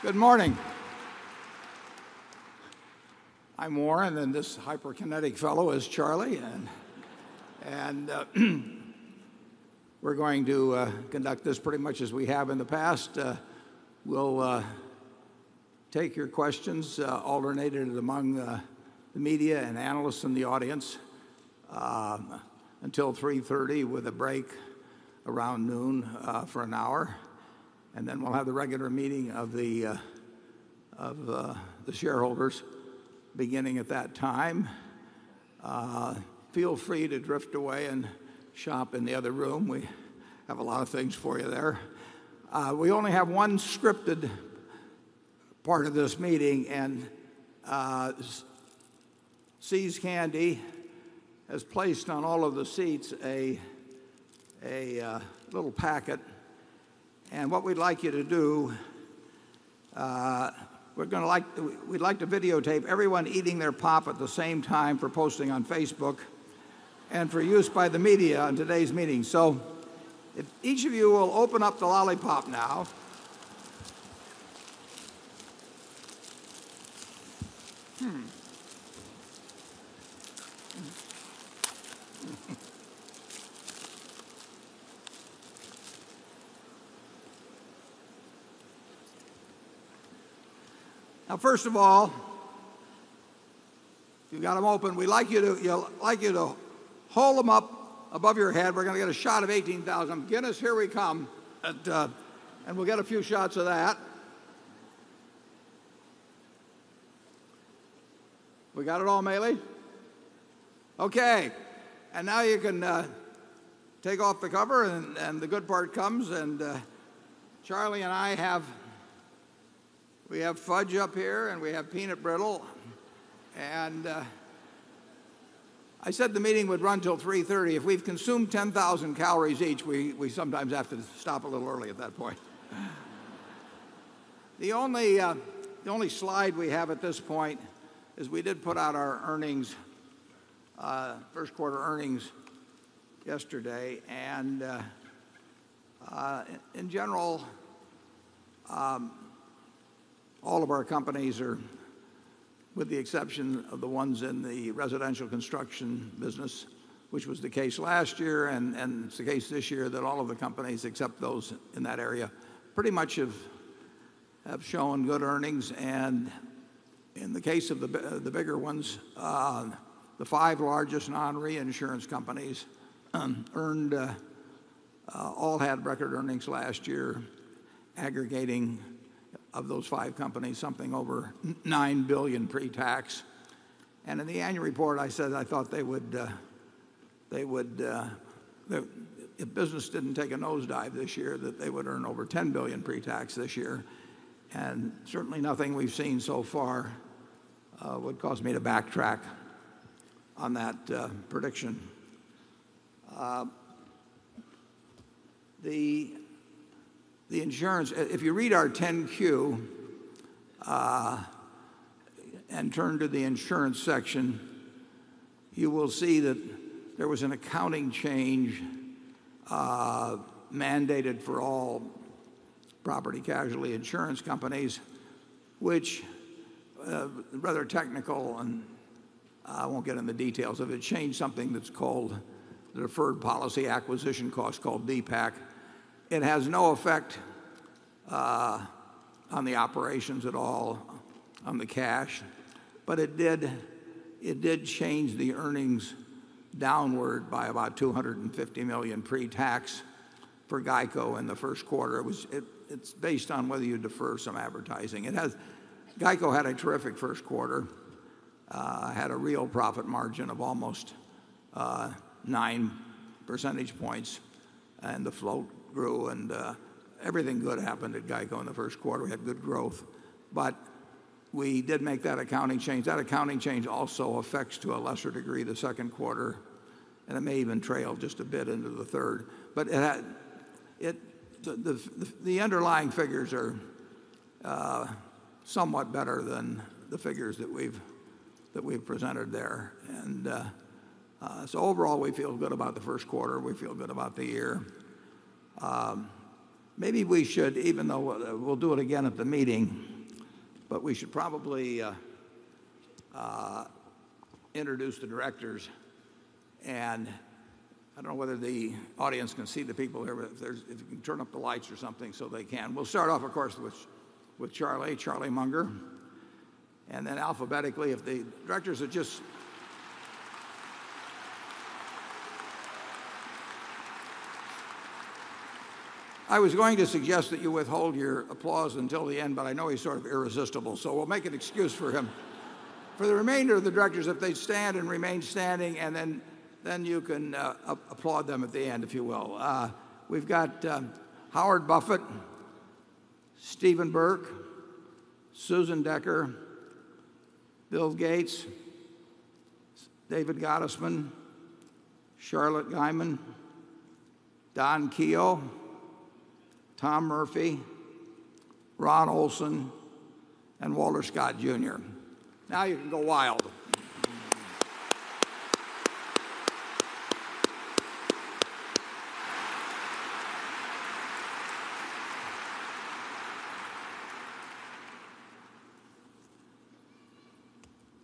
Good morning. I'm Warren, and this hyperkinetic fellow is Charlie. We're going to conduct this pretty much as we have in the past. We'll take your questions, alternated among the media and analysts in the audience, until 3:30 P.M. with a break around noon for an hour. We'll have the regular meeting of the shareholders beginning at that time. Feel free to drift away and shop in the other room. We have a lot of things for you there. We only have one scripted part of this meeting, and See's Candy has placed on all of the seats a little packet. What we'd like you .o do, we'd like to videotape everyone eating their pop at the same time for posting on Facebook and for use by the media on today's meeting. Each of you will open up the lollipop now. First of all, you got them open. We'd like you to hold them up above your head. We're going to get a shot of 18,000. Dennis, here we come. We'll get a few shots of that. We got it all, Mele? OK. Now you can take off the cover, and the good part comes. Charlie and I have, we have fudge up here, and we have peanut brittle. I said the meeting would run till 3:30 P.M. If we've consumed 10,000 calories each, we sometimes have to stop a little early at that point. The only slide we have at this point is we did put out our earnings, first quarter earnings, yesterday. In general, all of our companies are, with the exception of the ones in the residential construction business, which was the case last year, and it's the case this year, that all of the companies, except those in that area, pretty much have shown good earnings. In the case of the bigger ones, the five largest non-reinsurance companies earned, all had record earnings last year, aggregating of those five companies, something over $9 billion pre-tax. In the annual report, I said I thought they would, if business didn't take a nosedive this year, that they would earn over $10 billion pre-tax this year. Certainly, nothing we've seen so far would cause me to backtrack on that prediction. If you read our 10-Q and turn to the insurance section, you will see that there was an accounting change mandated for all property casualty insurance companies, which is rather technical. I won't get into the details of it. It changed something that's called the deferred policy acquisition cost, called DPAC. It has no effect on the operations at all on the cash, but it did change the earnings downward by about $250 million pre-tax for GEICO in the first quarter. It's based on whether you defer some advertising. GEICO had a terrific first quarter, had a real profit margin of almost 9 percentage points. The float grew, and everything good happened at GEICO in the first quarter. We had good growth. We did make that accounting change. That accounting change also affects, to a lesser degree, the second quarter. It may even trail just a bit into the third. The underlying figures are somewhat better than the figures that we've presented there. Overall, we feel good about the first quarter. We feel good about the year. Maybe we should, even though we'll do it again at the meeting, probably introduce the directors. I don't know whether the audience can see the people here, but if you can turn up the lights or something so they can. We'll start off, of course, with Charlie, Charlie Munger. Then alphabetically, if the directors are just—I was going to suggest that you withhold your applause until the end, but I know he's sort of irresistible. We'll make an excuse for him. For the remainder of the directors, if they stand and remain standing, then you can applaud them at the end, if you will. We've got Howard Buffett, Steven Burke, Susan Decker, Bill Gates, David Gottesman, Charlotte Guyman, Don Keough, Tom Murphy, Ron Olson, and Walter Scott, Jr. Now you can go wild.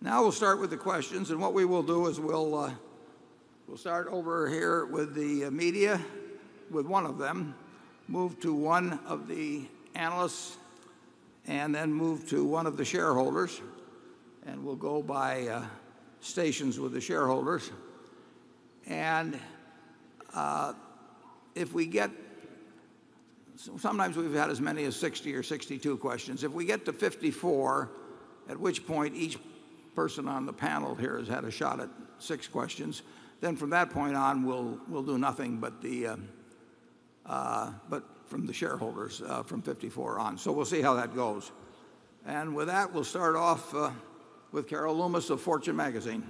Now we'll start with the questions. What we will do is we'll start over here with the media, with one of them, move to one of the analysts, and then move to one of the shareholders. We'll go by stations with the shareholders. Sometimes we've had as many as 60 or 62 questions. If we get to 54, at which point each person on the panel here has had a shot at six questions, from that point on, we'll do nothing but from the shareholders from 54 on. We'll see how that goes. With that, we'll start off with Carol Loomis of Fortune Magazine.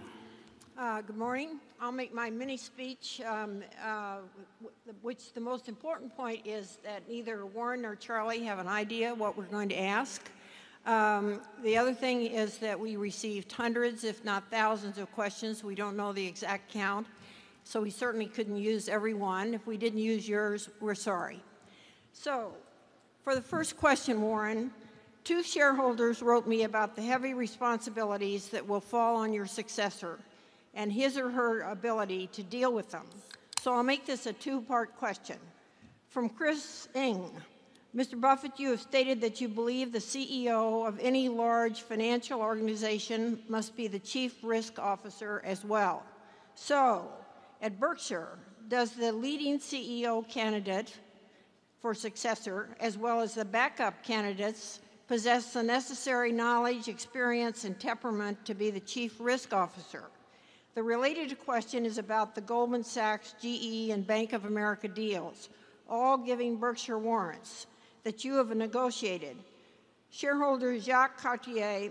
Good morning. I'll make my mini speech, which the most important point is that neither Warren nor Charlie have an idea of what we're going to ask. The other thing is that we received hundreds, if not thousands, of questions. We don't know the exact count. We certainly couldn't use every one. If we didn't use yours, we're sorry. For the first question, Warren, two shareholders wrote me about the heavy responsibilities that will fall on your successor and his or her ability to deal with them. I'll make this a two-part question. From Chris Inge, Mr. Buffett, you have stated that you believe the CEO of any large financial organization must be the Chief Risk Officer as well. At Berkshire, does the leading CEO candidate for successor, as well as the backup candidates, possess the necessary knowledge, experience, and temperament to be the Chief Risk Officer? The related question is about the Goldman Sachs, GE, and Bank of America deals, all giving Berkshire warrants that you have negotiated. Shareholder Jacques Catere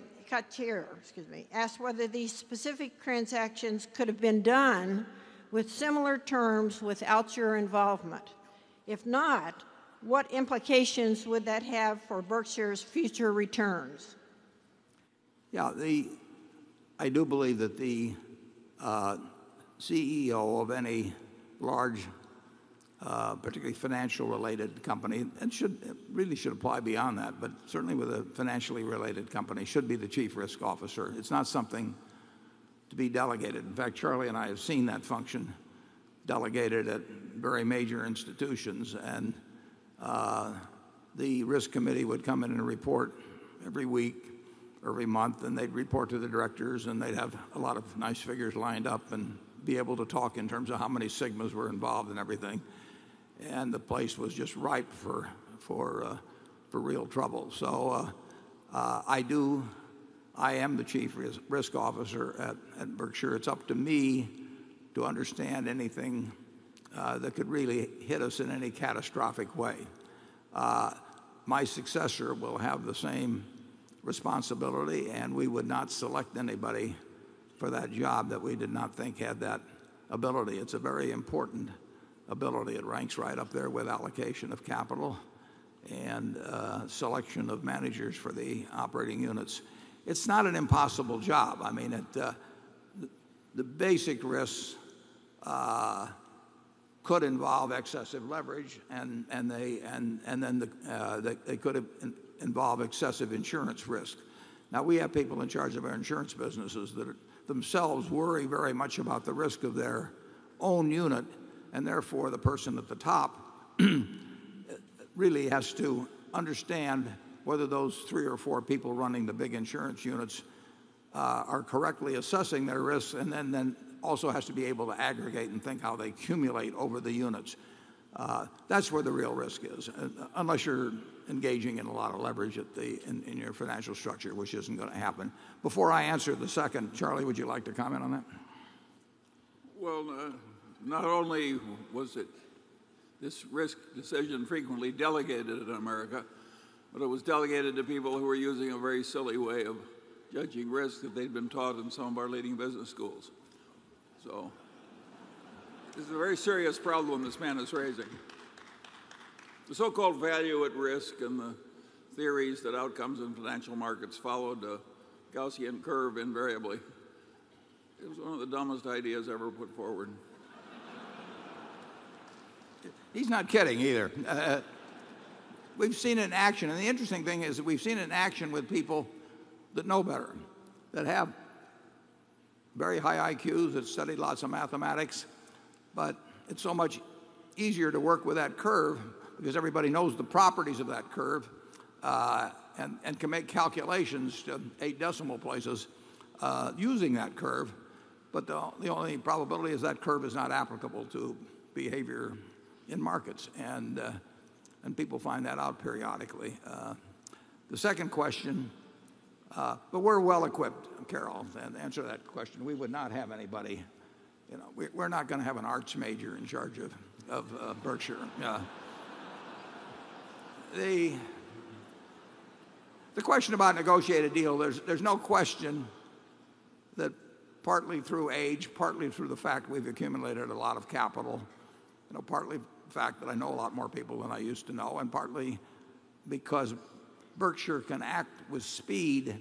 asked whether these specific transactions could have been done with similar terms without your involvement. If not, what implications would that have for Berkshire's future returns? Yeah, I do believe that the CEO of any large, particularly financial-related company, and it really should apply beyond that, but certainly with a financially related company, should be the Chief Risk Officer. It's not something to be delegated. In fact, Charlie and I have seen that function delegated at very major institutions. The risk committee would come in and report every week or every month. They'd report to the directors. They'd have a lot of nice figures lined up and be able to talk in terms of how many sigmas were involved and everything. The place was just ripe for real trouble. I am the Chief Risk Officer at Berkshire. It's up to me to understand anything that could really hit us in any catastrophic way. My successor will have the same responsibility. We would not select anybody for that job that we did not think had that ability. It's a very important ability. It ranks right up there with allocation of capital and selection of managers for the operating units. It's not an impossible job. The basic risks could involve excessive leverage. They could involve excessive insurance risk. We have people in charge of our insurance businesses that themselves worry very much about the risk of their own unit. Therefore, the person at the top really has to understand whether those three or four people running the big insurance units are correctly assessing their risk. The person at the top also has to be able to aggregate and think how they accumulate over the units. That's where the real risk is, unless you're engaging in a lot of leverage in your financial structure, which isn't going to happen. Before I answer the second, Charlie, would you like to comment on that? This risk decision was not only frequently delegated in the United States, but it was delegated to people who were using a very silly way of judging risk that they'd been taught in some of our leading business schools. It is a very serious problem this man is raising. The so-called value at risk and the theories that outcomes in financial markets follow the Gaussian curve invariably was one of the dumbest ideas ever put forward. He's not kidding either. We've seen it in action. The interesting thing is that we've seen it in action with people that know better, that have very high IQs, that studied lots of mathematics. It's so much easier to work with that curve because everybody knows the properties of that curve and can make calculations to eight decimal places using that curve. The only probability is that curve is not applicable to behavior in markets. People find that out periodically. The second question, we're well equipped, Carol, to answer that question. We would not have anybody. We're not going to have an arts major in charge of Berkshire. The question about negotiated deals, there's no question that partly through age, partly through the fact we've accumulated a lot of capital, partly the fact that I know a lot more people than I used to know, and partly because Berkshire can act with speed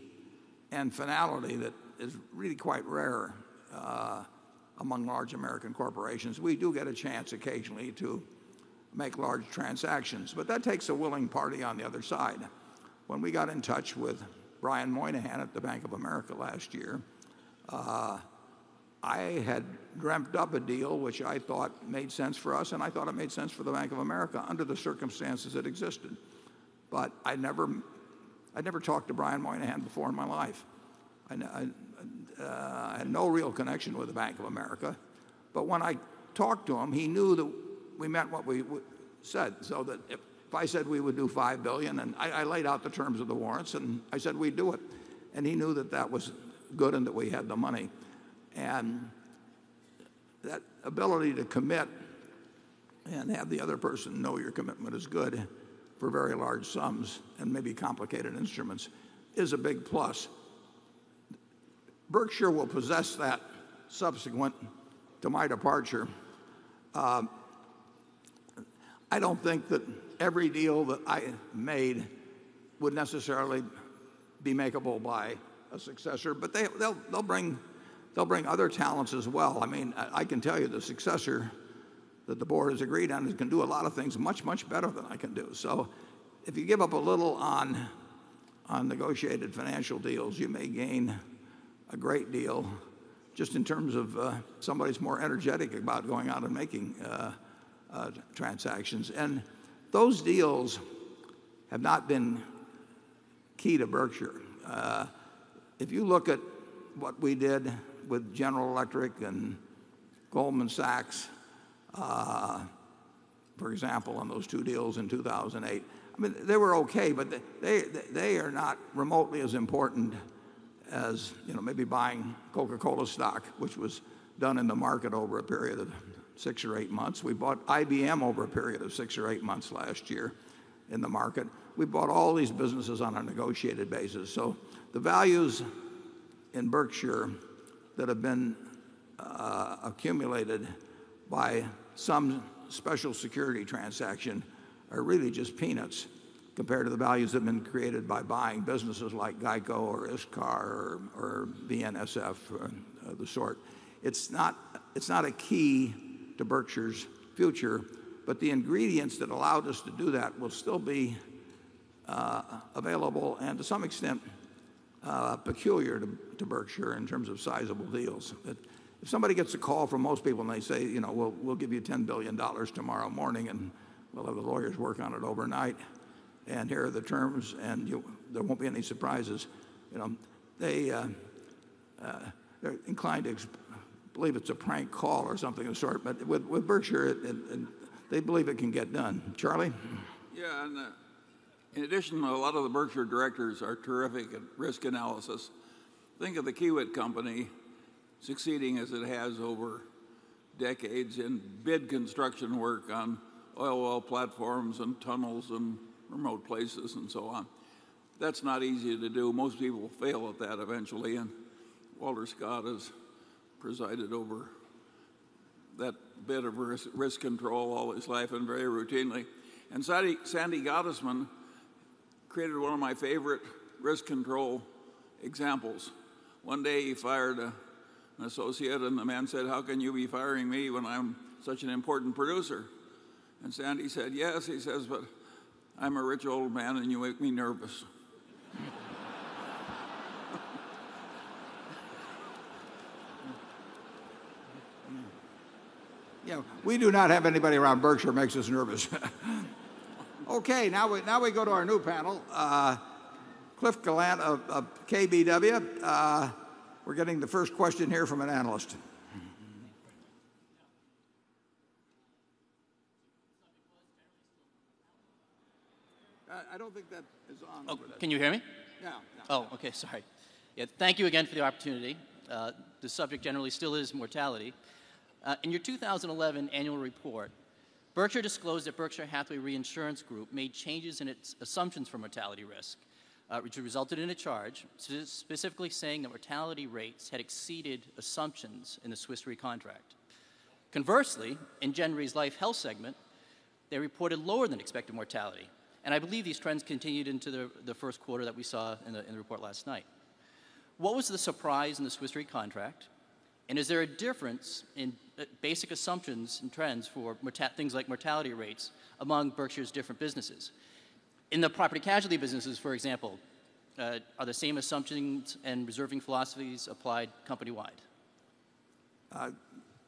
and finality that is really quite rare among large American corporations, we do get a chance occasionally to make large transactions. That takes a willing party on the other side. When we got in touch with Brian Moynihan at the Bank of America last year, I had dreamt up a deal which I thought made sense for us. I thought it made sense for the Bank of America under the circumstances that existed. I'd never talked to Brian Moynihan before in my life. I had no real connection with the Bank of America. When I talked to him, he knew that we meant what we said. If I said we would do $5 billion, and I laid out the terms of the warrants, and I said we'd do it, he knew that that was good and that we had the money. That ability to commit and have the other person know your commitment is good for very large sums and maybe complicated instruments is a big plus. Berkshire will possess that subsequent to my departure. I don't think that every deal that I made would necessarily be makable by a successor. They'll bring other talents as well. I can tell you the successor that the board has agreed on can do a lot of things much, much better than I can do. If you give up a little on negotiated financial deals, you may gain a great deal just in terms of somebody who's more energetic about going out and making transactions. Those deals have not been key to Berkshire. If you look at what we did with General Electric and Goldman Sachs, for example, on those two deals in 2008, they were OK. They are not remotely as important as maybe buying Coca-Cola stock, which was done in the market over a period of six or eight months. We bought IBM over a period of six or eight months last year in the market. We bought all these businesses on a negotiated basis. The values in Berkshire that have been accumulated by some special security transaction are really just peanuts compared to the values that have been created by buying businesses like GEICO or ISCAR or BNSF of the sort. It's not a key to Berkshire's future. The ingredients that allowed us to do that will still be available and, to some extent, peculiar to Berkshire in terms of sizable deals. If somebody gets a call from most people and they say, you know, we'll give you $10 billion tomorrow morning, and we'll have the lawyers work on it overnight, and here are the terms, and there won't be any surprises, they're inclined to believe it's a prank call or something of the sort. With Berkshire, they believe it can get done. Charlie? Yeah. In addition, a lot of the Berkshire directors are terrific at risk analysis. Think of the Kiewit Company succeeding as it has over decades in bid construction work on oil well platforms and tunnels in remote places and so on. That's not easy to do. Most people fail at that eventually. Walter Scott has presided over that bit of risk control all his life very routinely. Sandy Gottesman created one of my favorite risk control examples. One day, he fired an associate. The man said, how can you be firing me when I'm such an important producer? Sandy said, yes, but I'm a rich old man, and you make me nervous. Yeah, we do not have anybody around Berkshire who makes us nervous. OK, now we go to our new panel, Cliff Gallant of KBW. We're getting the first question here from an analyst. I don't think that is on. Can you hear me? No, no. Oh, OK, sorry. Yeah, thank you again for the opportunity. The subject generally still is mortality. In your 2011 annual report, Berkshire disclosed that Berkshire Hathaway Reinsurance Group made changes in its assumptions for mortality risk, which resulted in a charge, specifically saying that mortality rates had exceeded assumptions in the Swiss Re contract. Conversely, in Gen Re's Life Health segment, they reported lower than expected mortality. I believe these trends continued into the first quarter that we saw in the report last night. What was the surprise in the Swiss Re contract? Is there a difference in basic assumptions and trends for things like mortality rates among Berkshire's different businesses? In the property casualty businesses, for example, are the same assumptions and reserving philosophies applied company-wide?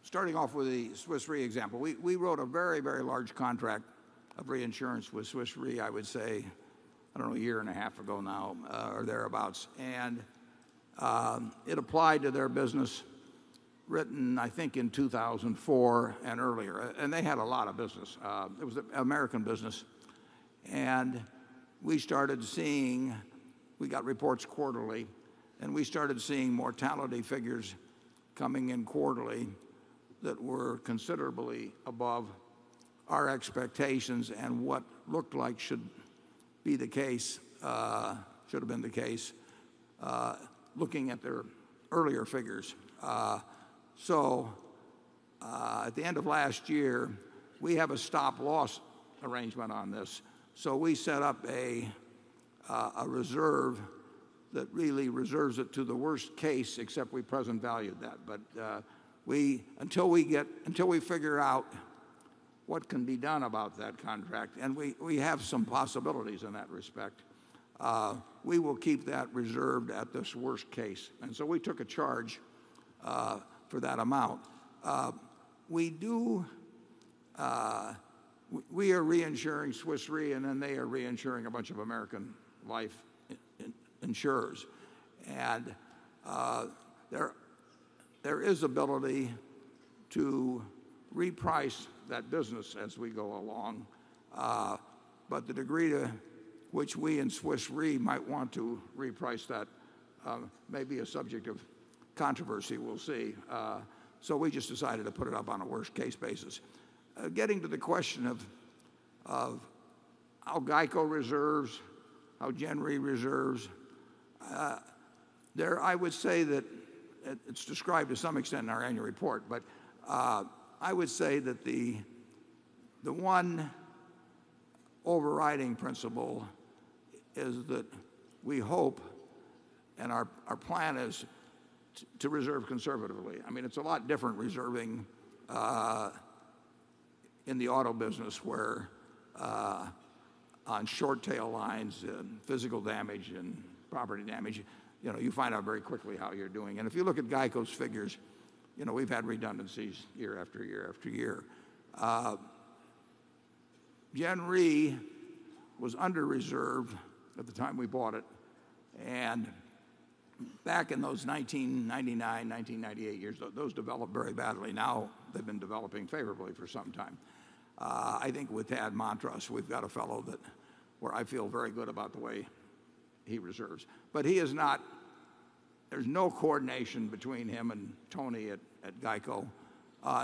Starting off with the Swiss Re example, we wrote a very, very large contract of reinsurance with Swiss Re, I would say, I don't know, a year and a half ago now or thereabouts. It applied to their business written, I think, in 2004 and earlier. They had a lot of business. It was an American business. We started seeing, we got reports quarterly. We started seeing mortality figures coming in quarterly that were considerably above our expectations and what looked like should be the case, should have been the case, looking at their earlier figures. At the end of last year, we have a stop-loss arrangement on this. We set up a reserve that really reserves it to the worst case, except we present valued that. Until we figure out what can be done about that contract, and we have some possibilities in that respect, we will keep that reserved at this worst case. We took a charge for that amount. We are reinsuring Swiss Re, and then they are reinsuring a bunch of American life insurers. There is ability to reprice that business as we go along. The degree to which we in Swiss Re might want to reprice that may be a subject of controversy. We'll see. We just decided to put it up on a worst-case basis. Getting to the question of how GEICO reserves, how Gen Re reserves, I would say that it's described to some extent in our annual report. I would say that the one overriding principle is that we hope and our plan is to reserve conservatively. It's a lot different reserving in the auto business, where on short tail lines and physical damage and property damage, you find out very quickly how you're doing. If you look at GEICO's figures, we've had redundancies year after year after year. Gen Re was under-reserved at the time we bought it. Back in those 1999, 1998 years, those developed very badly. Now they've been developing favorably for some time. I think with Tad Montross, we've got a fellow where I feel very good about the way he reserves. There's no coordination between him and Tony at GEICO,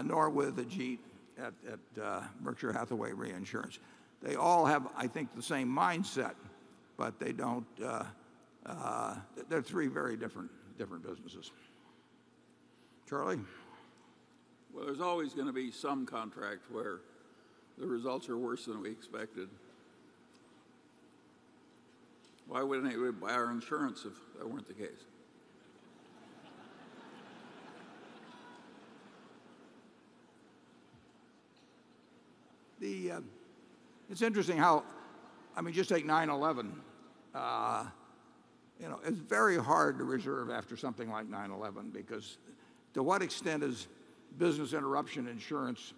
nor with Ajit at Berkshire Hathaway Reinsurance. They all have, I think, the same mindset. They're three very different businesses. Charlie? There is always going to be some contract where the results are worse than we expected. Why wouldn't anybody buy our insurance if that weren't the case? It's interesting how, I mean, just take 9/11. It's very hard to reserve after something like 9/11 because to what extent is business interruption insurance?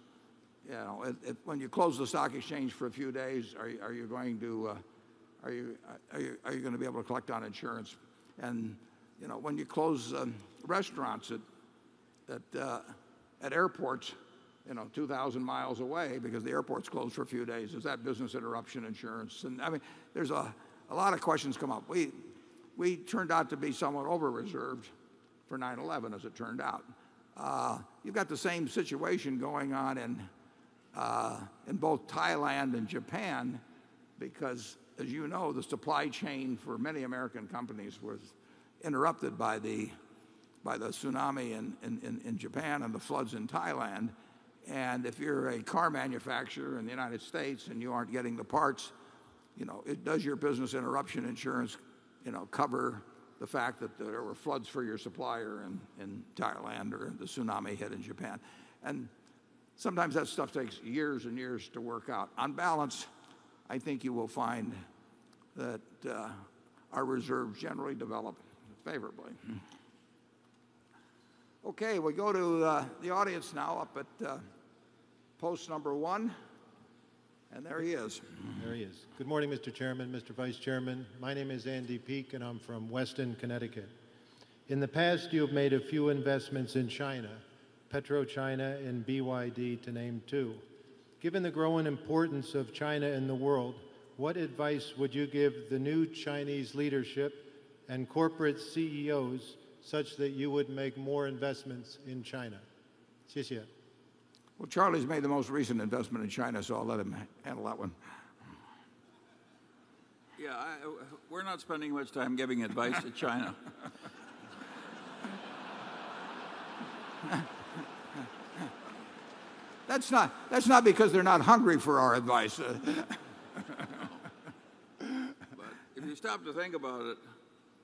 When you close the stock exchange for a few days, are you going to be able to collect on insurance? When you close restaurants at airports 2,000 mi away because the airport's closed for a few days, is that business interruption insurance? There's a lot of questions come up. We turned out to be somewhat over-reserved for 9/11, as it turned out. You've got the same situation going on in both Thailand and Japan because, as you know, the supply chain for many American companies was interrupted by the tsunami in Japan and the floods in Thailand. If you're a car manufacturer in the United States and you aren't getting the parts, you know, does your business interruption insurance cover the fact that there were floods for your supplier in Thailand or the tsunami hit in Japan? Sometimes that stuff takes years and years to work out. On balance, I think you will find that our reserves generally develop favorably. OK, we go to the audience now up at post number one. There he is. Good morning, Mr. Chairman, Mr. Vice Chairman. My name is Andy Peake, and I'm from Weston, Connecticut. In the past, you have made a few investments in China, PetroChina, and BYD, to name two. Given the growing importance of China in the world, what advice would you give the new Chinese leadership and corporate CEOs such that you would make more investments in China? Charlie's made the most recent investment in China, so I'll let him handle that one. Yeah, we're not spending much time giving advice to China. That's not because they're not hungry for our advice. If you stop to think about it,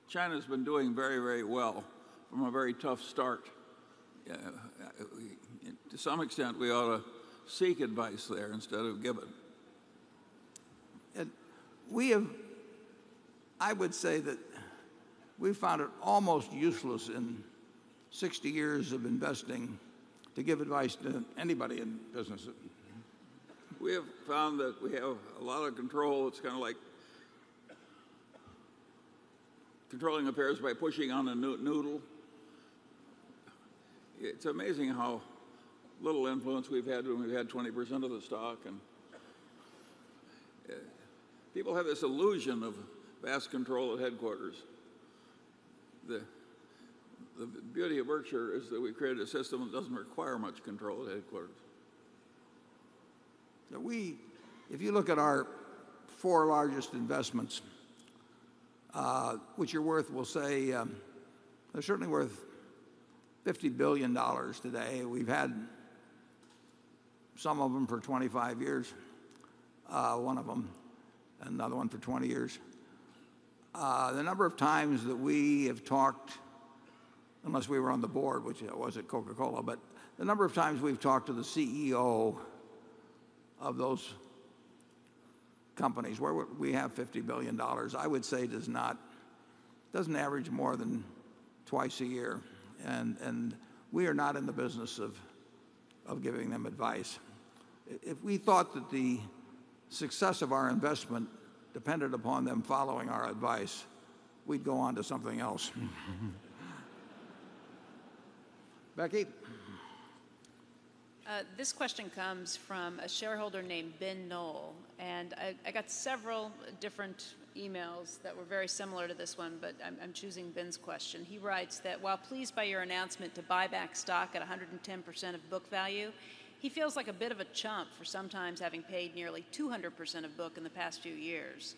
China's been doing very, very well from a very tough start. To some extent, we ought to seek advice there instead of give it. We have found it almost useless in 60 years of investing to give advice to anybody in business. We have found that we have a lot of control. It's kind of like controlling a pear by pushing on a noodle. It's amazing how little influence we've had when we've had 20% of the stock. People have this illusion of vast control at headquarters. The beauty of Berkshire is that we created a system that doesn't require much control at headquarters. If you look at our four largest investments, which are worth, we'll say, they're certainly worth $50 billion today. We've had some of them for 25 years, one of them and another one for 20 years. The number of times that we have talked, unless we were on the board, which I was at Coca-Cola, but the number of times we've talked to the CEO of those companies where we have $50 billion, I would say, doesn't average more than twice a year. We are not in the business of giving them advice. If we thought that the success of our investment depended upon them following our advice, we'd go on to something else. Becky? This question comes from a shareholder named Ben Knoll. I got several different emails that were very similar to this one. I'm choosing Ben's question. He writes that while pleased by your announcement to buy back stock at 110% of book value, he feels like a bit of a chump for sometimes having paid nearly 200% of book in the past few years.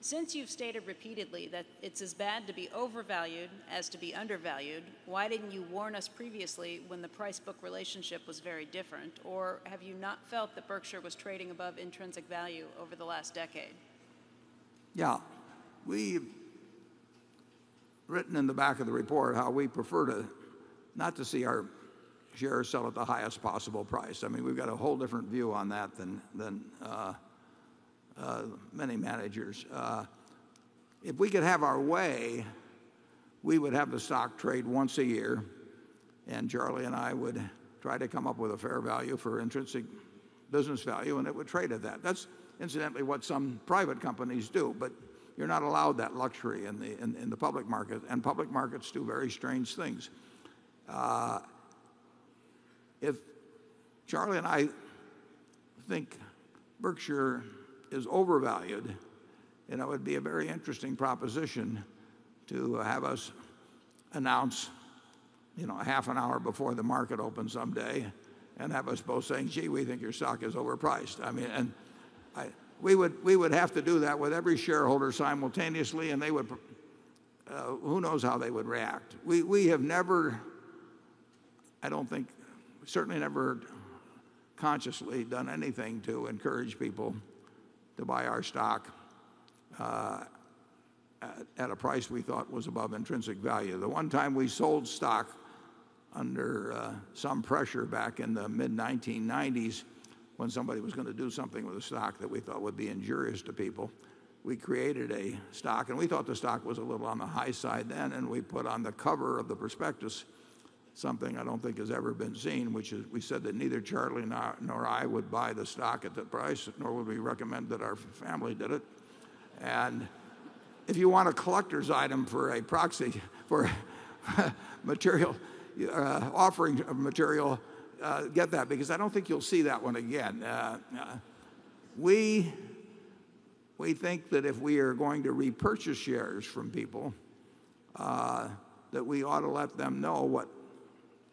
Since you've stated repeatedly that it's as bad to be overvalued as to be undervalued, why didn't you warn us previously when the price-book relationship was very different? Have you not felt that Berkshire was trading above intrinsic value over the last decade? Yeah, we've written in the back of the report how we prefer not to see our shares sell at the highest possible price. I mean, we've got a whole different view on that than many managers. If we could have our way, we would have the stock trade once a year. Charlie and I would try to come up with a fair value for intrinsic business value, and it would trade at that. That's incidentally what some private companies do. You're not allowed that luxury in the public market. Public markets do very strange things. If Charlie and I think Berkshire is overvalued, it would be a very interesting proposition to have us announce a half an hour before the market opens someday and have us both saying, gee, we think your stock is overpriced. We would have to do that with every shareholder simultaneously. Who knows how they would react? We have never, I don't think, certainly never consciously done anything to encourage people to buy our stock at a price we thought was above intrinsic value. The one time we sold stock under some pressure back in the mid-1990s when somebody was going to do something with a stock that we thought would be injurious to people, we created a stock. We thought the stock was a little on the high side then, and we put on the cover of the prospectus something I don't think has ever been seen, which is we said that neither Charlie nor I would buy the stock at that price, nor would we recommend that our family did it. If you want a collector's item for a material offering of material, get that because I don't think you'll see that one again. We think that if we are going to repurchase shares from people, we ought to let them know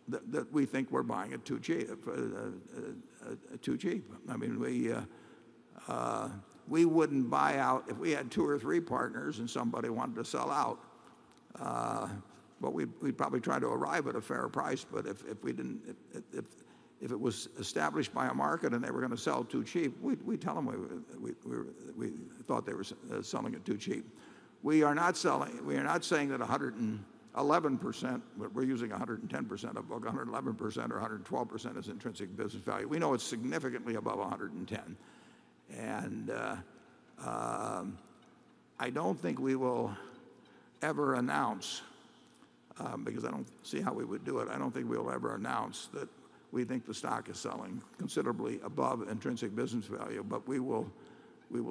that we think we're buying it too cheap. We wouldn't buy out if we had two or three partners and somebody wanted to sell out, but we'd probably try to arrive at a fair price. If it was established by a market and they were going to sell too cheap, we'd tell them we thought they were selling it too cheap. We are not saying that 111%, we're using 110% of book, 111% or 112% is intrinsic business value. We know it's significantly above 110%. I don't think we will ever announce because I don't see how we would do it. I don't think we'll ever announce that we think the stock is selling considerably above intrinsic business value. We will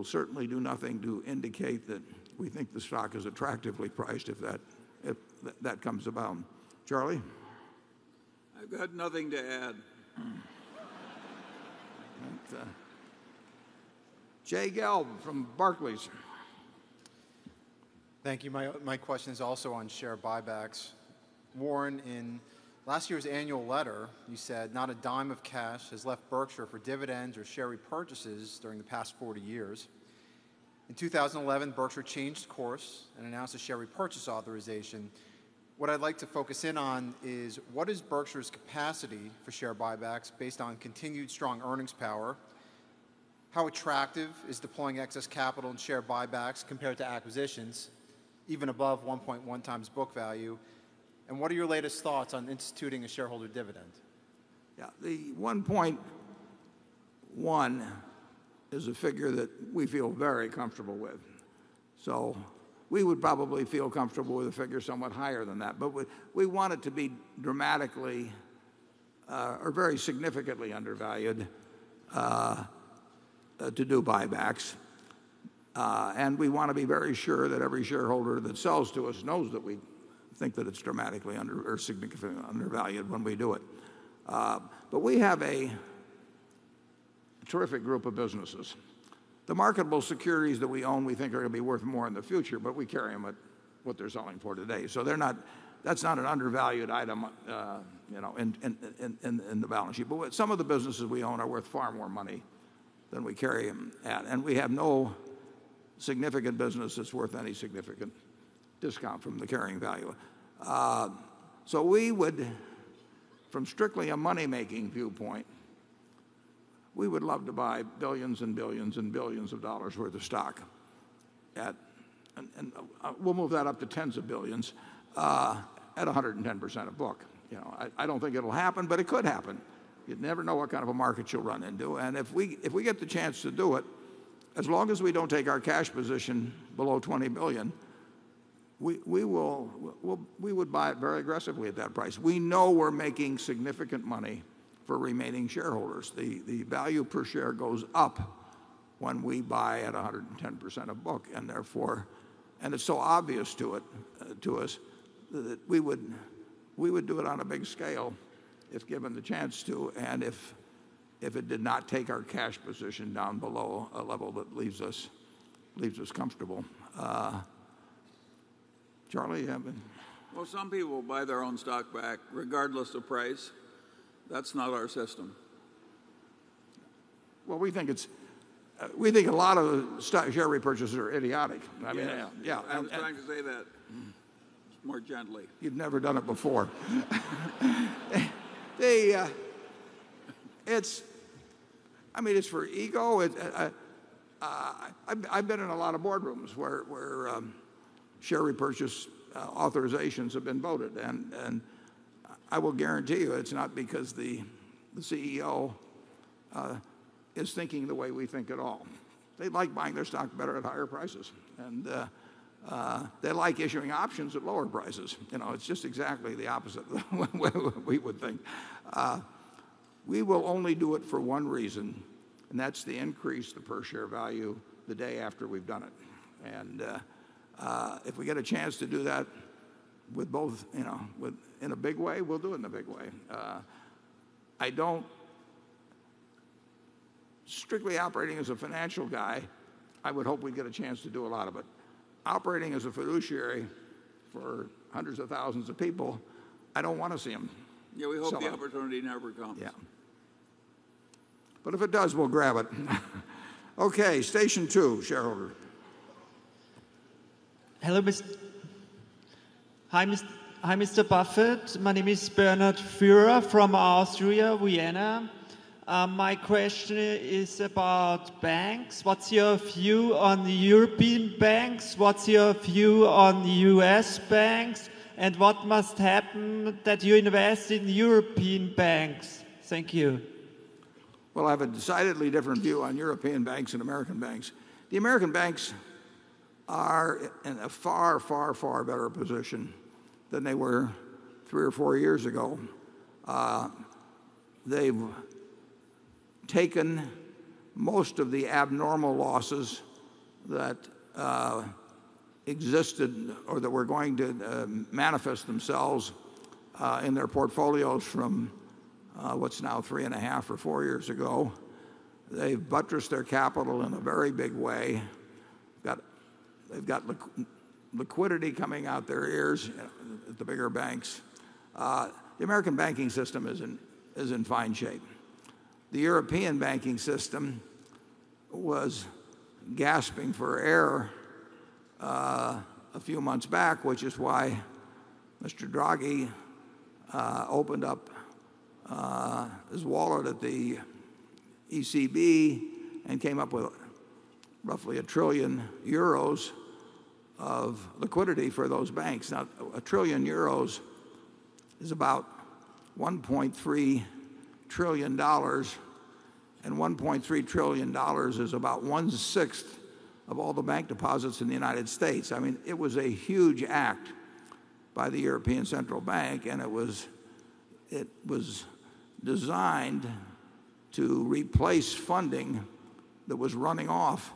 certainly do nothing to indicate that we think the stock is attractively priced if that comes about. Charlie? I've got nothing to add. Jay Gelb from Barclays. Thank you. My question is also on share buybacks. Warren, in last year's annual letter, you said not a dime of cash has left Berkshire for dividends or share repurchases during the past 40 years. In 2011, Berkshire changed course and announced a share repurchase authorization. What I'd like to focus in on is what is Berkshire's capacity for share buybacks based on continued strong earnings power? How attractive is deploying excess capital in share buybacks compared to acquisitions, even above 1.1x book value? What are your latest thoughts on instituting a shareholder dividend? Yeah, the 1.1x is a figure that we feel very comfortable with. We would probably feel comfortable with a figure somewhat higher than that. We want it to be dramatically or very significantly undervalued to do buybacks. We want to be very sure that every shareholder that sells to us knows that we think that it's dramatically under or significantly undervalued when we do it. We have a terrific group of businesses. The marketable securities that we own we think are going to be worth more in the future. We carry them at what they're selling for today. That's not an undervalued item in the balance sheet. Some of the businesses we own are worth far more money than we carry them at. We have no significant business that's worth any significant discount from the carrying value. From strictly a money-making viewpoint, we would love to buy billions and billions and billions of dollars' worth of stock. We'll move that up to tens of billions at 110% of book. I don't think it'll happen, but it could happen. You never know what kind of a market you'll run into. If we get the chance to do it, as long as we don't take our cash position below $20 million, we would buy it very aggressively at that price. We know we're making significant money for remaining shareholders. The value per share goes up when we buy at 110% of book. Therefore, it's so obvious to us that we would do it on a big scale if given the chance to and if it did not take our cash position down below a level that leaves us comfortable. Charlie, I mean. Some people will buy their own stock back regardless of price. That's not our system. We think a lot of share repurchases are idiotic. I'm trying to say that more gently. You've never done it before. I mean, it's for ego. I've been in a lot of boardrooms where share repurchase authorizations have been voted. I will guarantee you it's not because the CEO is thinking the way we think at all. They like buying their stock better at higher prices, and they like issuing options at lower prices. It's just exactly the opposite of what we would think. We will only do it for one reason, and that's to increase the per-share value the day after we've done it. If we get a chance to do that in a big way, we'll do it in a big way. Strictly operating as a financial guy, I would hope we'd get a chance to do a lot of it. Operating as a fiduciary for hundreds of thousands of people, I don't want to see them. Yeah, we hope the opportunity never comes. Yeah, if it does, we'll grab it. OK, station two, shareholder. Hi, Mr. Buffett. My name is Bernhard Führer from Austria, Vienna. My question is about banks. What's your view on the European banks? What's your view on the U.S. banks? What must happen that you invest in European banks? Thank you. I have a decidedly different view on European banks and American banks. The American banks are in a far, far, far better position than they were three or four years ago. They've taken most of the abnormal losses that existed or that were going to manifest themselves in their portfolios from what's now 3.5 or 4 years ago. They've buttressed their capital in a very big way. They've got liquidity coming out their ears at the bigger banks. The American banking system is in fine shape. The European banking system was gasping for air a few months back, which is why Mr. Draghi opened up his wallet at the ECB and came up with roughly 1 trillion euros of liquidity for those banks. Now, 1 trillion euros is about $1.3 trillion. $1.3 trillion is about 1/6 of all the bank deposits in the U.S. It was a huge act by the European Central Bank. It was designed to replace funding that was running off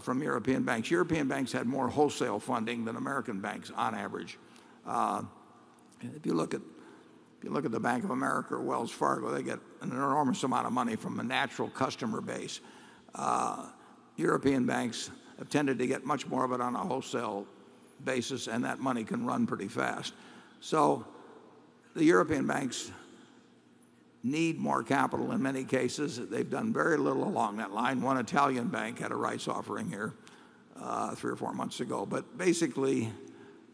from European banks. European banks had more wholesale funding than American banks, on average. If you look at Bank of America or Wells Fargo, they get an enormous amount of money from a natural customer base. European banks have tended to get much more of it on a wholesale basis. That money can run pretty fast. The European banks need more capital in many cases. They've done very little along that line. One Italian bank had a rights offering here three or four months ago. Basically,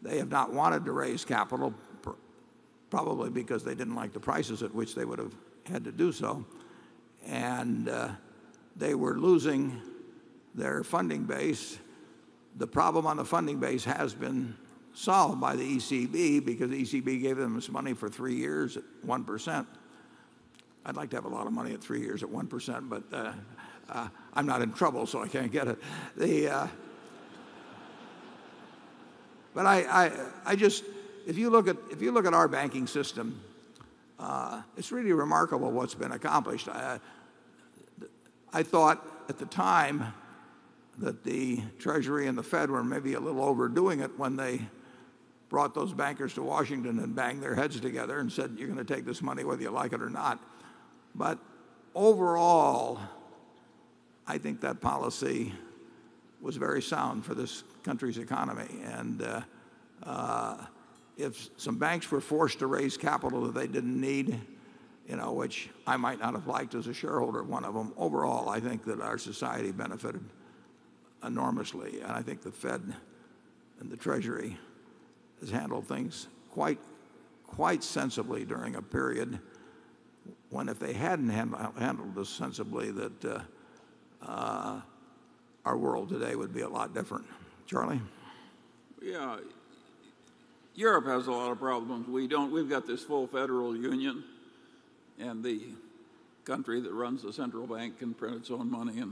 they have not wanted to raise capital, probably because they didn't like the prices at which they would have had to do so. They were losing their funding base. The problem on the funding base has been solved by the ECB because the ECB gave them its money for three years at 1%. I'd like to have a lot of money at three years at 1%. I'm not in trouble, so I can't get it. If you look at our banking system, it's really remarkable what's been accomplished. I thought at the time that the Treasury and the Fed were maybe a little overdoing it when they brought those bankers to Washington and banged their heads together and said, you're going to take this money whether you like it or not. Overall, I think that policy was very sound for this country's economy. If some banks were forced to raise capital that they didn't need, which I might not have liked as a shareholder of one of them, overall, I think that our society benefited enormously. I think the Fed and the Treasury has handled things quite sensibly during a period when, if they hadn't handled this sensibly, our world today would be a lot different. Charlie? Europe has a lot of problems. We've got this full federal union. The country that runs the central bank can print its own money.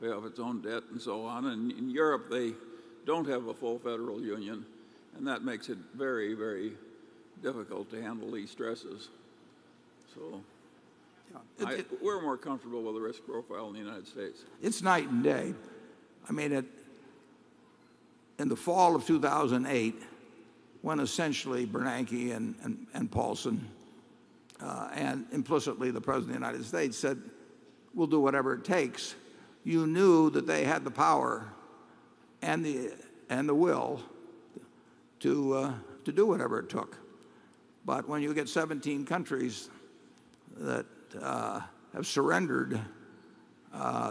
We have its own debt and so on. In Europe, they don't have a full federal union, and that makes it very, very difficult to handle these stresses. We're more comfortable with the risk profile in the United States. It's night and day. I mean, in the fall of 2008, when essentially Bernanke and Paulson and implicitly the President of the United States said, we'll do whatever it takes, you knew that they had the power and the will to do whatever it took. When you get 17 countries that have surrendered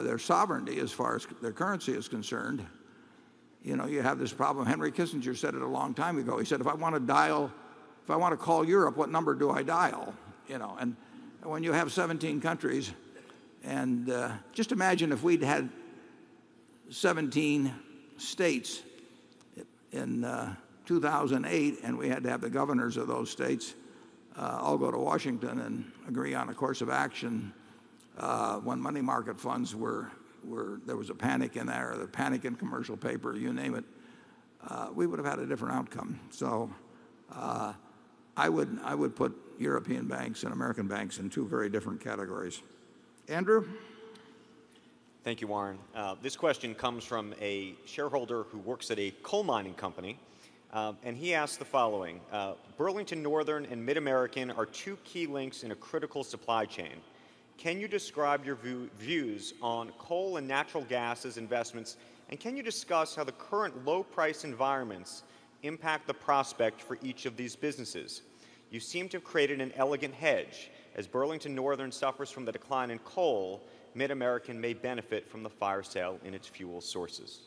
their sovereignty as far as their currency is concerned, you have this problem. Henry Kissinger said it a long time ago. He said, if I want to call Europe, what number do I dial? When you have 17 countries, and just imagine if we'd had 17 states in 2008 and we had to have the governors of those states all go to Washington and agree on a course of action when money market funds were, there was a panic in there, or they're panicking commercial paper, you name it, we would have had a different outcome. I would put European banks and American banks in two very different categories. Andrew? Thank you, Warren. This question comes from a shareholder who works at a coal mining company. He asked the following: Burlington Northern and MidAmerican are two key links in a critical supply chain. Can you describe your views on coal and natural gas as investments? Can you discuss how the current low-price environments impact the prospect for each of these businesses? You seem to have created an elegant hedge. As Burlington Northern suffers from the decline in coal, MidAmerican may benefit from the fire sale in its fuel sources.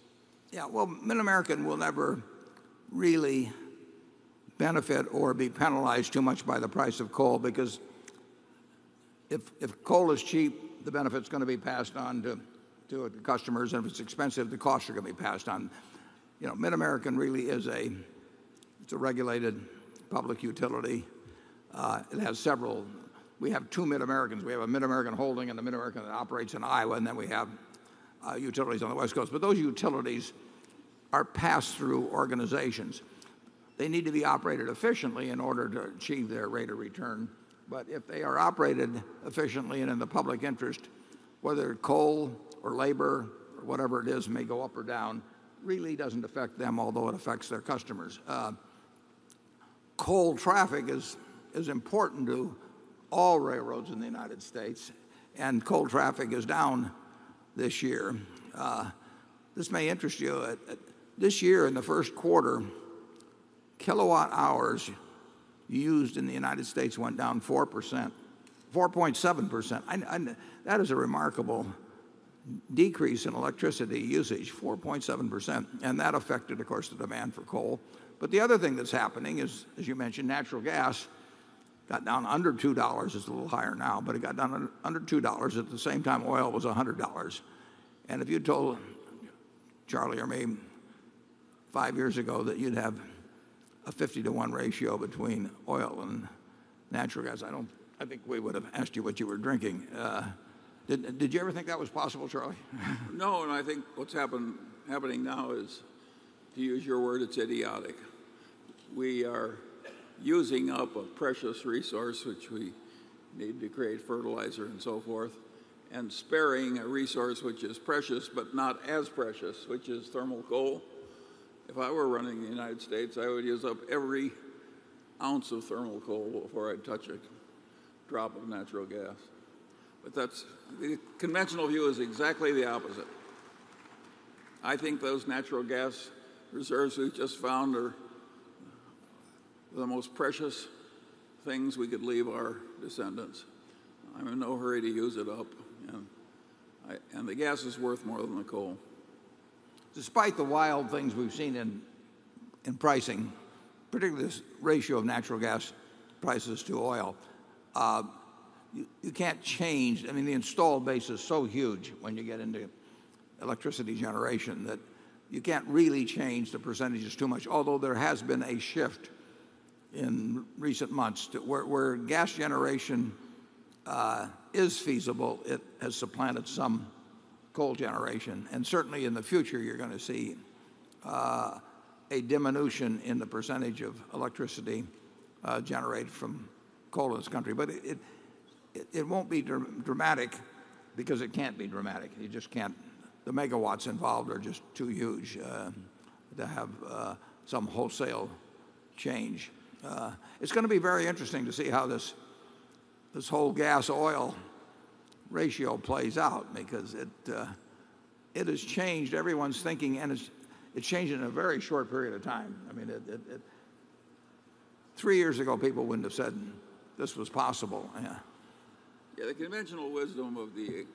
Yeah, MidAmerican will never really benefit or be penalized too much by the price of coal because if coal is cheap, the benefit is going to be passed on to the customers. If it's expensive, the costs are going to be passed on. MidAmerican really is a regulated public utility. It has several. We have two MidAmericans. We have a MidAmerican holding and a MidAmerican that operates in Iowa. We have utilities on the West Coast. Those utilities are pass-through organizations. They need to be operated efficiently in order to achieve their rate of return. If they are operated efficiently and in the public interest, whether coal or labor or whatever it is may go up or down, it really doesn't affect them, although it affects their customers. Coal traffic is important to all railroads in the United States. Coal traffic is down this year. This may interest you. This year, in the first quarter, kilowatt hours used in the United States went down 4.7%. That is a remarkable decrease in electricity usage, 4.7%. That affected, of course, the demand for coal. The other thing that's happening is, as you mentioned, natural gas got down under $2. It's a little higher now. It got down under $2 at the same time oil was $100. If you told Charlie or me five years ago that you'd have a 50 to 1 ratio between oil and natural gas, I think we would have asked you what you were drinking. Did you ever think that was possible, Charlie? No. I think what's happening now is, to use your word, it's idiotic. We are using up a precious resource, which we need to create fertilizer and so forth, and sparing a resource which is precious but not as precious, which is thermal coal. If I were running the United States, I would use up every ounce of thermal coal before I'd touch a drop of natural gas. The conventional view is exactly the opposite. I think those natural gas reserves we just found are the most precious things we could leave our descendants. I'm in no hurry to use it up. The gas is worth more than the coal. Despite the wild things we've seen in pricing, particularly this ratio of natural gas prices to oil, you can't change. I mean, the install base is so huge when you get into electricity generation that you can't really change the percentages too much, although there has been a shift in recent months where gas generation is feasible. It has supplanted some coal generation. Certainly, in the future, you're going to see a diminution in the percentage of electricity generated from coal in this country. It won't be dramatic because it can't be dramatic. You just can't. The megawatts involved are just too huge to have some wholesale change. It's going to be very interesting to see how this whole gas-oil ratio plays out because it has changed everyone's thinking. It's changed in a very short period of time. I mean, three years ago, people wouldn't have said this was possible. Yeah, the conventional wisdom of the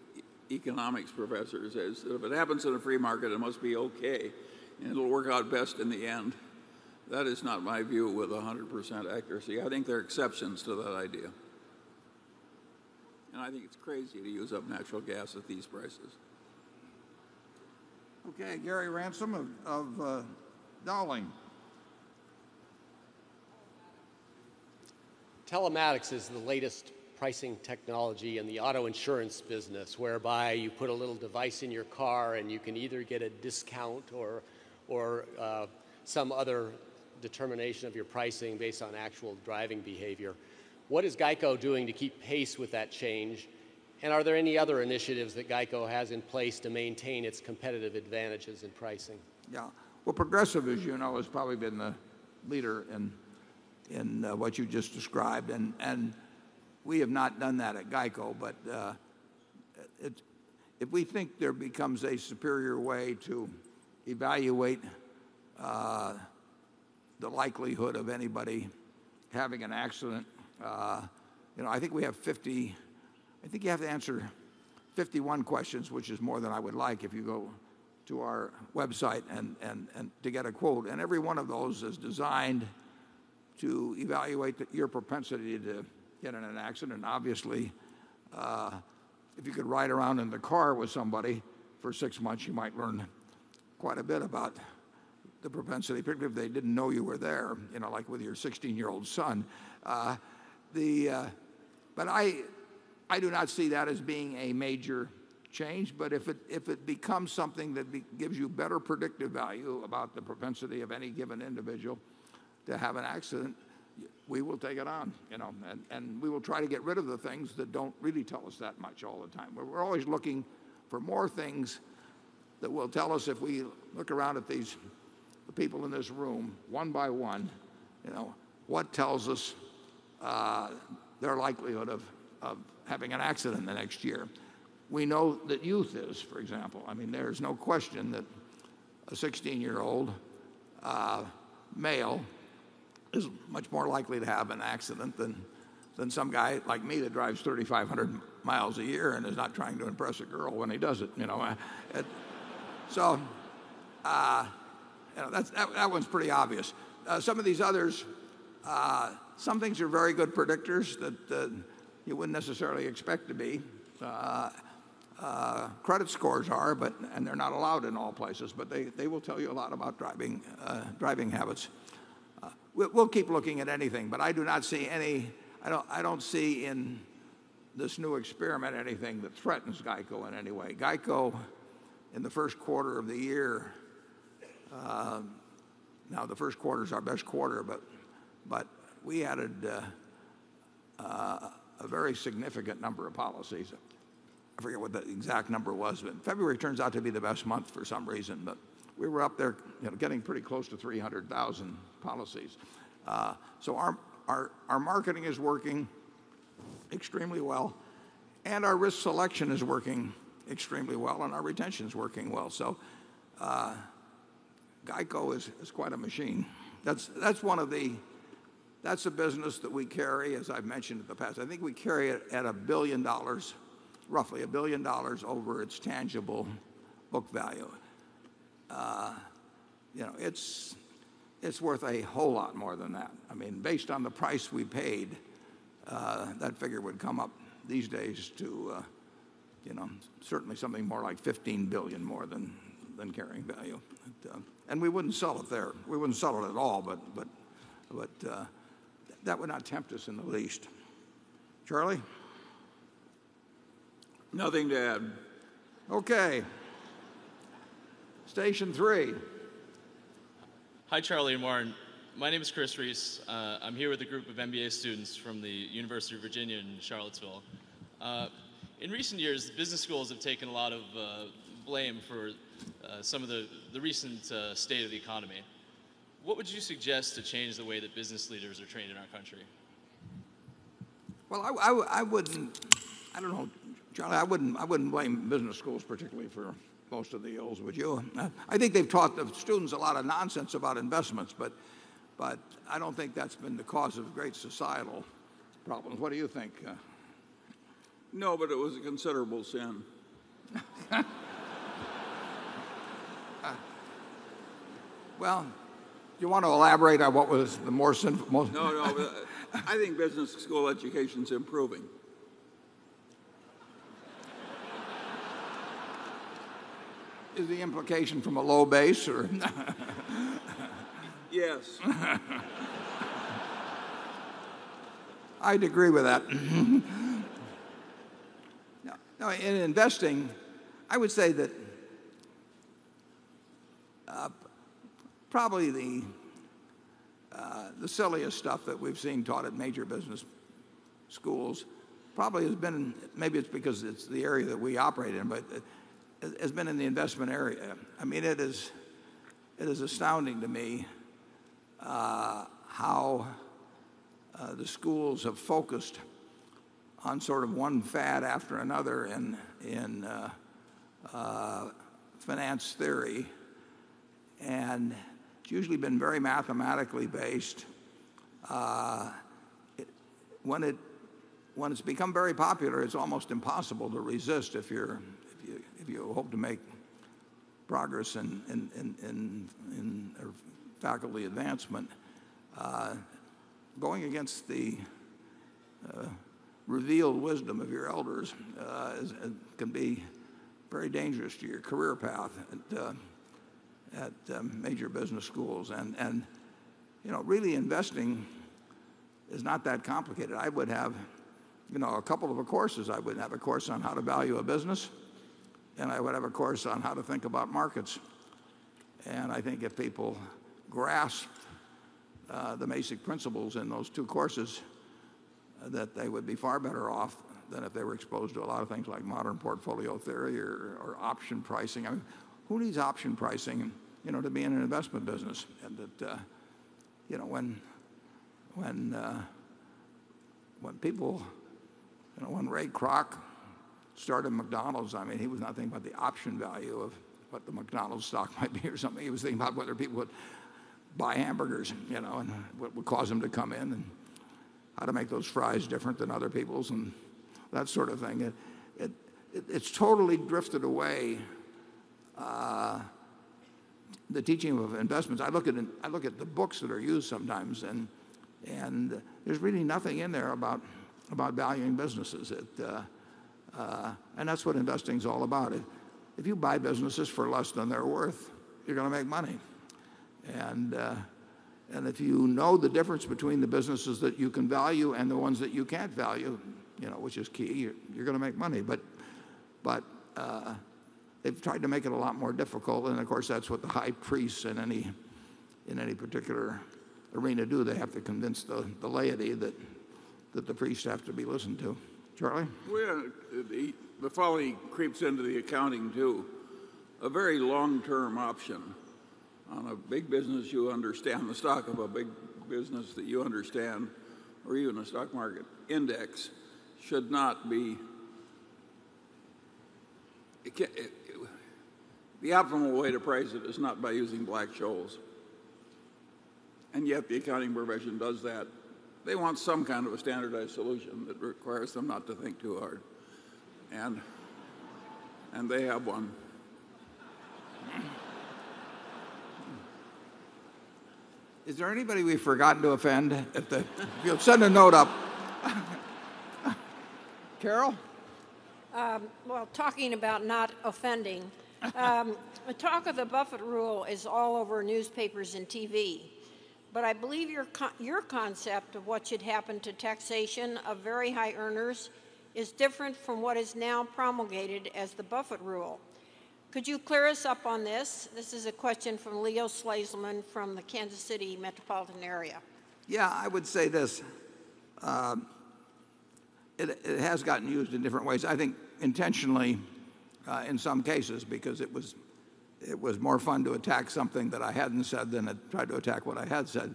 economics professors is that if it happens in a free market, it must be OK. It will work out best in the end. That is not my view with 100% accuracy. I think there are exceptions to that idea. I think it's crazy to use up natural gas at these prices. OK, Gary Ransom of Dowling. Telematics is the latest pricing technology in the auto insurance business, whereby you put a little device in your car. You can either get a discount or some other determination of your pricing based on actual driving behavior. What is GEICO doing to keep pace with that change? Are there any other initiatives that GEICO has in place to maintain its competitive advantages in pricing? Yeah, Progressive, as you know, has probably been the leader in what you just described. We have not done that at GEICO. If we think there becomes a superior way to evaluate the likelihood of anybody having an accident, I think we have 50. I think you have to answer 51 questions, which is more than I would like, if you go to our website to get a quote. Every one of those is designed to evaluate your propensity to get in an accident. Obviously, if you could ride around in the car with somebody for six months, you might learn quite a bit about the propensity, particularly if they didn't know you were there, like with your 16-year-old son. I do not see that as being a major change. If it becomes something that gives you better predictive value about the propensity of any given individual to have an accident, we will take it on. We will try to get rid of the things that don't really tell us that much all the time. We're always looking for more things that will tell us, if we look around at these people in this room one by one, what tells us their likelihood of having an accident in the next year. We know that youth is, for example. There is no question that a 16-year-old male is much more likely to have an accident than some guy like me that drives 3,500 mi a year and is not trying to impress a girl when he does it. That one's pretty obvious. Some of these others, some things are very good predictors that you wouldn't necessarily expect to be. Credit scores are, and they're not allowed in all places. They will tell you a lot about driving habits. We'll keep looking at anything. I do not see in this new experiment anything that threatens GEICO in any way. GEICO, in the first quarter of the year, now the first quarter is our best quarter. We added a very significant number of policies. I forget what the exact number was. February turns out to be the best month for some reason. We were up there getting pretty close to 300,000 policies. Our marketing is working extremely well. Our risk selection is working extremely well. Our retention is working well. GEICO is quite a machine. That's a business that we carry, as I've mentioned in the past. I think we carry it at $1 billion, roughly $1 billion over its tangible book value. It's worth a whole lot more than that. I mean, based on the price we paid, that figure would come up these days to certainly something more like $15 billion more than carrying value. We wouldn't sell it there. We wouldn't sell it at all. That would not tempt us in the least. Charlie? Nothing to add. OK, station three. Hi, Charlie and Warren. My name is Chris Reese. I'm here with a group of MBA students from the University of Virginia in Charlottesville. In recent years, the business schools have taken a lot of blame for some of the recent state of the economy. What would you suggest to change the way that business leaders are trained in our country? I don't know, Charlie, I wouldn't blame business schools particularly for most of the ills, would you? I think they've taught the students a lot of nonsense about investments, but I don't think that's been the cause of great societal problems. What do you think? No, but it was a considerable sin. Do you want to elaborate on what was the more? No, no, I think business school education is improving. Is the implication from a low base? Yes. I'd agree with that. No, in investing, I would say that probably the silliest stuff that we've seen taught at major business schools probably has been, maybe it's because it's the area that we operate in, but it has been in the investment area. It is astounding to me how the schools have focused on sort of one fad after another in finance theory. It's usually been very mathematically based. When it's become very popular, it's almost impossible to resist if you hope to make progress in faculty advancement. Going against the revealed wisdom of your elders can be very dangerous to your career path at major business schools. Really, investing is not that complicated. I would have a couple of courses. I would have a course on how to value a business. I would have a course on how to think about markets. I think if people grasped the basic principles in those two courses, they would be far better off than if they were exposed to a lot of things like modern portfolio theory or option pricing. Who needs option pricing to be in an investment business? When Ray Kroc started McDonald's, he was not thinking about the option value of what the McDonald's stock might be or something. He was thinking about whether people would buy hamburgers and what would cause them to come in and how to make those fries different than other people's and that sort of thing. It's totally drifted away, the teaching of investments. I look at the books that are used sometimes. There's really nothing in there about valuing businesses. That's what investing is all about. If you buy businesses for less than they're worth, you're going to make money. If you know the difference between the businesses that you can value and the ones that you can't value, which is key, you're going to make money. They've tried to make it a lot more difficult. Of course, that's what the high priests in any particular arena do. They have to convince the laity that the priests have to be listened to. Charlie? The following creeps into the accounting too. A very long-term option on a big business you understand, the stock of a big business that you understand, or even a stock market index, should not be the optimal way to price it is not by using Black-Scholes. Yet, the accounting profession does that. They want some kind of a standardized solution that requires them not to think too hard. They have one. Is there anybody we've forgotten to offend? Send a note up. Carol? Talking about not offending, the talk of the Buffett rule is all over newspapers and TV. I believe your concept of what should happen to taxation of very high earners is different from what is now promulgated as the Buffett rule. Could you clear us up on this? This is a question from Leo Slazeman from the Kansas City metropolitan area. Yeah, I would say this. It has gotten used in different ways, I think intentionally in some cases because it was more fun to attack something that I hadn't said than to try to attack what I had said.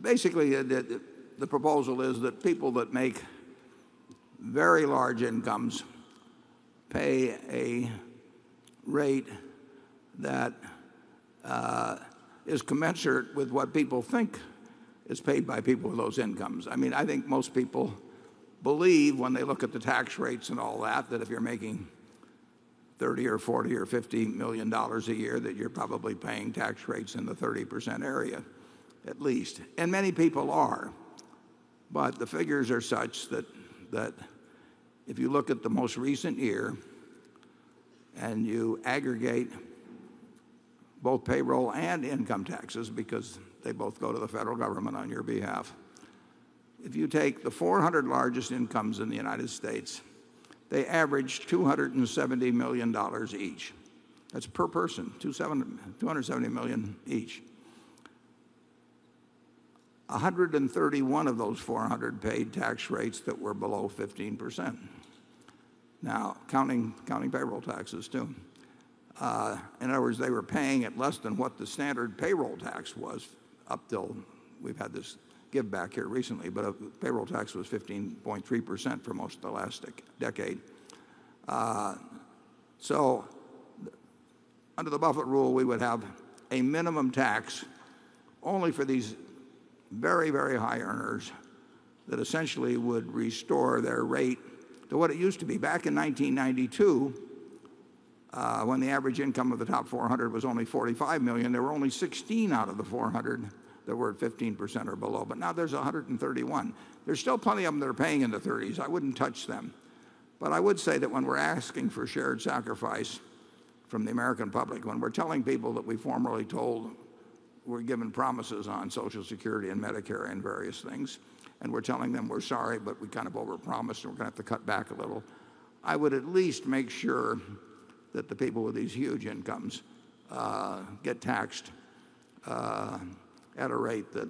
Basically, the proposal is that people that make very large incomes pay a rate that is commensurate with what people think is paid by people with those incomes. I mean, I think most people believe when they look at the tax rates and all that, that if you're making $30 million or $40 million or $50 million a year, that you're probably paying tax rates in the 30% area at least. Many people are. The figures are such that if you look at the most recent year and you aggregate both payroll and income taxes because they both go to the federal government on your behalf, if you take the 400 largest incomes in the U.S., they average $270 million each. That's per person, $270 million each. 131 of those 400 paid tax rates that were below 15%, now counting payroll taxes too. In other words, they were paying at less than what the standard payroll tax was up till we've had this give back here recently. The payroll tax was 15.3% for most of the last decade. Under the Buffett rule, we would have a minimum tax only for these very, very high earners that essentially would restore their rate to what it used to be. Back in 1992, when the average income of the top 400 was only $45 million, there were only 16 out of the 400 that were at 15% or below. Now there's 131. There's still plenty of them that are paying in the 30s. I wouldn't touch them. I would say that when we're asking for shared sacrifice from the American public, when we're telling people that we formally told were given promises on Social Security and Medicare and various things, and we're telling them we're sorry, but we kind of overpromised, and we're going to have to cut back a little, I would at least make sure that the people with these huge incomes get taxed at a rate that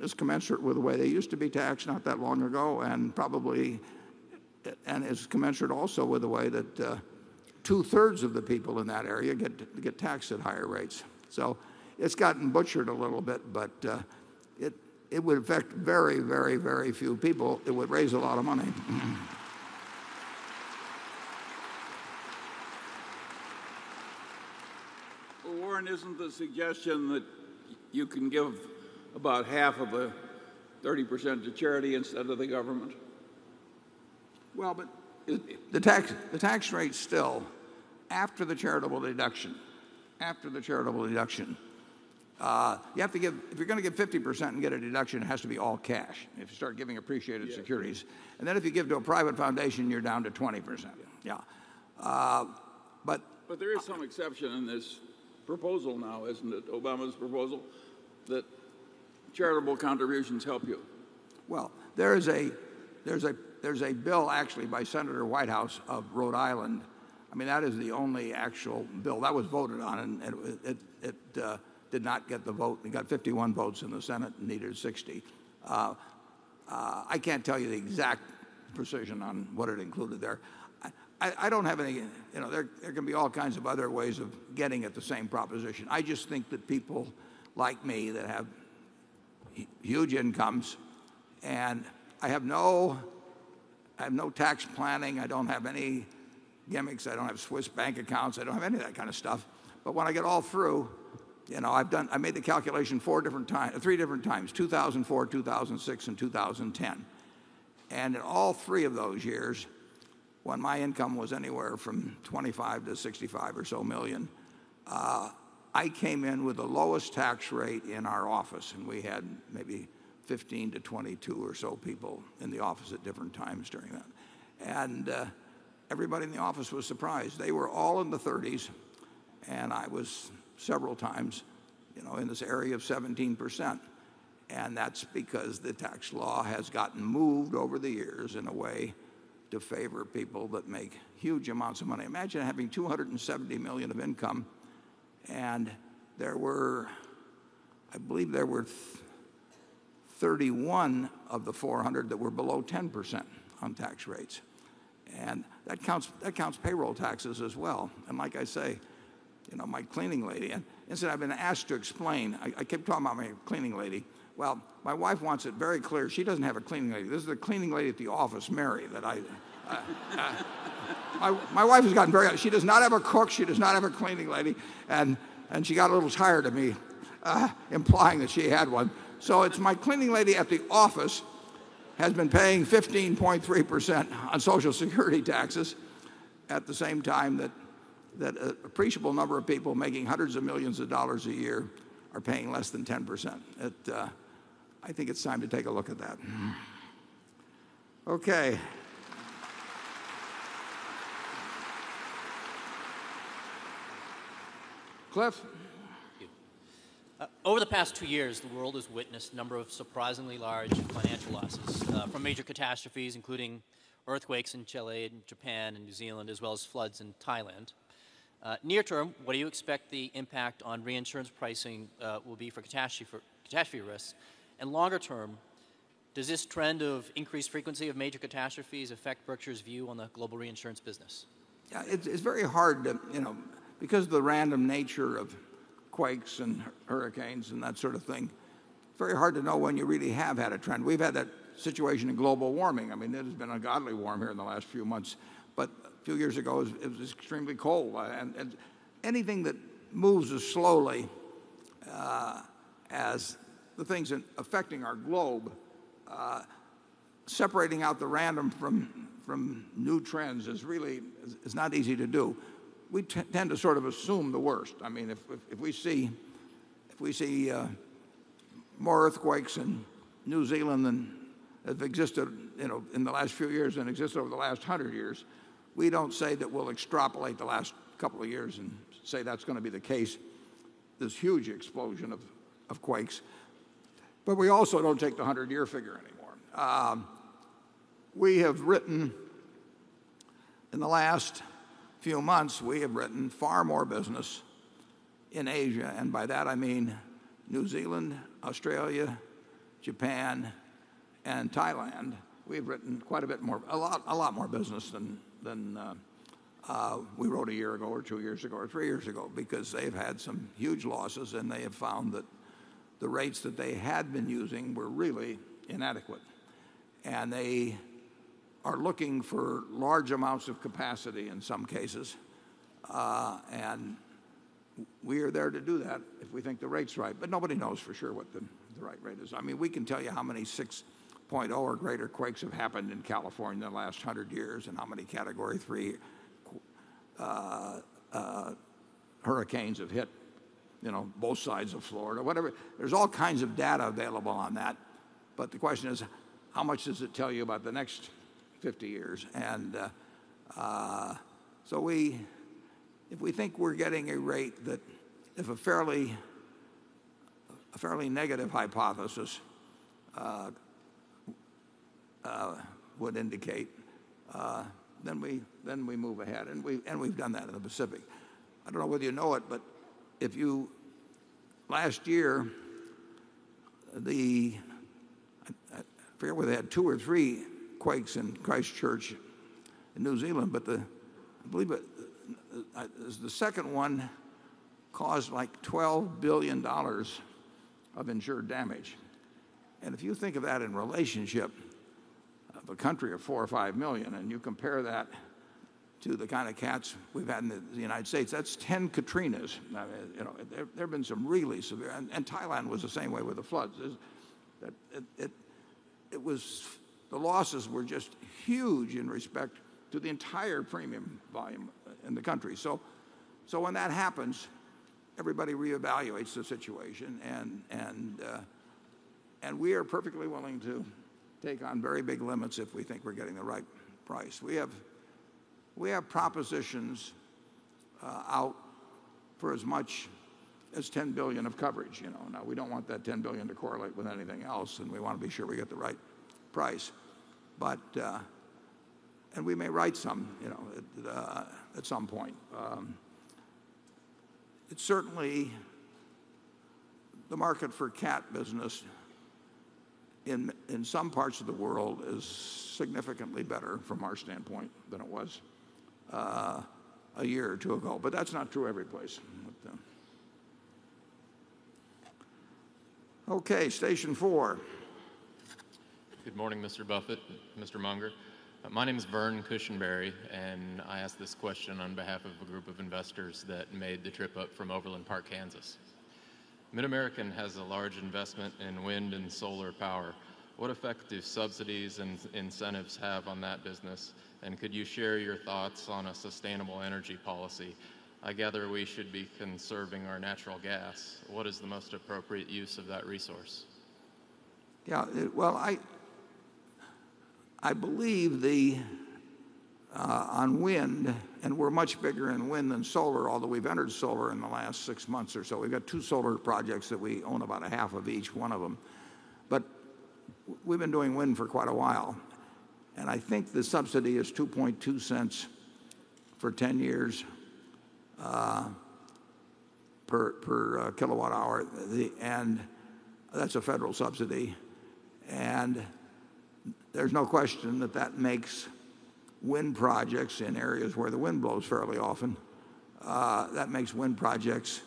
is commensurate with the way they used to be taxed not that long ago. It's commensurate also with the way that 2/3 of the people in that area get taxed at higher rates. It has gotten butchered a little bit. It would affect very, very, very few people. It would raise a lot of money. Warren, isn't the suggestion that you can give about half of the 30% to charity instead of the government? The tax rate is still after the charitable deduction. After the charitable deduction, you have to give, if you're going to give 50% and get a deduction, it has to be all cash. If you start giving appreciated securities and then if you give to a private foundation, you're down to 20%. There is some exception in this proposal now, isn't it, Obama's proposal, that charitable contributions help you? There is a bill actually by Senator Whitehouse of Rhode Island. That is the only actual bill that was voted on. It did not get the vote. It got 51 votes in the Senate and needed 60. I can't tell you the exact precision on what it included there. I don't have any, you know, there can be all kinds of other ways of getting at the same proposition. I just think that people like me that have huge incomes, and I have no tax planning. I don't have any gimmicks. I don't have Swiss bank accounts. I don't have any of that kind of stuff. When I get all through, I've done, I made the calculation three different times: 2004, 2006, and 2010. In all three of those years, when my income was anywhere from $25 million-$65 million or so, I came in with the lowest tax rate in our office. We had maybe 15 to 22 or so people in the office at different times during that. Everybody in the office was surprised. They were all in the 30s. I was several times in this area of 17%. That's because the tax law has gotten moved over the years in a way to favor people that make huge amounts of money. Imagine having $270 million of income. I believe there were 31 of the 400 that were below 10% on tax rates. That counts payroll taxes as well. Like I say, my cleaning lady, and I've been asked to explain. I keep talking about my cleaning lady. My wife wants it very clear. She doesn't have a cleaning lady. This is the cleaning lady at the office, Mary. My wife has gotten very, she does not have a cook. She does not have a cleaning lady. She got a little tired of me implying that she had one. It's my cleaning lady at the office has been paying 15.3% on Social Security taxes at the same time that an appreciable number of people making hundreds of millions of dollars a year are paying less than 10%. I think it's time to take a look at that. OK. Cliff? Over the past two years, the world has witnessed a number of surprisingly large financial losses from major catastrophes, including earthquakes in Chile, Japan, and New Zealand, as well as floods in Thailand. Near-term, what do you expect the impact on reinsurance pricing will be for catastrophe risks? Longer term, does this trend of increased frequency of major catastrophes affect Berkshire Hathaway's view on the global reinsurance business? Yeah, it's very hard to, you know, because of the random nature of quakes and hurricanes and that sort of thing, it's very hard to know when you really have had a trend. We've had a situation in global warming. I mean, it has been ungodly warm here in the last few months. Two years ago, it was extremely cold. Anything that moves as slowly as the things affecting our globe, separating out the random from new trends, is really, it's not easy to do. We tend to sort of assume the worst. I mean, if we see more earthquakes in New Zealand than have existed in the last few years and exist over the last 100 years, we don't say that we'll extrapolate the last couple of years and say that's going to be the case, this huge explosion of quakes. We also don't take the 100-year figure anymore. We have written, in the last few months, we have written far more business in Asia. By that, I mean New Zealand, Australia, Japan, and Thailand. We've written quite a bit more, a lot more business than we wrote a year ago or two years ago or three years ago because they've had some huge losses. They have found that the rates that they had been using were really inadequate. They are looking for large amounts of capacity in some cases. We are there to do that if we think the rate's right. Nobody knows for sure what the right rate is. I mean, we can tell you how many 6.0 or greater quakes have happened in California in the last 100 years and how many Category 3 hurricanes have hit both sides of Florida, whatever. There's all kinds of data available on that. The question is, how much does it tell you about the next 50 years? If we think we're getting a rate that a fairly negative hypothesis would indicate, then we move ahead. We've done that in the Pacific. I don't know whether you know it. Last year, I forget whether they had two or three quakes in Christchurch in New Zealand. I believe it was the second one caused like $12 billion of insured damage. If you think of that in relationship of a country of 4 or 5 million and you compare that to the kind of cats we've had in the United States, that's 10 Katrinas. There have been some really severe, and Thailand was the same way with the floods. The losses were just huge in respect to the entire premium volume in the country. When that happens, everybody reevaluates the situation. We are perfectly willing to take on very big limits if we think we're getting the right price. We have propositions out for as much as $10 billion of coverage. We don't want that $10 billion to correlate with anything else, and we want to be sure we get the right price. We may write some at some point. Certainly, the market for cat business in some parts of the world is significantly better from our standpoint than it was a year or two ago. That's not true every place. OK, station four. Good morning, Mr. Buffett and Mr. Munger. My name is Vern Cushenberry. I ask this question on behalf of a group of investors that made the trip up from Overland Park, Kansas. MidAmerican has a large investment in wind and solar power. What effect do subsidies and incentives have on that business? Could you share your thoughts on a sustainable energy policy? I gather we should be conserving our natural gas. What is the most appropriate use of that resource? Yeah, I believe on wind, and we're much bigger in wind than solar, although we've entered solar in the last six months or so. We've got two solar projects that we own about half of each one of them. We've been doing wind for quite a while. I think the subsidy is $0.022 for 10 years per kilowatt hour, and that's a federal subsidy. There's no question that makes wind projects in areas where the wind blows fairly often, that makes wind projects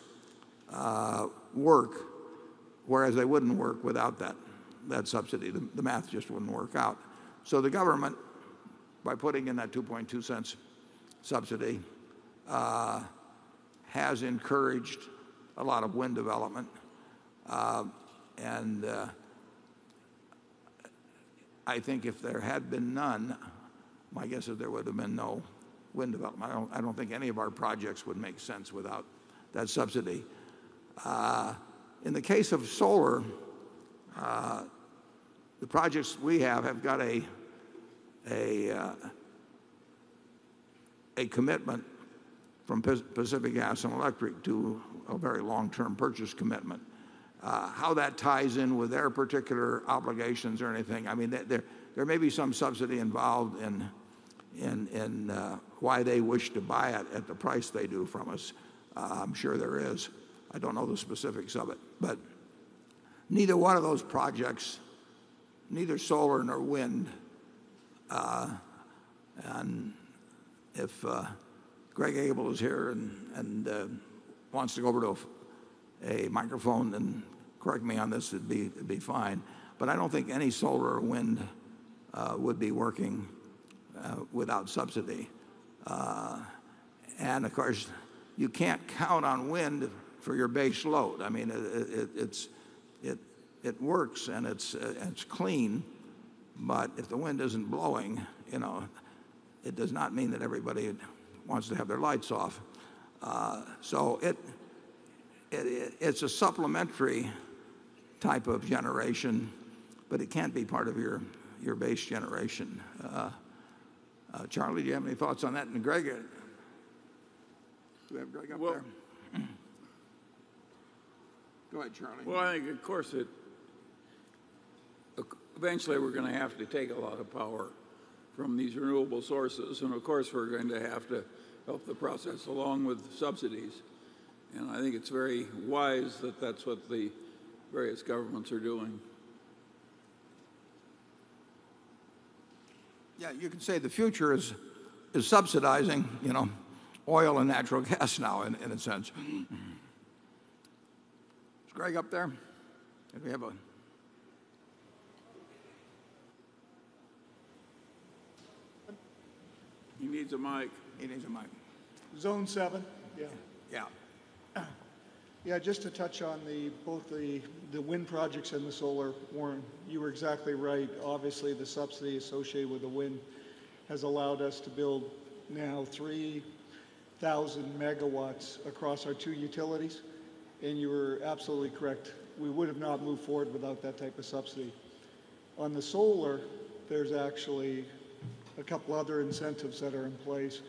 work, whereas they wouldn't work without that subsidy. The math just wouldn't work out. The government, by putting in that $0.022 subsidy, has encouraged a lot of wind development. I think if there had been none, my guess is there would have been no wind development. I don't think any of our projects would make sense without that subsidy. In the case of solar, the projects we have have got a commitment from Pacific Gas and Electric to a very long-term purchase commitment. How that ties in with their particular obligations or anything, I mean, there may be some subsidy involved in why they wish to buy it at the price they do from us. I'm sure there is. I don't know the specifics of it. Neither one of those projects, neither solar nor wind, and if Greg Abel is here and wants to go over to a microphone, then correct me on this, it'd be fine. I don't think any solar or wind would be working without subsidy. Of course, you can't count on wind for your base load. I mean, it works and it's clean, but if the wind isn't blowing, it does not mean that everybody wants to have their lights off. It's a supplementary type of generation, but it can't be part of your base generation. Charlie, do you have any thoughts on that? Greg, do you have Greg up there? Go ahead, Charlie. Of course, eventually we're going to have to take a lot of power from these renewable sources. Of course, we're going to have to help the process along with subsidies. I think it's very wise that that's what the various governments are doing. You can say the future is subsidizing, you know, oil and natural gas now, in a sense. Is Greg up there? Maybe we have a... He needs a mic. He needs a mic. Zone seven. Yeah. Yeah. Yeah, just to touch on both the wind projects and the solar, Warren, you were exactly right. Obviously, the subsidy associated with the wind has allowed us to build now 3,000 MW across our two utilities. You were absolutely correct. We would have not moved forward without that type of subsidy. On the solar, there's actually a couple other incentives that are in place.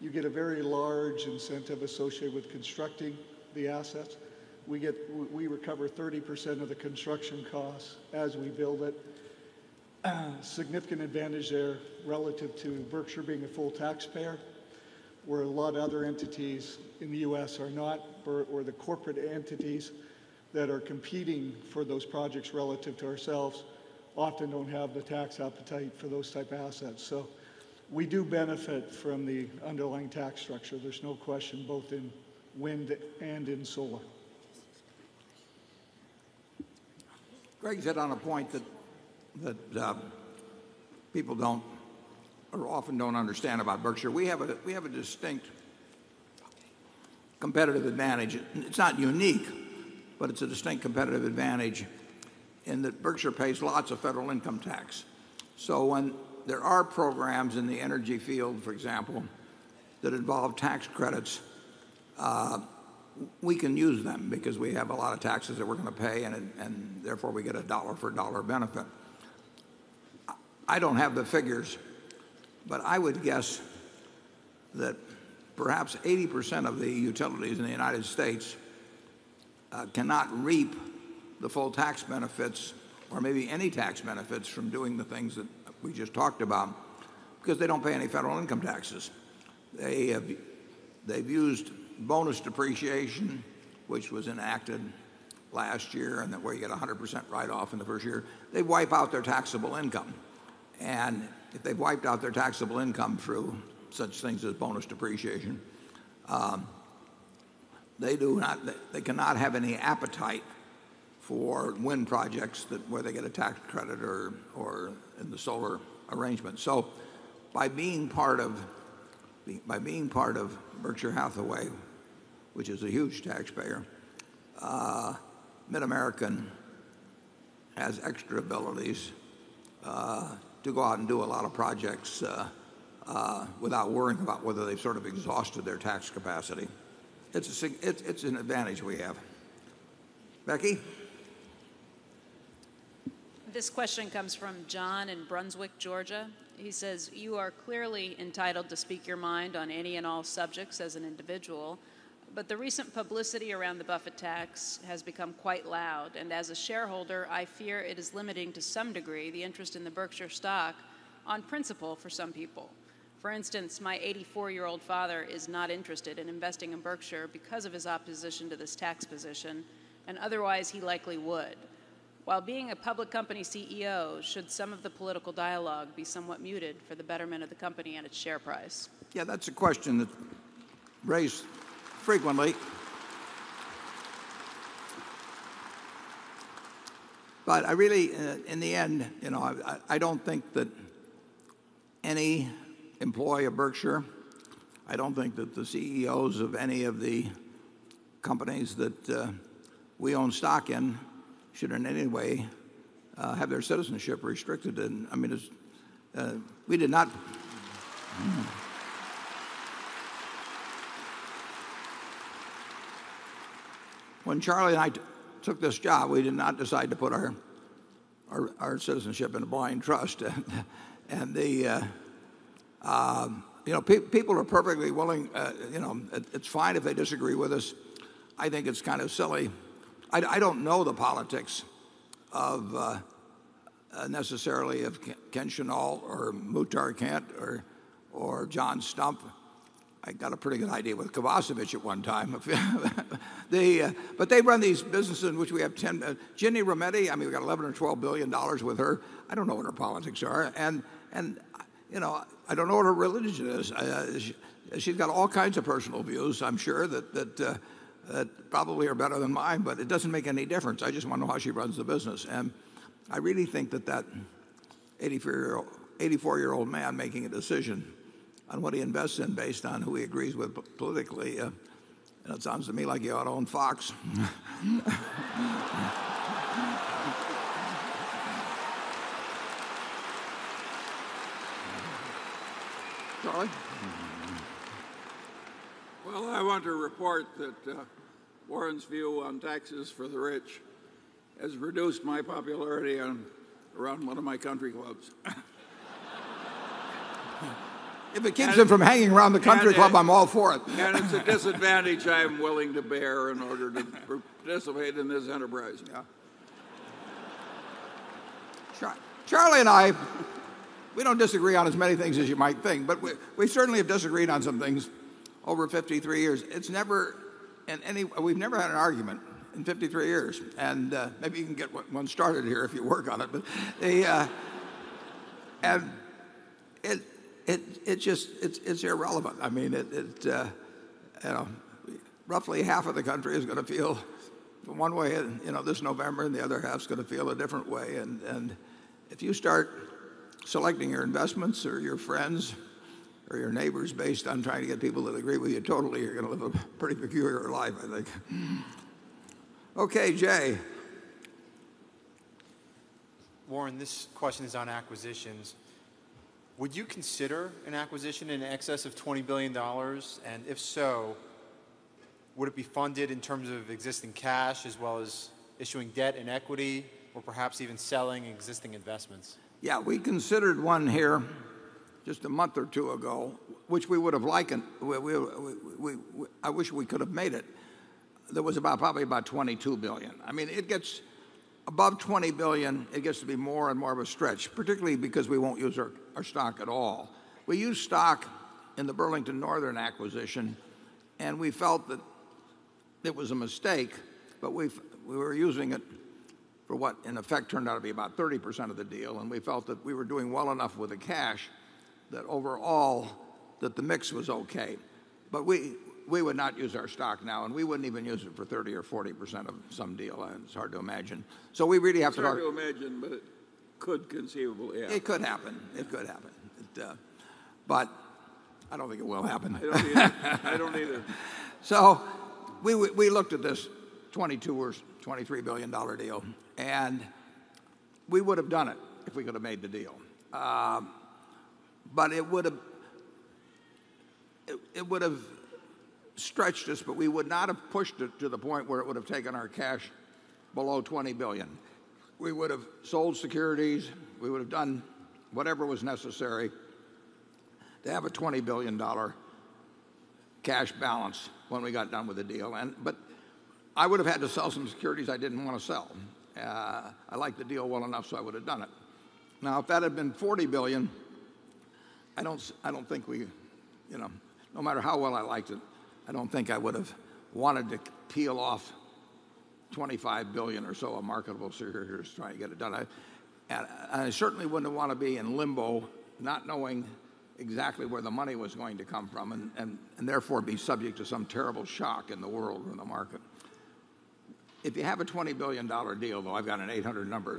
You get a very large incentive associated with constructing the assets. We recover 30% of the construction costs as we build it. A significant advantage there relative to Berkshire being a full taxpayer, where a lot of other entities in the U.S. are not, or the corporate entities that are competing for those projects relative to ourselves often don't have the tax appetite for those type of assets. We do benefit from the underlying tax structure. There's no question, both in wind and in solar. Greg's hit on a point that people don't, or often don't understand about Berkshire. We have a distinct competitive advantage. It's not unique, but it's a distinct competitive advantage in that Berkshire pays lots of federal income tax. When there are programs in the energy field, for example, that involve tax credits, we can use them because we have a lot of taxes that we're going to pay and therefore we get a dollar-for-dollar benefit. I don't have the figures, but I would guess that perhaps 80% of the utilities in the U.S. cannot reap the full tax benefits or maybe any tax benefits from doing the things that we just talked about because they don't pay any federal income taxes. They've used bonus depreciation, which was enacted last year, where you get a 100% write-off in the first year. They wipe out their taxable income. If they've wiped out their taxable income through such things as bonus depreciation, they cannot have any appetite for wind projects where they get a tax credit or in the solar arrangement. By being part of Berkshire Hathaway, which is a huge taxpayer, MidAmerican has extra abilities to go out and do a lot of projects without worrying about whether they've sort of exhausted their tax capacity. It's an advantage we have. Becky? This question comes from John in Brunswick, Georgia. He says, "You are clearly entitled to speak your mind on any and all subjects as an individual, but the recent publicity around the Buffett tax has become quite loud. As a shareholder, I fear it is limiting to some degree the interest in the Berkshire Hathaway stock on principle for some people. For instance, my 84-year-old father is not interested in investing in Berkshire Hathaway because of his opposition to this tax position, and otherwise he likely would. While being a public company CEO, should some of the political dialogue be somewhat muted for the betterment of the company and its share price? Yeah, that's a question that's raised frequently. I really, in the end, you know, I don't think that any employee of Berkshire Hathaway, I don't think that the CEOs of any of the companies that we own stock in should in any way have their citizenship restricted. I mean, we did not, when Charlie and I took this job, we did not decide to put our citizenship in a blind trust. People are perfectly willing, you know, it's fine if they disagree with us. I think it's kind of silly. I don't know the politics necessarily of Ken Chenault or Muhtar Kent or John Stumpf. I got a pretty good idea with Kovacevich at one time. They run these businesses in which we have 10, Ginni Rometty, I mean, we've got $11 billion or $12 billion with her. I don't know what her politics are. I don't know what her religion is. She's got all kinds of personal views, I'm sure, that probably are better than mine, but it doesn't make any difference. I just want to know how she runs the business. I really think that that 84-year-old man making a decision on what he invests in based on who he agrees with politically, it sounds to me like you ought to own Fox. Charlie? I want to report that Warren's view on taxes for the rich has reduced my popularity around one of my country clubs. If it keeps him from hanging around the country club, I'm all for it. It's a disadvantage I'm willing to bear in order to participate in this enterprise. Yeah. Charlie and I, we don't disagree on as many things as you might think, but we certainly have disagreed on some things over 53 years. It's never, and we've never had an argument in 53 years. Maybe you can get one started here if you work on it. It just, it's irrelevant. I mean, roughly half of the country is going to feel one way, you know, this November, and the other half's going to feel a different way. If you start selecting your investments or your friends or your neighbors based on trying to get people to agree with you totally, you're going to live a pretty peculiar life, I think. Okay, Jay. Warren, this question is on acquisitions. Would you consider an acquisition in excess of $20 billion? If so, would it be funded in terms of existing cash as well as issuing debt and equity, or perhaps even selling existing investments? Yeah, we considered one here just a month or two ago, which we would have liked. I wish we could have made it. There was probably about $22 billion. I mean, it gets above $20 billion, it gets to be more and more of a stretch, particularly because we won't use our stock at all. We used stock in the Burlington Northern acquisition, and we felt that it was a mistake, but we were using it for what, in effect, turned out to be about 30% of the deal. We felt that we were doing well enough with the cash that overall, the mix was okay. We would not use our stock now, and we wouldn't even use it for 30% or 40% of some deal. It's hard to imagine. We really have to. It's hard to imagine, but it could conceivably, yeah. It could happen. It could happen, but I don't think it will happen. I don't either. We looked at this $22 billion or $23 billion deal, and we would have done it if we could have made the deal. It would have stretched us, but we would not have pushed it to the point where it would have taken our cash below $20 billion. We would have sold securities. We would have done whatever was necessary to have a $20 billion cash balance when we got done with the deal. I would have had to sell some securities I did not want to sell. I liked the deal well enough, so I would have done it. If that had been $40 billion, I do not think we, you know, no matter how well I liked it, I do not think I would have wanted to peel off $25 billion or so of marketable securities trying to get it done. I certainly would not want to be in limbo, not knowing exactly where the money was going to come from and therefore be subject to some terrible shock in the world and the market. If you have a $20 billion deal, though, I have got an 800 number.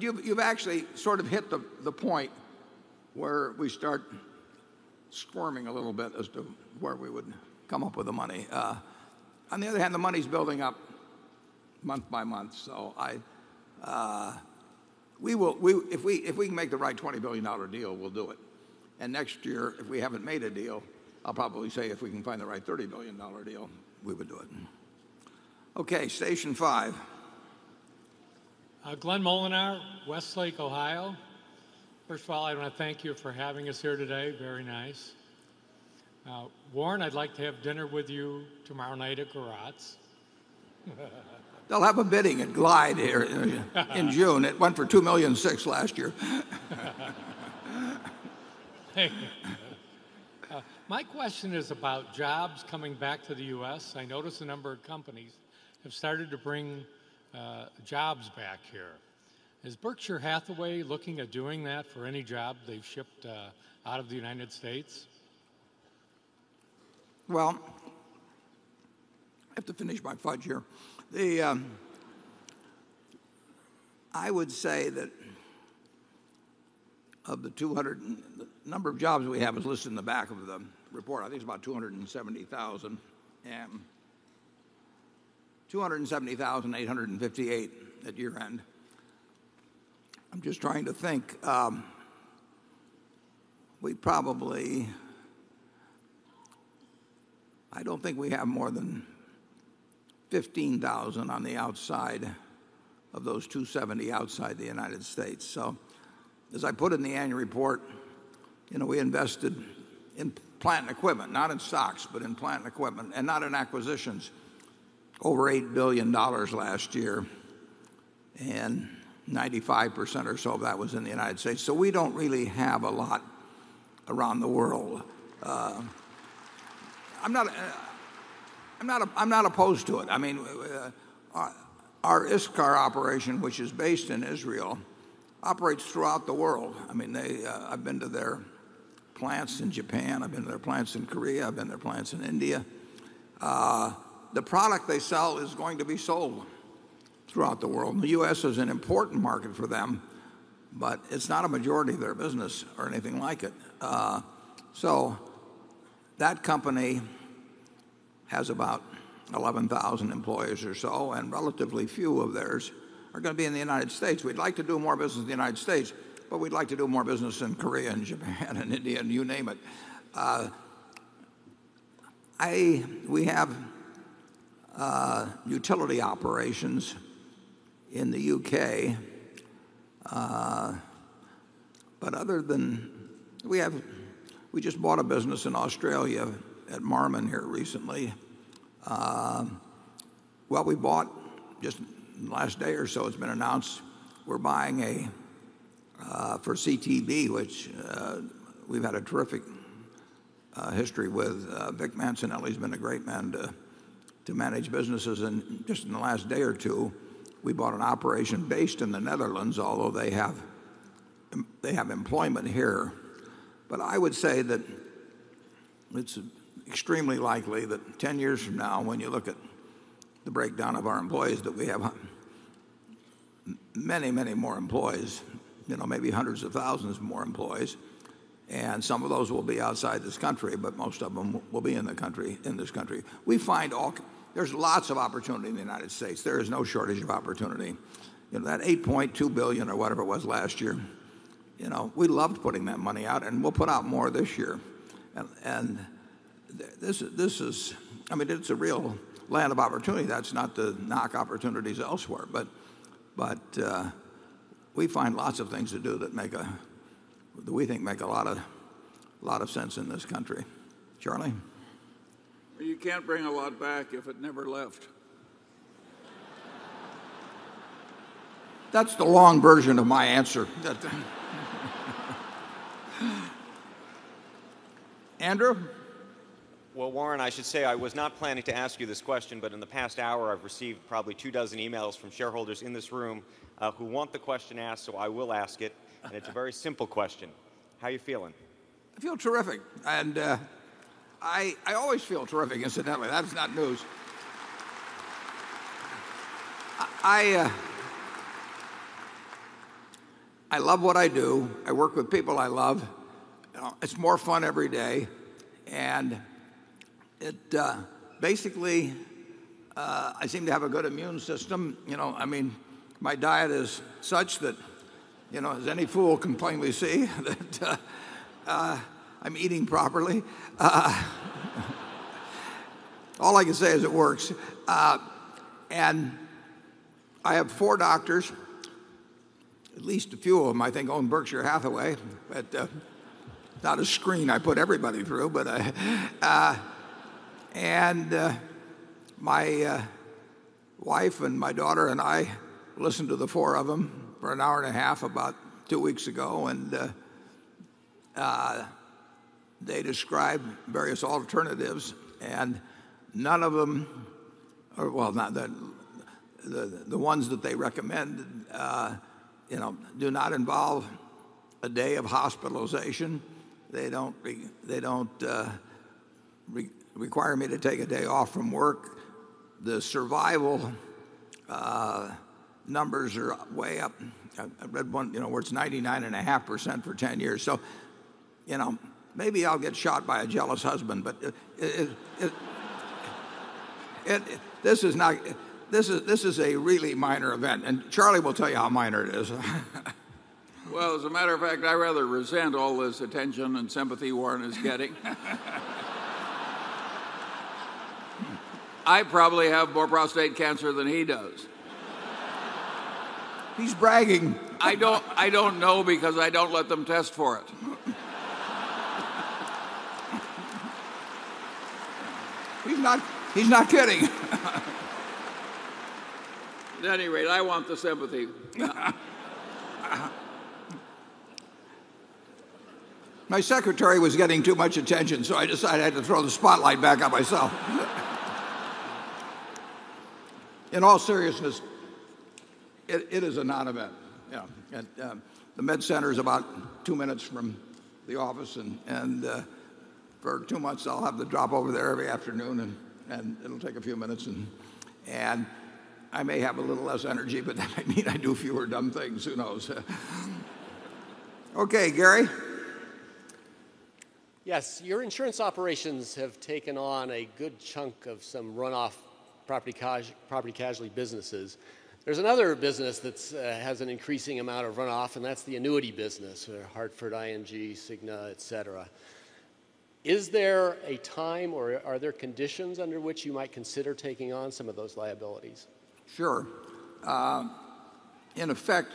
You have actually sort of hit the point where we start squirming a little bit as to where we would come up with the money. On the other hand, the money is building up month by month. If we can make the right $20 billion deal, we will do it. Next year, if we have not made a deal, I will probably say if we can find the right $30 billion deal, we would do it. Okay, station five. Glenn Mollenhour, Westlake, Ohio. First of all, I want to thank you for having us here today. Very nice. Warren, I'd like to have dinner with you tomorrow night at Gorat’s. They'll have a bidding at Glide here in June. It went for $2.6 million last year. My question is about jobs coming back to the U.S. I noticed a number of companies have started to bring jobs back here. Is Berkshire Hathaway looking at doing that for any job they've shipped out of the United States? I have to finish my pledge here. I would say that of the number of jobs we have, as listed in the back of the report, I think it's about 270,000. At year end, it's 270,858. I'm just trying to think. I don't think we have more than 15,000 outside of those 270,000 outside the U.S. As I put in the annual report, we invested in plant and equipment, not in stocks, but in plant and equipment, and not in acquisitions, over $8 billion last year. About 95% or so of that was in the U.S. We don't really have a lot around the world. I'm not opposed to it. Our ISCAR operation, which is based in Israel, operates throughout the world. I've been to their plants in Japan. I've been to their plants in Korea. I've been to their plants in India. The product they sell is going to be sold throughout the world. The U.S. is an important market for them, but it's not a majority of their business or anything like it. That company has about 11,000 employees or so, and relatively few of theirs are going to be in the U.S. We'd like to do more business in the U.S., but we'd like to do more business in Korea and Japan and India, and you name it. We have utility operations in the U.K., and we just bought a business in Australia at Marmon here recently. Just in the last day or so, it's been announced, we're buying for CTB, which we've had a terrific history with Vic Mancinelli. He's been a great man to manage businesses. In the last day or two, we bought an operation based in the Netherlands, although they have employment here. I would say that it's extremely likely that 10 years from now, when you look at the breakdown of our employees, we have many, many more employees, maybe hundreds of thousands more employees. Some of those will be outside this country, but most of them will be in this country. We find there's lots of opportunity in the U.S. There is no shortage of opportunity. That $8.2 billion or whatever it was last year, we loved putting that money out, and we'll put out more this year. This is a real land of opportunity. That's not to knock opportunities elsewhere, but we find lots of things to do that we think make a lot of sense in this country. Charlie? You can't bring a lot back if it never left. That's the long version of my answer. Andrew? Warren, I should say I was not planning to ask you this question, but in the past hour, I've received probably two dozen emails from shareholders in this room who want the question asked, so I will ask it. It's a very simple question. How are you feeling? I feel terrific. I always feel terrific, incidentally. That's not news. I love what I do. I work with people I love. It's more fun every day. I seem to have a good immune system. My diet is such that, as any fool can plainly see, I'm eating properly. All I can say is it works. I have four doctors, at least a few of them, I think, own Berkshire Hathaway. It's not a screen I put everybody through, but my wife, my daughter, and I listened to the four of them for an hour and a half about two weeks ago, and they described various alternatives. None of them, not the ones that they recommend, involve a day of hospitalization. They don't require me to take a day off from work. The survival numbers are way up. I read one where it's 99.5% for 10 years. Maybe I'll get shot by a jealous husband, but this is a really minor event. Charlie will tell you how minor it is. As a matter of fact, I rather resent all this attention and sympathy Warren is getting. I probably have more prostate cancer than he does. He's bragging. I don't know because I don't let them test for it. He's not kidding. At any rate, I want the sympathy. My secretary was getting too much attention, so I decided I had to throw the spotlight back on myself. In all seriousness, it is a non-event. Yeah. The med center is about two minutes from the office, and for two months, I'll have to drop over there every afternoon, and it'll take a few minutes. I may have a little less energy, but that might mean I do fewer dumb things. Who knows? Okay, Gary? Yes, your insurance operations have taken on a good chunk of some runoff property casualty businesses. There's another business that has an increasing amount of runoff, and that's the annuity business, Hartford, ING, Cigna, etc. Is there a time or are there conditions under which you might consider taking on some of those liabilities? Sure. In effect,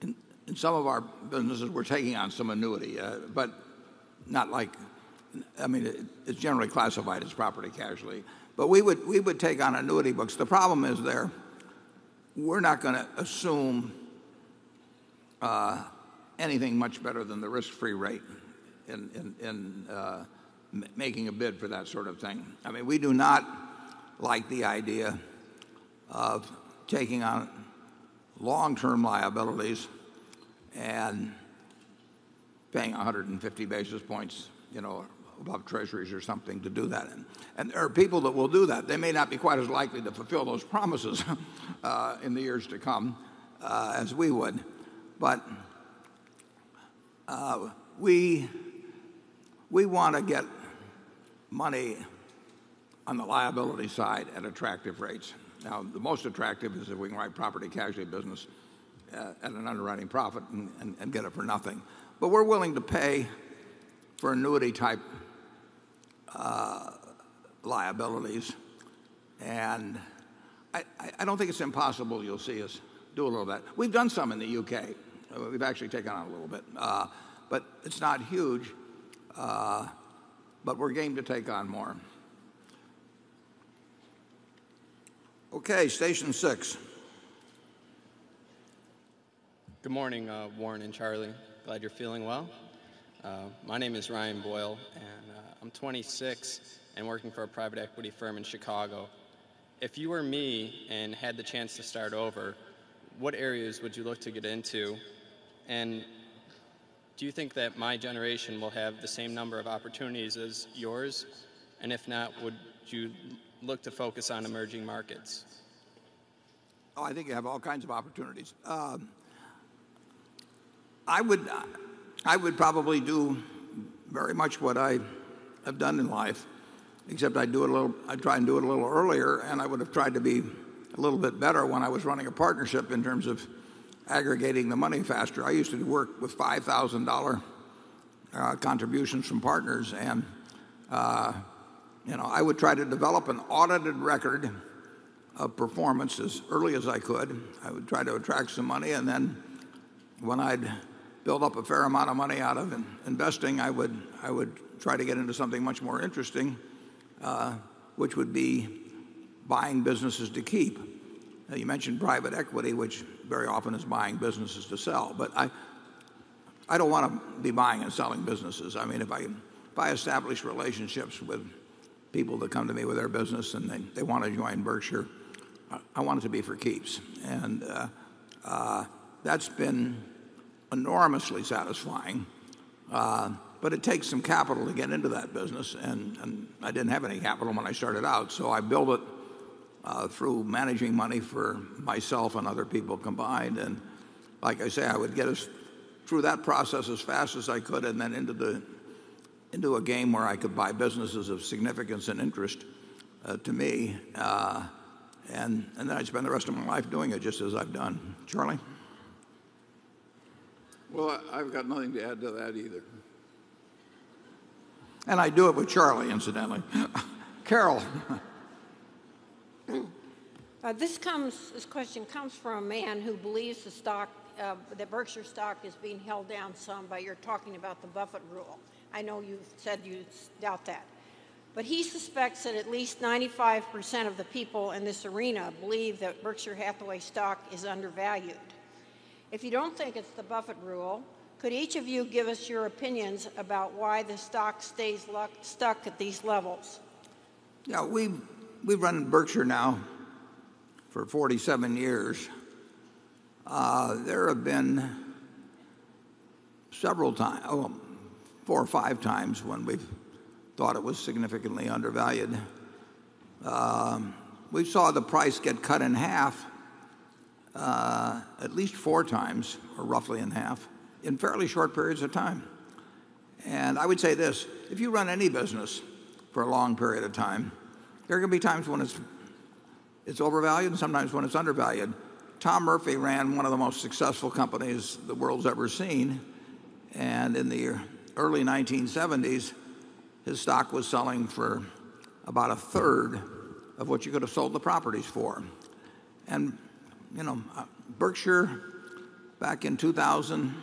in some of our businesses, we're taking on some annuity, but not like, I mean, it's generally classified as property casualty. We would take on annuity books. The problem is there, we're not going to assume anything much better than the risk-free rate in making a bid for that sort of thing. We do not like the idea of taking on long-term liabilities and paying 150 basis points, you know, above treasuries or something to do that. There are people that will do that. They may not be quite as likely to fulfill those promises in the years to come as we would. We want to get money on the liability side at attractive rates. Now, the most attractive is if we can write property casualty business at an underwriting profit and get it for nothing. We're willing to pay for annuity type liabilities. I don't think it's impossible you'll see us do a little bit. We've done some in the U.K. We've actually taken on a little bit. It's not huge. We're game to take on more. Okay, station six. Good morning, Warren and Charlie. Glad you're feeling well. My name is Ryan Boyle, and I'm 26 and working for a private equity firm in Chicago. If you were me and had the chance to start over, what areas would you look to get into? Do you think that my generation will have the same number of opportunities as yours? If not, would you look to focus on emerging markets? Oh, I think you have all kinds of opportunities. I would probably do very much what I have done in life, except I'd try and do it a little earlier, and I would have tried to be a little bit better when I was running a partnership in terms of aggregating the money faster. I used to work with $5,000 contributions from partners, and I would try to develop an audited record of performance as early as I could. I would try to attract some money, and when I'd build up a fair amount of money out of investing, I would try to get into something much more interesting, which would be buying businesses to keep. You mentioned private equity, which very often is buying businesses to sell. I don't want to be buying and selling businesses. I mean, if I establish relationships with people that come to me with their business and they want to join Berkshire, I want it to be for keeps. That has been enormously satisfying. It takes some capital to get into that business, and I didn't have any capital when I started out. I built it through managing money for myself and other people combined. Like I say, I would get us through that process as fast as I could and into a game where I could buy businesses of significance and interest to me. I'd spend the rest of my life doing it just as I've done. Charlie? I've got nothing to add to that either. I do it with Charlie, incidentally. Carol? This question comes from a man who believes the stock, that Berkshire Hathaway stock is being held down some by your talking about the Buffett rule. I know you've said you doubt that. He suspects that at least 95% of the people in this arena believe that Berkshire Hathaway stock is undervalued. If you don't think it's the Buffett rule, could each of you give us your opinions about why the stock stays stuck at these levels? Yeah, we've run Berkshire Hathaway now for 47 years. There have been several times, oh, four or five times when we've thought it was significantly undervalued. We saw the price get cut in half at least four times, or roughly in half, in fairly short periods of time. I would say this, if you run any business for a long period of time, there are going to be times when it's overvalued and sometimes when it's undervalued. Tom Murphy ran one of the most successful companies the world's ever seen. In the early 1970s, his stock was selling for about a third of what you could have sold the properties for. You know, Berkshire, back in 2000,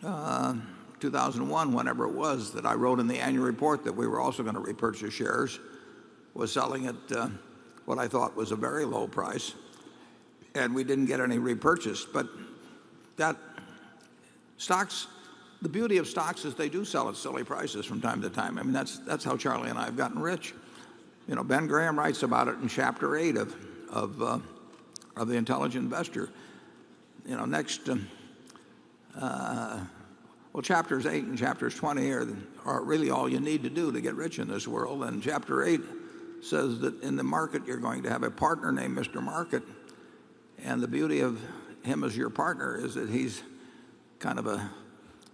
2001, whenever it was that I wrote in the annual report that we were also going to repurchase shares, was selling at what I thought was a very low price. We didn't get any repurchased. The beauty of stocks is they do sell at silly prices from time to time. I mean, that's how Charlie and I have gotten rich. Ben Graham writes about it in chapter eight of The Intelligent Investor. Next, chapters eight and chapters 20 are really all you need to do to get rich in this world. Chapter eight says that in the market, you're going to have a partner named Mr. Market. The beauty of him as your partner is that he's kind of a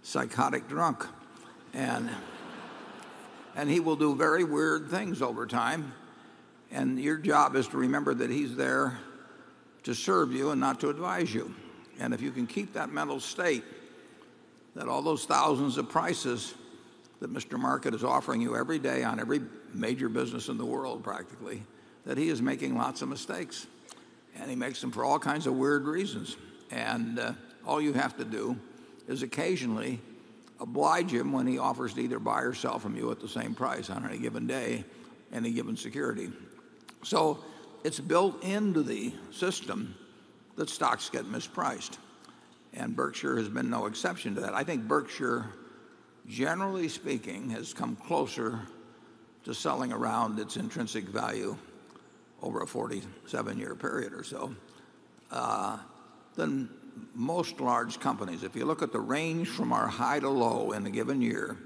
psychotic drunk. He will do very weird things over time. Your job is to remember that he's there to serve you and not to advise you. If you can keep that mental state, that all those thousands of prices that Mr. Market is offering you every day on every major business in the world, practically, that he is making lots of mistakes. He makes them for all kinds of weird reasons. All you have to do is occasionally oblige him when he offers to either buy or sell from you at the same price on any given day, any given security. It's built into the system that stocks get mispriced. Berkshir has been no exception to that. I think Berkshire, generally speaking, has come closer to selling around its intrinsic value over a 47-year period or so than most large companies. If you look at the range from our high to low in a given year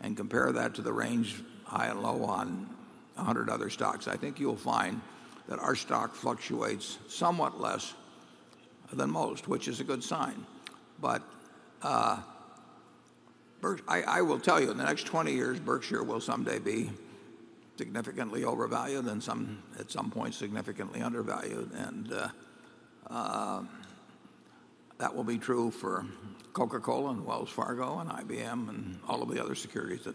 and compare that to the range high and low on 100 other stocks, I think you'll find that our stock fluctuates somewhat less than most, which is a good sign. I will tell you, in the next 20 years, Berkshire will someday be significantly overvalued and at some point significantly undervalued. That will be true for Coca-Cola and Wells Fargo and IBM and all of the other securities.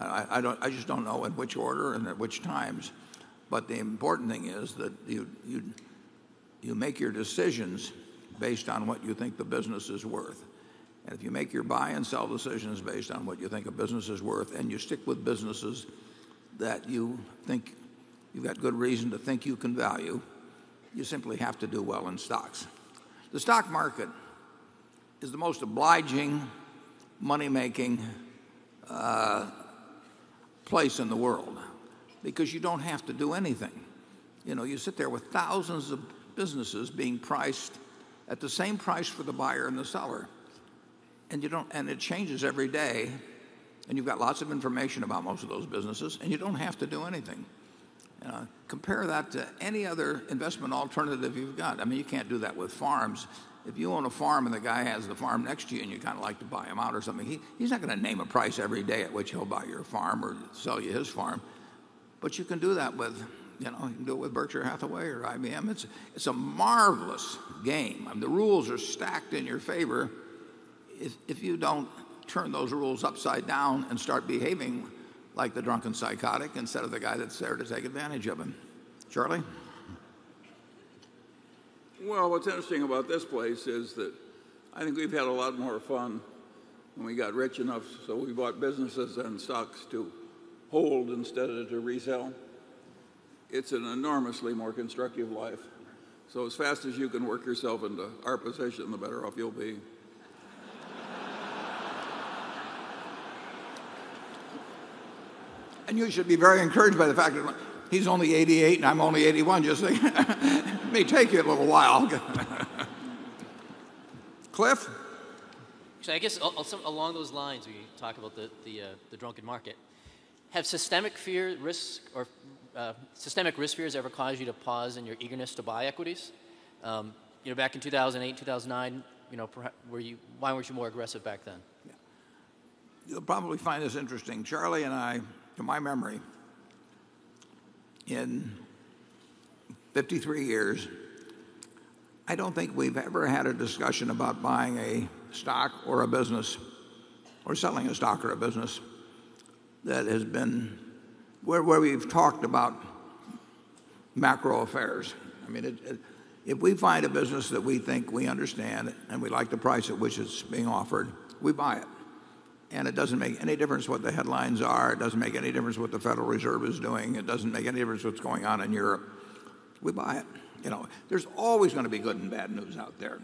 I just don't know in which order and at which times. The important thing is that you make your decisions based on what you think the business is worth. If you make your buy and sell decisions based on what you think a business is worth and you stick with businesses that you think you've got good reason to think you can value, you simply have to do well in stocks. The stock market is the most obliging money-making place in the world because you don't have to do anything. You sit there with thousands of businesses being priced at the same price for the buyer and the seller, and it changes every day. You've got lots of information about most of those businesses, and you don't have to do anything. Compare that to any other investment alternative you've got. I mean, you can't do that with farms. If you own a farm and the guy has the farm next to you and you kind of like to buy him out or something, he's not going to name a price every day at which he'll buy your farm or sell you his farm. You can do that with Berkshire Hathaway or IBM. It's a marvelous game. The rules are stacked in your favor if you don't turn those rules upside down and start behaving like the drunken psychotic instead of the guy that's there to take advantage of him. Charlie? What's interesting about this place is that I think we've had a lot more fun when we got rich enough. We bought businesses and stocks to hold instead of to resell. It's an enormously more constructive life. As fast as you can work yourself into our position, the better off you'll be. You should be very encouraged by the fact that he's only 88 years old and I'm only 81 years old. Just say, it may take you a little while. Cliff? I guess along those lines, we talk about the drunken market. Have systemic fear risks or systemic risk fears ever caused you to pause in your eagerness to buy equities? You know, back in 2008, 2009, you know, why weren't you more aggressive back then? Yeah. You'll probably find this interesting. Charlie and I, to my memory, in 53 years, I don't think we've ever had a discussion about buying a stock or a business or selling a stock or a business that has been where we've talked about macro affairs. If we find a business that we think we understand and we like the price at which it's being offered, we buy it. It doesn't make any difference what the headlines are. It doesn't make any difference what the Federal Reserve is doing. It doesn't make any difference what's going on in Europe. We buy it. There's always going to be good and bad news out there,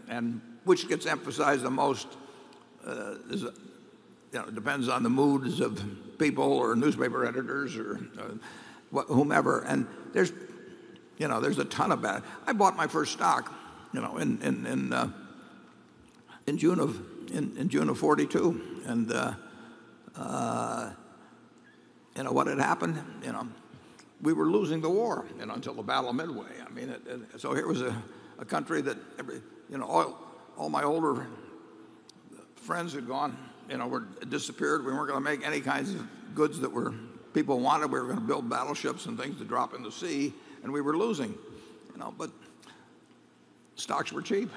which gets emphasized the most. It depends on the moods of people or newspaper editors or whomever. There's a ton of bad. I bought my first stock in June of 1942. You know what had happened? We were losing the war until the Battle of Midway. Here was a country that all my older friends had gone, disappeared. We weren't going to make any kinds of goods that people wanted. We were going to build battleships and things to drop in the sea. We were losing, but stocks were cheap.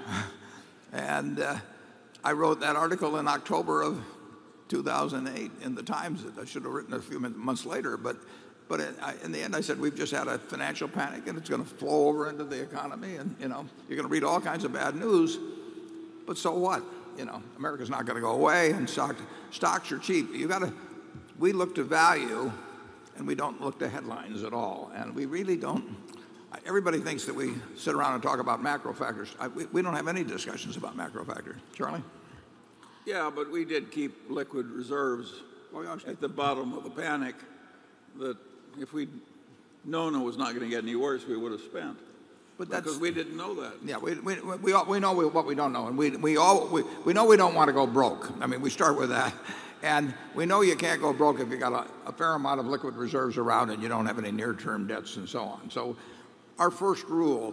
I wrote that article in October of 2008 in the Times. I should have written it a few months later. In the end, I said, we've just had a financial panic and it's going to flow over into the economy. You're going to read all kinds of bad news. So what? America's not going to go away and stocks are cheap. We look to value and we don't look to headlines at all. Everybody thinks that we sit around and talk about macro factors. We don't have any discussions about macro factors. Charlie? Yeah, we did keep liquid reserves at the bottom of a panic. If we'd known it was not going to get any worse, we would have spent. But that's. Because we didn't know that. Yeah, we know what we don't know. We know we don't want to go broke. I mean, we start with that. We know you can't go broke if you've got a fair amount of liquid reserves around and you don't have any near-term debts and so on. Our first rule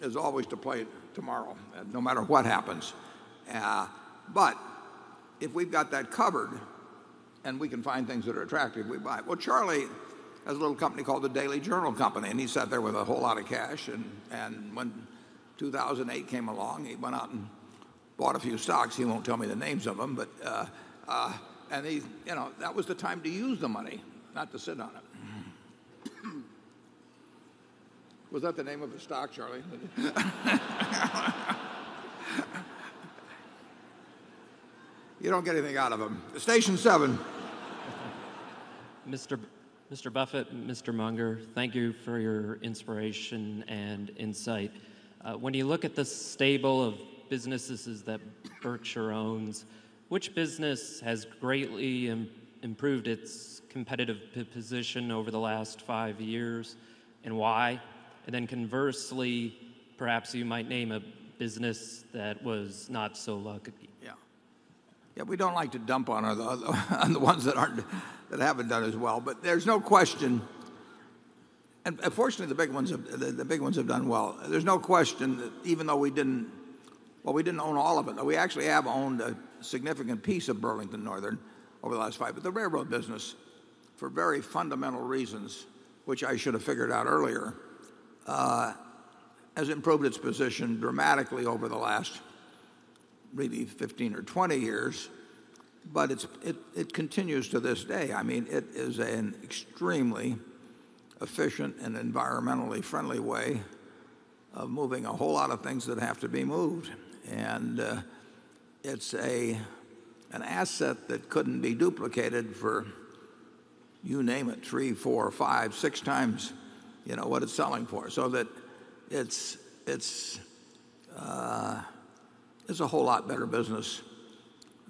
is always to play tomorrow, no matter what happens. If we've got that covered and we can find things that are attractive, we buy. Charlie has a little company called the Daily Journal Company. He sat there with a whole lot of cash. When 2008 came along, he went out and bought a few stocks. He won't tell me the names of them, but, you know, that was the time to use the money, not to sit on it. Was that the name of his stock, Charlie? You don't get anything out of them. Station seven. Mr. Buffett and Mr. Munger, thank you for your inspiration and insight. When you look at the stable of businesses that Berkshire owns, which business has greatly improved its competitive position over the last five years and why? Conversely, perhaps you might name a business that was not so lucky? Yeah. Yeah, we don't like to dump on the ones that haven't done as well. There's no question, and fortunately, the big ones have done well. There's no question that even though we didn't, we didn't own all of it, though we actually have owned a significant piece of Burlington Northern over the last five. The railroad business, for very fundamental reasons, which I should have figured out earlier, has improved its position dramatically over the last maybe 15 or 20 years. It continues to this day. I mean, it is an extremely efficient and environmentally friendly way of moving a whole lot of things that have to be moved. It's an asset that couldn't be duplicated for, you name it, 3x, 4x, 5x, 6x, you know, what it's selling for. It's a whole lot better business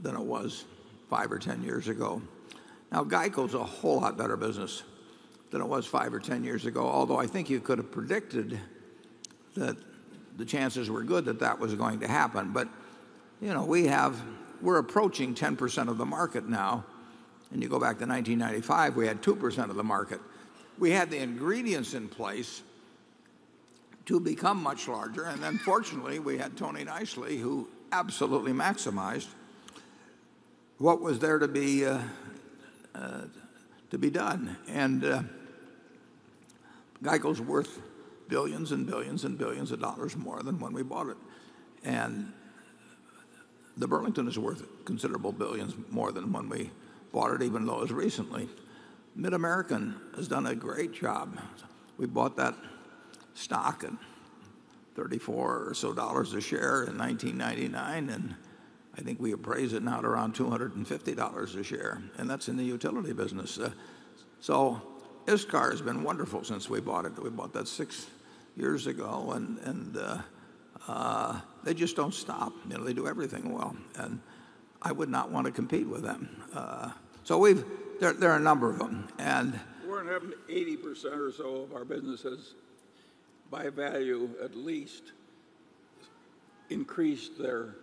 than it was five or 10 years ago. Now, GEICO is a whole lot better business than it was five or 10 years ago, although I think you could have predicted that the chances were good that that was going to happen. You know, we have, we're approaching 10% of the market now. You go back to 1995, we had 2% of the market. We had the ingredients in place to become much larger. Fortunately, we had Tony Nicely, who absolutely maximized what was there to be done. GEICO is worth billions and billions and billions of dollars more than when we bought it. The Burlington is worth considerable billions more than when we bought it, even as recently. MidAmerican has done a great job. We bought that stock at $34 or so a share in 1999. I think we appraised it now at around $250 a share. That's in the utility business. ISCAR has been wonderful since we bought it. We bought that six years ago. They just don't stop. They do everything well. I would not want to compete with them. There are a number of them. Warren, 80% or so of our businesses by value at least increased their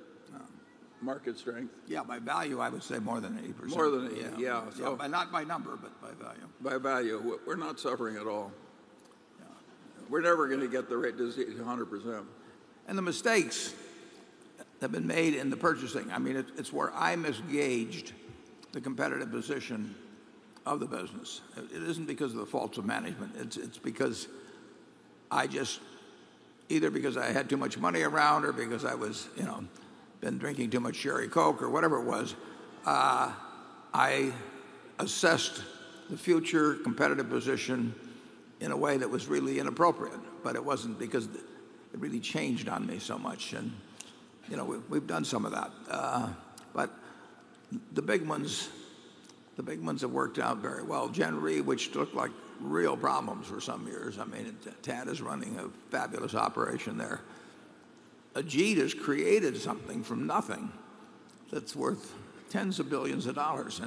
market strength. Yeah, by value, I would say more than 80%. More than 80%. Yeah. Not by number, but by value. By value, we're not suffering at all. Yeah. We're never going to get the rate to 100%. Mistakes have been made in the purchasing. I mean, it's where I misgauged the competitive position of the business. It isn't because of the faults of management. It's because I just, either because I had too much money around or because I was, you know, been drinking too much Cherry Coke or whatever it was. I assessed the future competitive position in a way that was really inappropriate. It wasn't because it really changed on me so much. You know, we've done some of that. The big ones, the big ones have worked out very well. Gen Re, which looked like real problems for some years. I mean, Ted is running a fabulous operation there. Ajit has created something from nothing that's worth 10s of billions of dollars.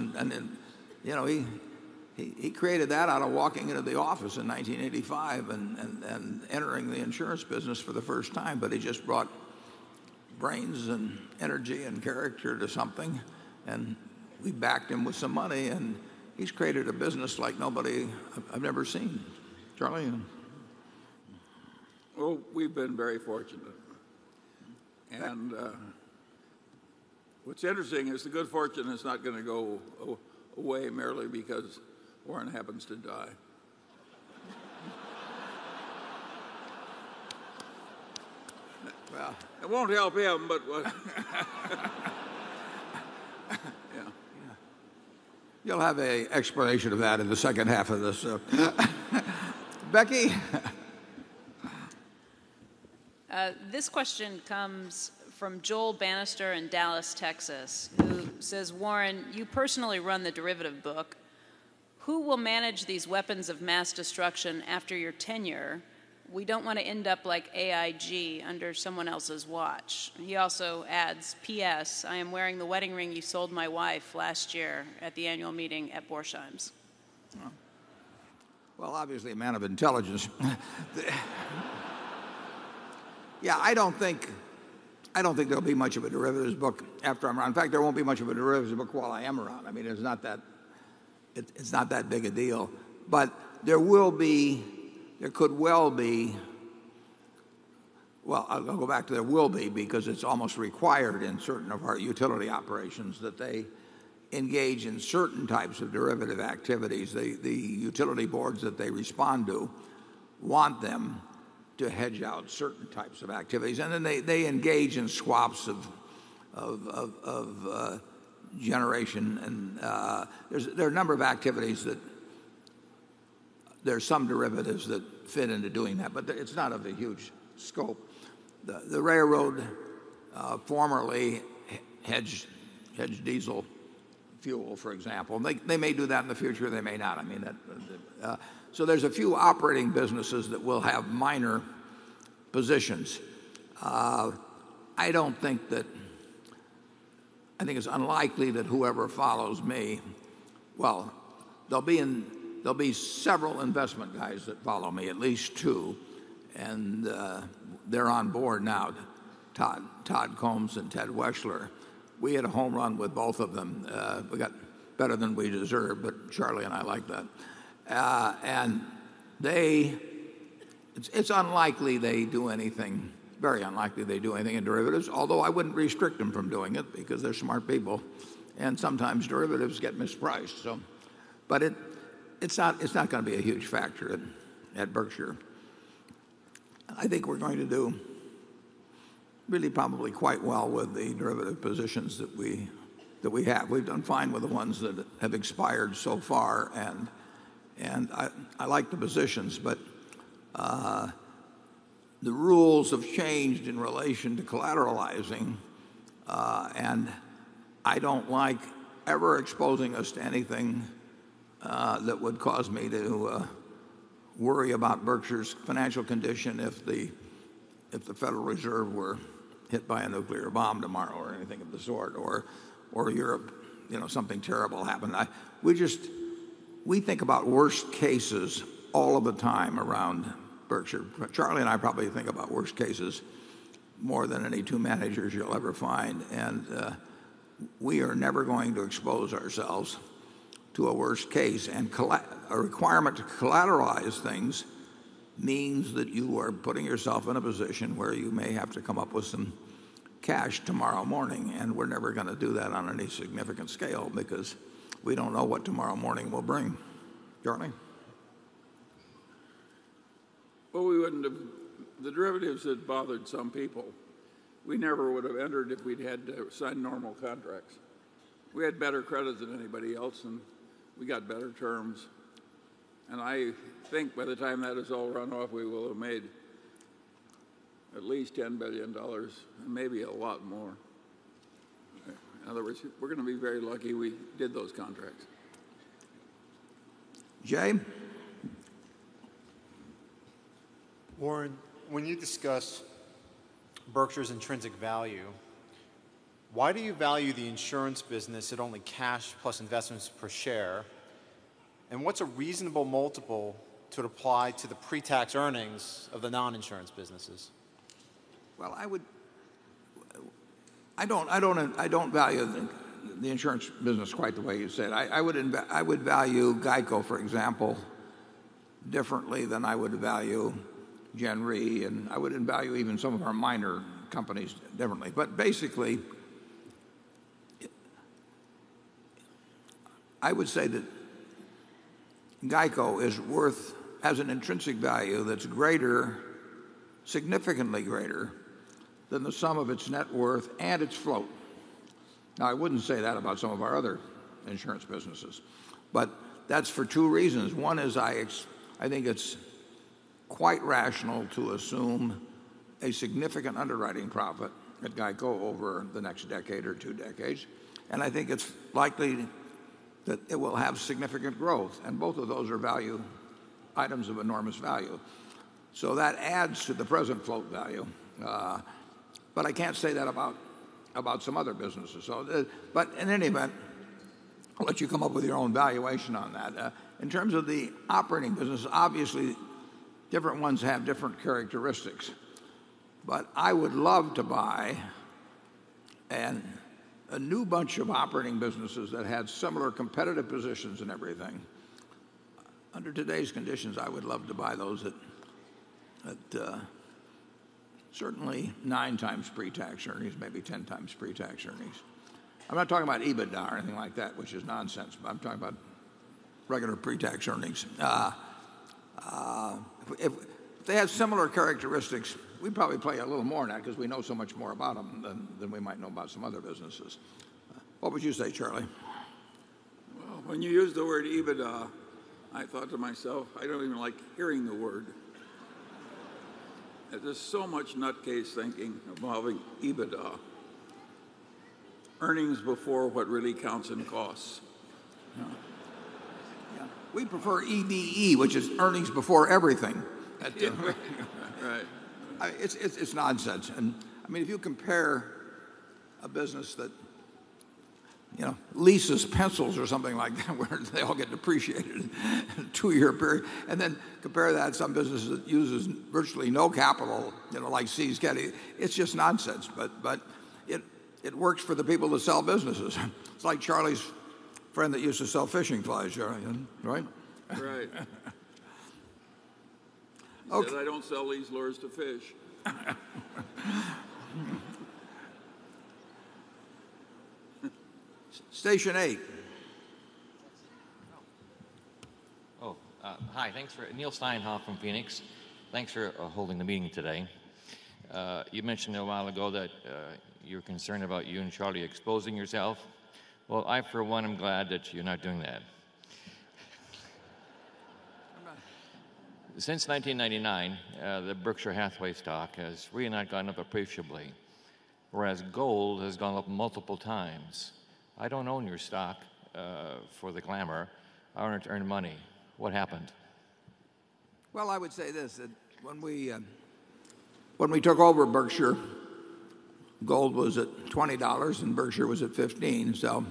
He created that out of walking into the office in 1985 and entering the insurance business for the first time. He just brought brains and energy and character to something. We backed him with some money. He's created a business like nobody I've ever seen. Charlie? We have been very fortunate. What's interesting is the good fortune is not going to go away merely because Warren happens to die. It won't help him, but what? Yeah. You'll have an explanation of that in the second half of this. Becky? This question comes from Joel Banister in Dallas, Texas, who says, "Warren, you personally run the derivative book. Who will manage these weapons of mass destruction after your tenure? We don't want to end up like AIG under someone else's watch." He also adds, "P.S. I am wearing the wedding ring you sold my wife last year at the annual meeting at Borsheims. Obviously, a man of intelligence. I don't think there'll be much of a derivatives book after I'm around. In fact, there won't be much of a derivatives book while I am around. I mean, it's not that big a deal. There will be, there could well be, I’ll go back to there will be because it's almost required in certain of our utility operations that they engage in certain types of derivative activities. The utility boards that they respond to want them to hedge out certain types of activities. They engage in swaps of generation, and there are a number of activities that there are some derivatives that fit into doing that. It's not of a huge scope. The railroad formerly hedged diesel fuel, for example. They may do that in the future. They may not. I mean, there's a few operating businesses that will have minor positions. I think it's unlikely that whoever follows me, there'll be several investment guys that follow me, at least two. They're on board now, Todd Combs and Ted Wechsler. We had a home run with both of them. We got better than we deserved, but Charlie and I like that. It's unlikely they do anything, very unlikely they do anything in derivatives, although I wouldn't restrict them from doing it because they're smart people. Sometimes derivatives get mispriced. It's not going to be a huge factor at Berkshire. I think we're going to do really probably quite well with the derivative positions that we have. We've done fine with the ones that have expired so far. I like the positions, but the rules have changed in relation to collateralizing. I don't like ever exposing us to anything that would cause me to worry about Berkshire Hathaway's financial condition if the Federal Reserve were hit by a nuclear bomb tomorrow or anything of the sort or Europe, you know, something terrible happened. We think about worst cases all of the time around Berkshire Hathaway. Charlie and I probably think about worst cases more than any two managers you'll ever find. We are never going to expose ourselves to a worst case. A requirement to collateralize things means that you are putting yourself in a position where you may have to come up with some cash tomorrow morning. We're never going to do that on any significant scale because we don't know what tomorrow morning will bring. Charlie? The derivatives had bothered some people. We never would have entered if we'd had to sign normal contracts. We had better credit than anybody else, and we got better terms. I think by the time that has all run off, we will have made at least $10 billion and maybe a lot more. In other words, we're going to be very lucky we did those contracts. Jay? Warren, when you discuss Berkshire Hathaway's intrinsic value, why do you value the insurance business at only cash plus investments per share? What's a reasonable multiple to apply to the pre-tax earnings of the non-insurance businesses? I don't value the insurance business quite the way you said. I would value GEICO, for example, differently than I would value Gen Re. I wouldn't value even some of our minor companies differently. Basically, I would say that GEICO has an intrinsic value that's significantly greater than the sum of its net worth and its float. I wouldn't say that about some of our other insurance businesses. That's for two reasons. One is I think it's quite rational to assume a significant underwriting profit at GEICO over the next decade or two decades. I think it's likely that it will have significant growth. Both of those are value items of enormous value. That adds to the present float value. I can't say that about some other businesses. In any event, I'll let you come up with your own valuation on that. In terms of the operating businesses, obviously, different ones have different characteristics. I would love to buy a new bunch of operating businesses that had similar competitive positions and everything. Under today's conditions, I would love to buy those at certainly 9x pre-tax earnings, maybe 10x pre-tax earnings. I'm not talking about EBITDA or anything like that, which is nonsense. I'm talking about regular pre-tax earnings. If they had similar characteristics, we'd probably pay a little more in that because we know so much more about them than we might know about some other businesses. What would you say, Charlie? When you used the word EBITDA, I thought to myself, I don't even like hearing the word. There's so much nutcase thinking involving EBITDA. Earnings before what really counts in costs. Yeah, we prefer EBE, which is earnings before everything. Right. It's nonsense. If you compare a business that, you know, leases pencils or something like that, where they all get depreciated in a two-year period, and then compare that to some business that uses virtually no capital, you know, like See's Candy, it's just nonsense. It works for the people that sell businesses. It's like Charlie's friend that used to sell fishing flies, Charlie, right? Right. Because I don't sell lease lures to fish. Station eight. Oh, hi. Thanks, Neil Steinhoff from Phoenix. Thanks for holding the meeting today. You mentioned a while ago that you're concerned about you and Charlie exposing yourself. I, for one, am glad that you're not doing that. I'm not. Since 1999, the Berkshire Hathaway stock has really not gone up appreciably, whereas gold has gone up multiple times. I don't own your stock for the glamour. I want to earn money. What happened? I would say this, that when we took over Berkshire Hathaway, gold was at $20 and Berkshire was at $15.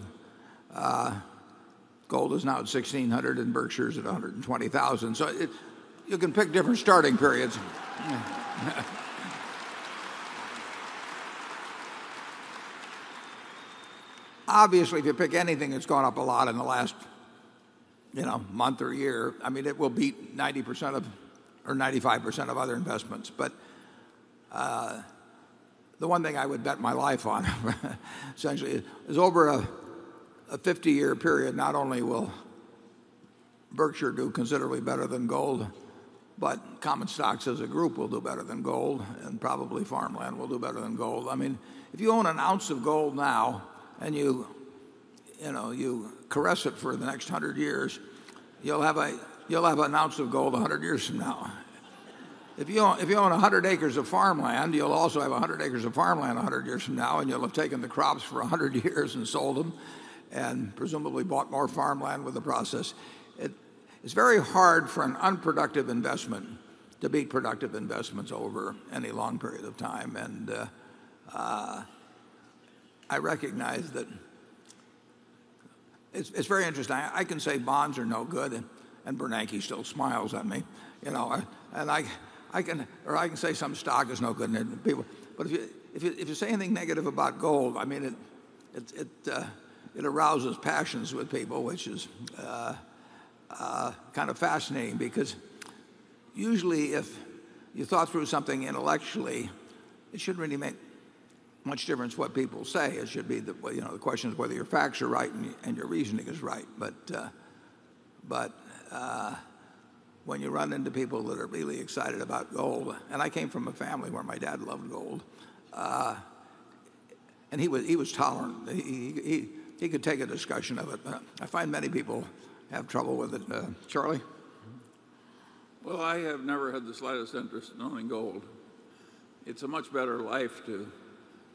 Gold is now at $1,600 and Berkshire is at $120,000. You can pick different starting periods. Obviously, if you pick anything that's gone up a lot in the last, you know, month or year, it will beat 90% or 95% of other investments. The one thing I would bet my life on, essentially, is over a 50-year period, not only will Berkshire do considerably better than gold, but common stocks as a group will do better than gold, and probably farmland will do better than gold. If you own an ounce of gold now and you, you know, you caress it for the next 100 years, you'll have an ounce of gold 100 years from now. If you own 100 acres of farmland, you'll also have 100 acres of farmland 100 years from now, and you'll have taken the crops for 100 years and sold them and presumably bought more farmland with the process. It's very hard for an unproductive investment to beat productive investments over any long period of time. I recognize that it's very interesting. I can say bonds are no good, and Bernanke still smiles at me. I can, or I can say some stock is no good. People, but if you say anything negative about gold, it arouses passions with people, which is kind of fascinating because usually, if you thought through something intellectually, it shouldn't really make much difference what people say. It should be the, you know, the question is whether your facts are right and your reasoning is right. When you run into people that are really excited about gold, and I came from a family where my dad loved gold, and he was tolerant. He could take a discussion of it. I find many people have trouble with it. Charlie? I have never had the slightest interest in owning gold. It's a much better life to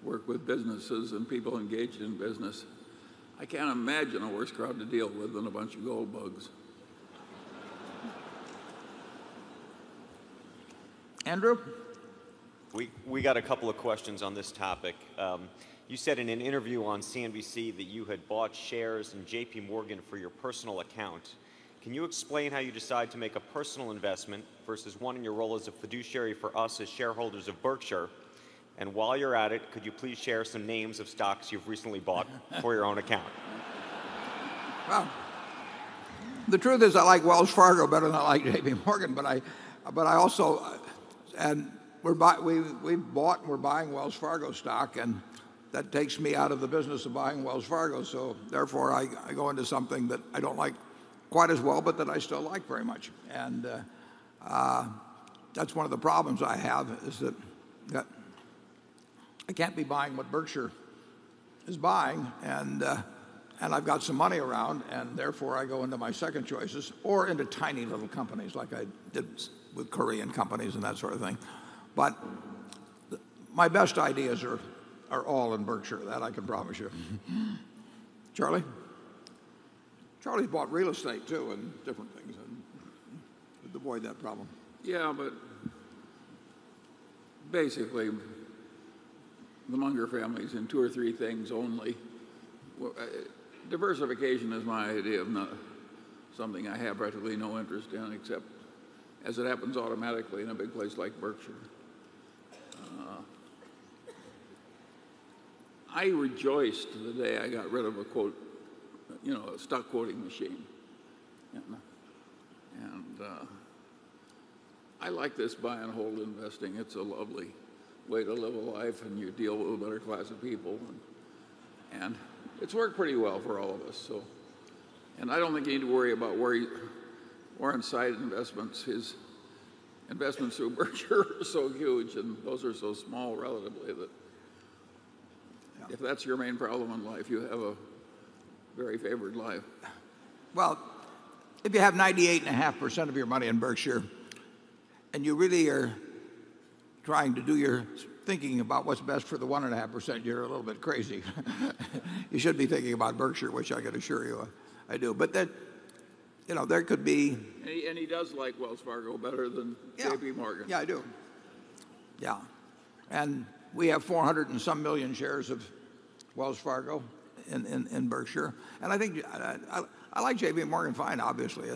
work with businesses and people engaged in business. I can't imagine a worse crowd to deal with than a bunch of gold bugs. Andrew? We got a couple of questions on this topic. You said in an interview on CNBC that you had bought shares in JPMorgan for your personal account. Can you explain how you decide to make a personal investment versus one in your role as a fiduciary for us as shareholders of Berkshire? While you're at it, could you please share some names of stocks you've recently bought for your own account? The truth is I like Wells Fargo better than I like JPMorgan, but I also, and we've bought and we're buying Wells Fargo stock, and that takes me out of the business of buying Wells Fargo. Therefore, I go into something that I don't like quite as well, but that I still like very much. That's one of the problems I have, that I can't be buying what Berkshire Hathaway is buying, and I've got some money around, and therefore, I go into my second choices or into tiny little companies like I did with Korean companies and that sort of thing. My best ideas are all in Berkshire, that I can promise you. Charlie? Charlie's bought real estate too and different things and avoid that problem. Yeah, but basically, the Munger family's in two or three things only. Diversification is my idea of something I have really no interest in, except as it happens automatically in a big place like Berkshire. I rejoiced the day I got rid of a stock quoting machine. I like this buy and hold investing. It's a lovely way to live a life, and you deal with a better class of people. It's worked pretty well for all of us. I don't think you need to worry about Warren's side investments. His investments through Berkshire are so huge, and those are so small relatively that if that's your main problem in life, you have a very favored life. If you have 98.5% of your money in Berkshire and you really are trying to do your thinking about what's best for the 1.5%, you're a little bit crazy. You shouldn't be thinking about Berkshire which I can assure you I do. Then, you know, there could be. He does like Wells Fargo better than JPMorgan. Yeah, I do. We have 400 and some million shares of Wells Fargo in Berkshire. I think I like JPMorgan fine, obviously.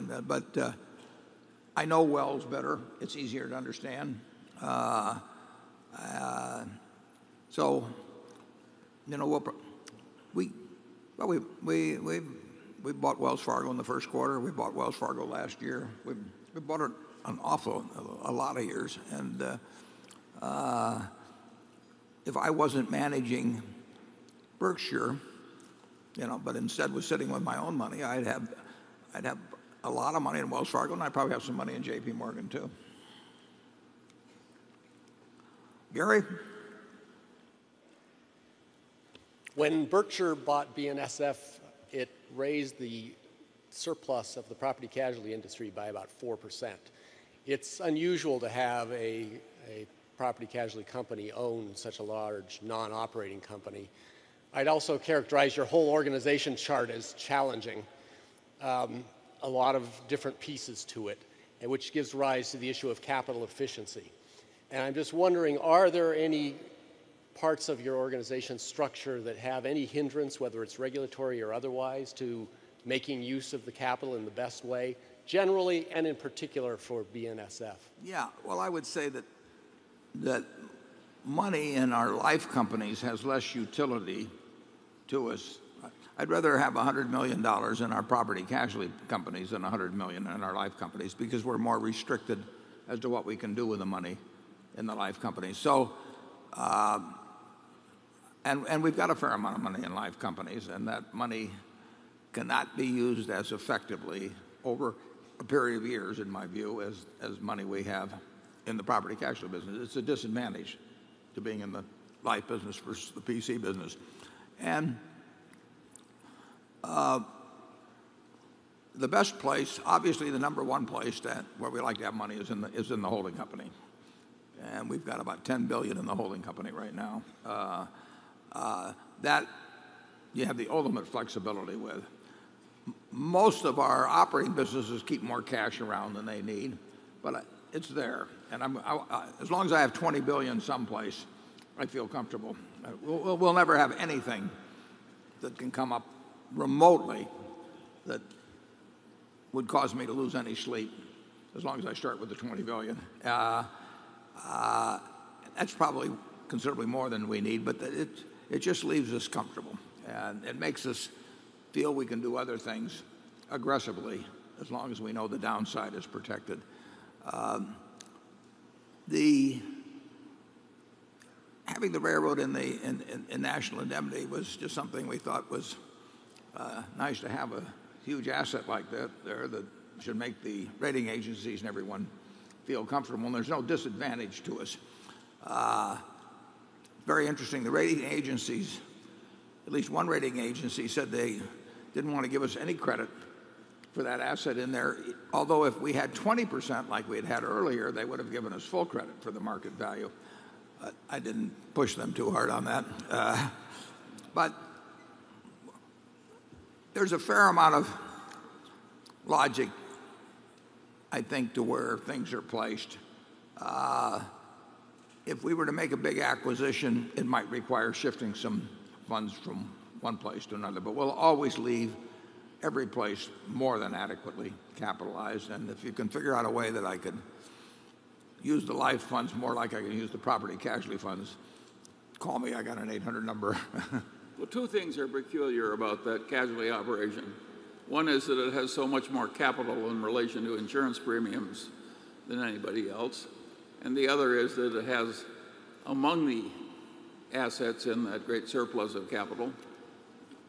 I know Wells better. It's easier to understand. We've bought Wells Fargo in the first quarter. We bought Wells Fargo last year. We've bought it an awful lot of years. If I wasn't managing Berkshire, but instead was sitting with my own money, I'd have a lot of money in Wells Fargo, and I'd probably have some money in JPMorgan too. Gary? When Berkshire bought BNSF, it raised the surplus of the property casualty industry by about 4%. It's unusual to have a property casualty company own such a large non-operating company. I'd also characterize your whole organization chart as challenging. A lot of different pieces to it, which gives rise to the issue of capital efficiency. I'm just wondering, are there any parts of your organization structure that have any hindrance, whether it's regulatory or otherwise, to making use of the capital in the best way, generally, and in particular for BNSF? Yeah, I would say that money in our life companies has less utility to us. I'd rather have $100 million in our property casualty companies than $100 million in our life companies because we're more restricted as to what we can do with the money in the life companies. We've got a fair amount of money in life companies, and that money cannot be used as effectively over a period of years, in my view, as money we have in the property casualty business. It's a disadvantage to being in the life business versus the property casualty business. The best place, obviously, the number one place that we like to have money is in the holding company. We've got about $10 billion in the holding company right now. That you have the ultimate flexibility with. Most of our operating businesses keep more cash around than they need, but it's there. As long as I have $20 billion someplace, I feel comfortable. We'll never have anything that can come up remotely that would cause me to lose any sleep as long as I start with the $20 billion. That's probably considerably more than we need, but it just leaves us comfortable and makes us feel we can do other things aggressively as long as we know the downside is protected. Having the railroad in National Indemnity was just something we thought was nice to have a huge asset like that there that should make the rating agencies and everyone feel comfortable. There's no disadvantage to us. Very interesting, the rating agencies, at least one rating agency, said they didn't want to give us any credit for that asset in there. Although if we had 20% like we had had earlier, they would have given us full credit for the market value. I didn't push them too hard on that. There's a fair amount of logic, I think, to where things are placed. If we were to make a big acquisition, it might require shifting some funds from one place to another. We'll always leave every place more than adequately capitalized. If you can figure out a way that I could use the life funds more like I can use the property casualty funds, call me. I got an 800 number. Two things are peculiar about that casualty operation. One is that it has so much more capital in relation to insurance premiums than anybody else. The other is that it has, among the assets in that great surplus of capital,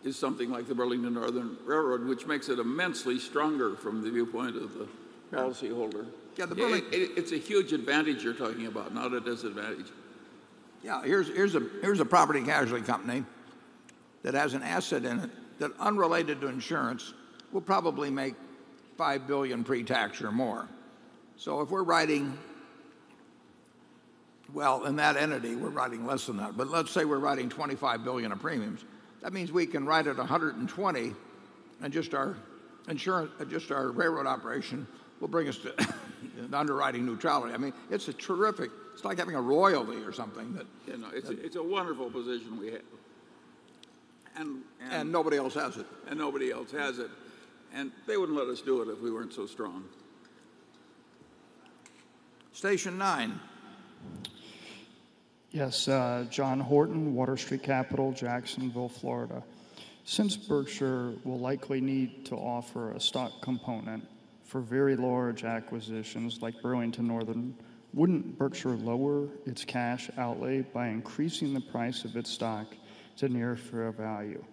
something like the Burlington Northern Railroad, which makes it immensely stronger from the viewpoint of the policyholder. Yeah, the Burlington. It's a huge advantage you're talking about, not a disadvantage. Yeah, here's a property casualty company that has an asset in it that, unrelated to insurance, will probably make $5 billion pre-tax or more. If we're writing well in that entity, we're writing less than that. Let's say we're writing $25 billion of premiums. That means we can write it $120 and just our insurance, just our railroad operation will bring us to an underwriting neutrality. I mean, it's a terrific, it's like having a royalty or something that. It's a wonderful position we have. Nobody else has it. Nobody else has it. They wouldn't let us do it if we weren't so strong. Station nine. Yes, John Horton, Water Street Capital, Jacksonville, Florida. Since Berkshire will likely need to offer a stock component for very large acquisitions like Burlington Northern, wouldn't Berkshire lower its cash outlay by increasing the price of its stock to near fair value,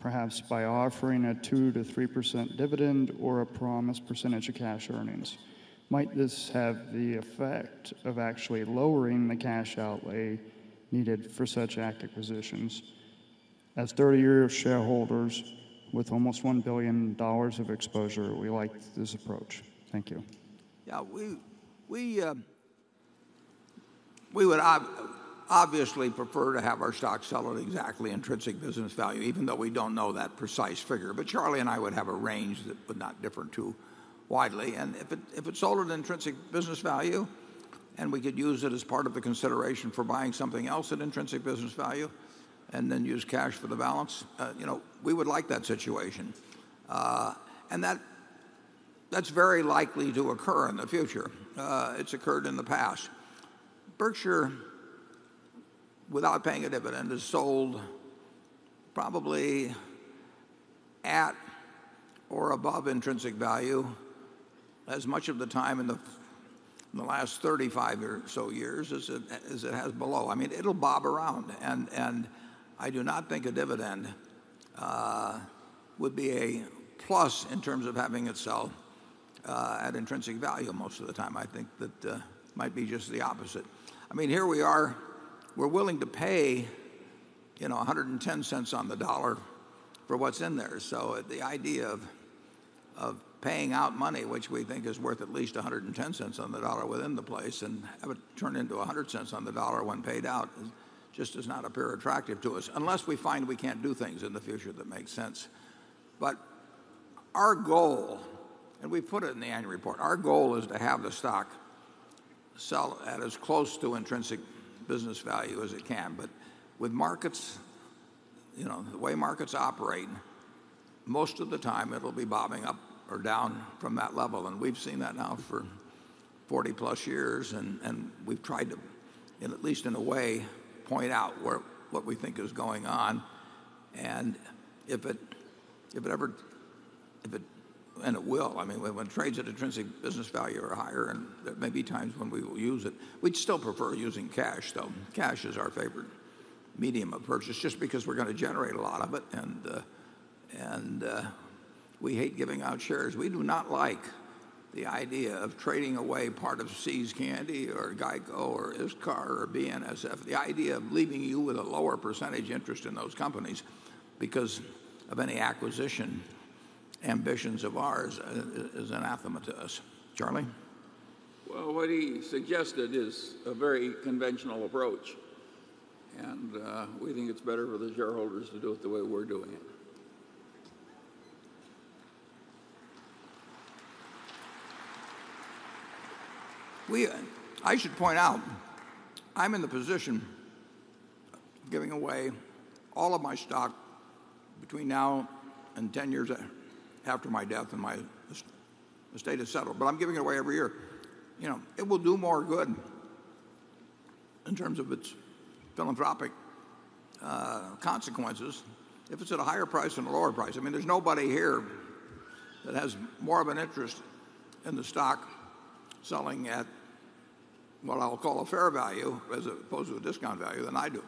perhaps by offering a 2%-3% dividend or a promised percentage of cash earnings? Might this have the effect of actually lowering the cash outlay needed for such acquisitions? As 30-year shareholders with almost $1 billion of exposure, we like this approach. Thank you. Yeah, we would obviously prefer to have our stock sell at exactly intrinsic business value, even though we don't know that precise figure. Charlie and I would have a range that would not differ too widely. If it sold at intrinsic business value, and we could use it as part of the consideration for buying something else at intrinsic business value, and then use cash for the balance, we would like that situation. That is very likely to occur in the future. It's occurred in the past. Berkshire, without paying a dividend, has sold probably at or above intrinsic value as much of the time in the last 35 or so years as it has below. It'll bob around. I do not think a dividend would be a plus in terms of having it sell at intrinsic value most of the time. I think that might be just the opposite. Here we are, we're willing to pay $1.10 on the dollar for what's in there. The idea of paying out money, which we think is worth at least $1.10 on the dollar within the place and have it turn into $1.00 on the dollar when paid out just does not appear attractive to us, unless we find we can't do things in the future that make sense. Our goal, and we put it in the annual report, is to have the stock sell at as close to intrinsic business value as it can. With markets, the way markets operate, most of the time it'll be bobbing up or down from that level. We've seen that now for 40+ years. We've tried to, at least in a way, point out what we think is going on. If it ever, and it will, when trades at intrinsic business value are higher, and there may be times when we will use it, we'd still prefer using cash. Cash is our favorite medium of purchase, just because we're going to generate a lot of it. We hate giving out shares. We do not like the idea of trading away part of See's Candy or GEICO or ISCAR or BNSF. The idea of leaving you with a lower percentage interest in those companies because of any acquisition ambitions of ours is anathema to us. Charlie? He suggested a very conventional approach. We think it's better for the shareholders to do it the way we're doing it. I should point out, I'm in the position of giving away all of my stock between now and 10 years after my death and my estate is settled. I'm giving it away every year. You know, it will do more good in terms of its philanthropic consequences if it's at a higher price than a lower price. I mean, there's nobody here that has more of an interest in the stock selling at what I'll call a fair value as opposed to a discount value than I do.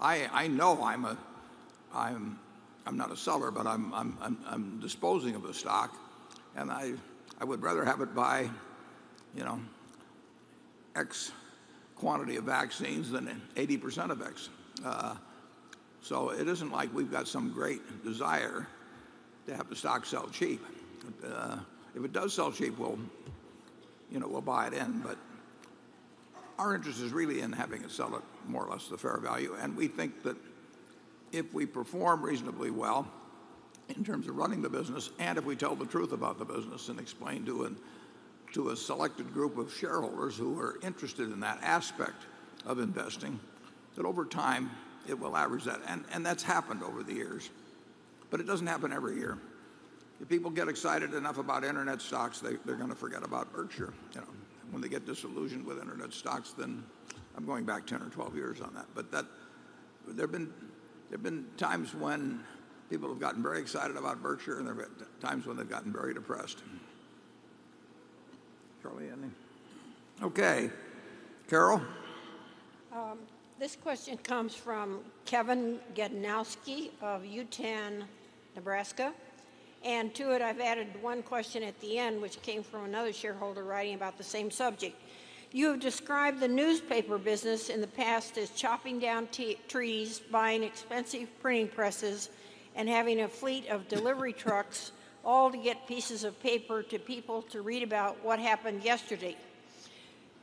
I know I'm not a seller, but I'm disposing of a stock. I would rather have it buy, you know, X quantity of vaccines than 80% of X. It isn't like we've got some great desire to have the stock sell cheap. If it does sell cheap, we'll buy it in. Our interest is really in having it sell at more or less the fair value. We think that if we perform reasonably well in terms of running the business, and if we tell the truth about the business and explain to a selected group of shareholders who are interested in that aspect of investing, over time it will average that. That's happened over the years. It doesn't happen every year. If people get excited enough about Internet stocks, they're going to forget about Berkshire Hathaway. When they get disillusioned with internet stocks, then I'm going back 10 or 12 years on that. There have been times when people have gotten very excited about Berkshire, and there have been times when they've gotten very depressed. Charlie, anything? Okay. Carol? This question comes from Kevin Getnowski of Utan, Nebraska. To it, I've added one question at the end, which came from another shareholder writing about the same subject. You have described the newspaper business in the past as chopping down trees, buying expensive printing presses, and having a fleet of delivery trucks, all to get pieces of paper to people to read about what happened yesterday.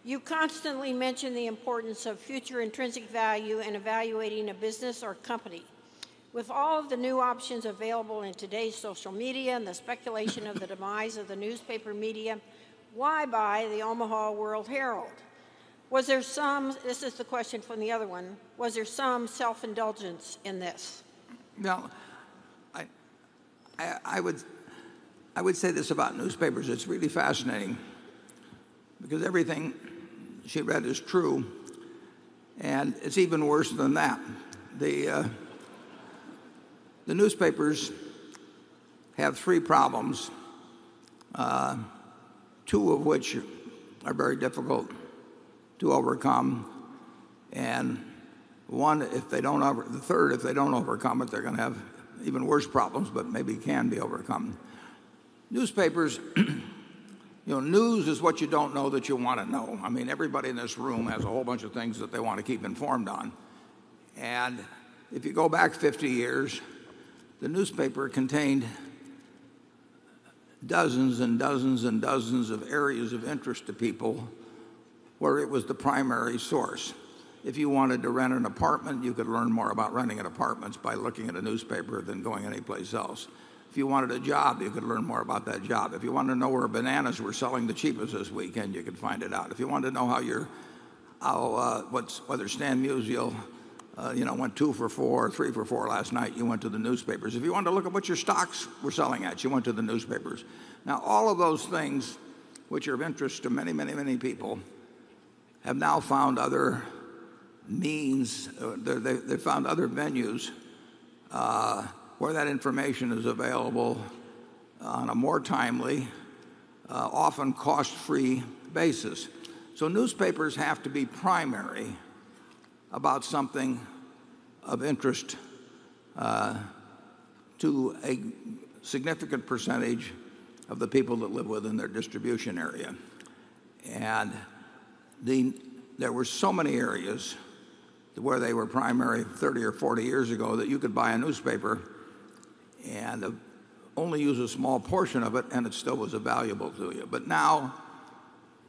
You constantly mention the importance of future intrinsic value in evaluating a business or company. With all of the new options available in today's social media and the speculation of the demise of the newspaper medium, why buy the Omaha World Herald? Was there some, this is the question from the other one, was there some self-indulgence in this? No, I would say this about newspapers, it's really fascinating because everything she read is true. It's even worse than that. The newspapers have three problems, two of which are very difficult to overcome. One, if they don't, the third, if they don't overcome it, they're going to have even worse problems, but maybe can be overcome. Newspapers, you know, news is what you don't know that you want to know. I mean, everybody in this room has a whole bunch of things that they want to keep informed on. If you go back 50 years, the newspaper contained dozens and dozens and dozens of areas of interest to people where it was the primary source. If you wanted to rent an apartment, you could learn more about renting an apartment by looking at a newspaper than going anyplace else. If you wanted a job, you could learn more about that job. If you wanted to know where bananas were selling the cheapest this weekend, you could find it out. If you wanted to know how your, whether Stan Musial, you know, went two for four or three for four last night, you went to the newspapers. If you wanted to look at what your stocks were selling at, you went to the newspapers. Now, all of those things, which are of interest to many, many, many people, have now found other means. They've found other venues where that information is available on a more timely, often cost-free basis. Newspapers have to be primary about something of interest to a significant percentage of the people that live within their distribution area. There were so many areas where they were primary 30 or 40 years ago that you could buy a newspaper and only use a small portion of it, and it still was valuable to you. Now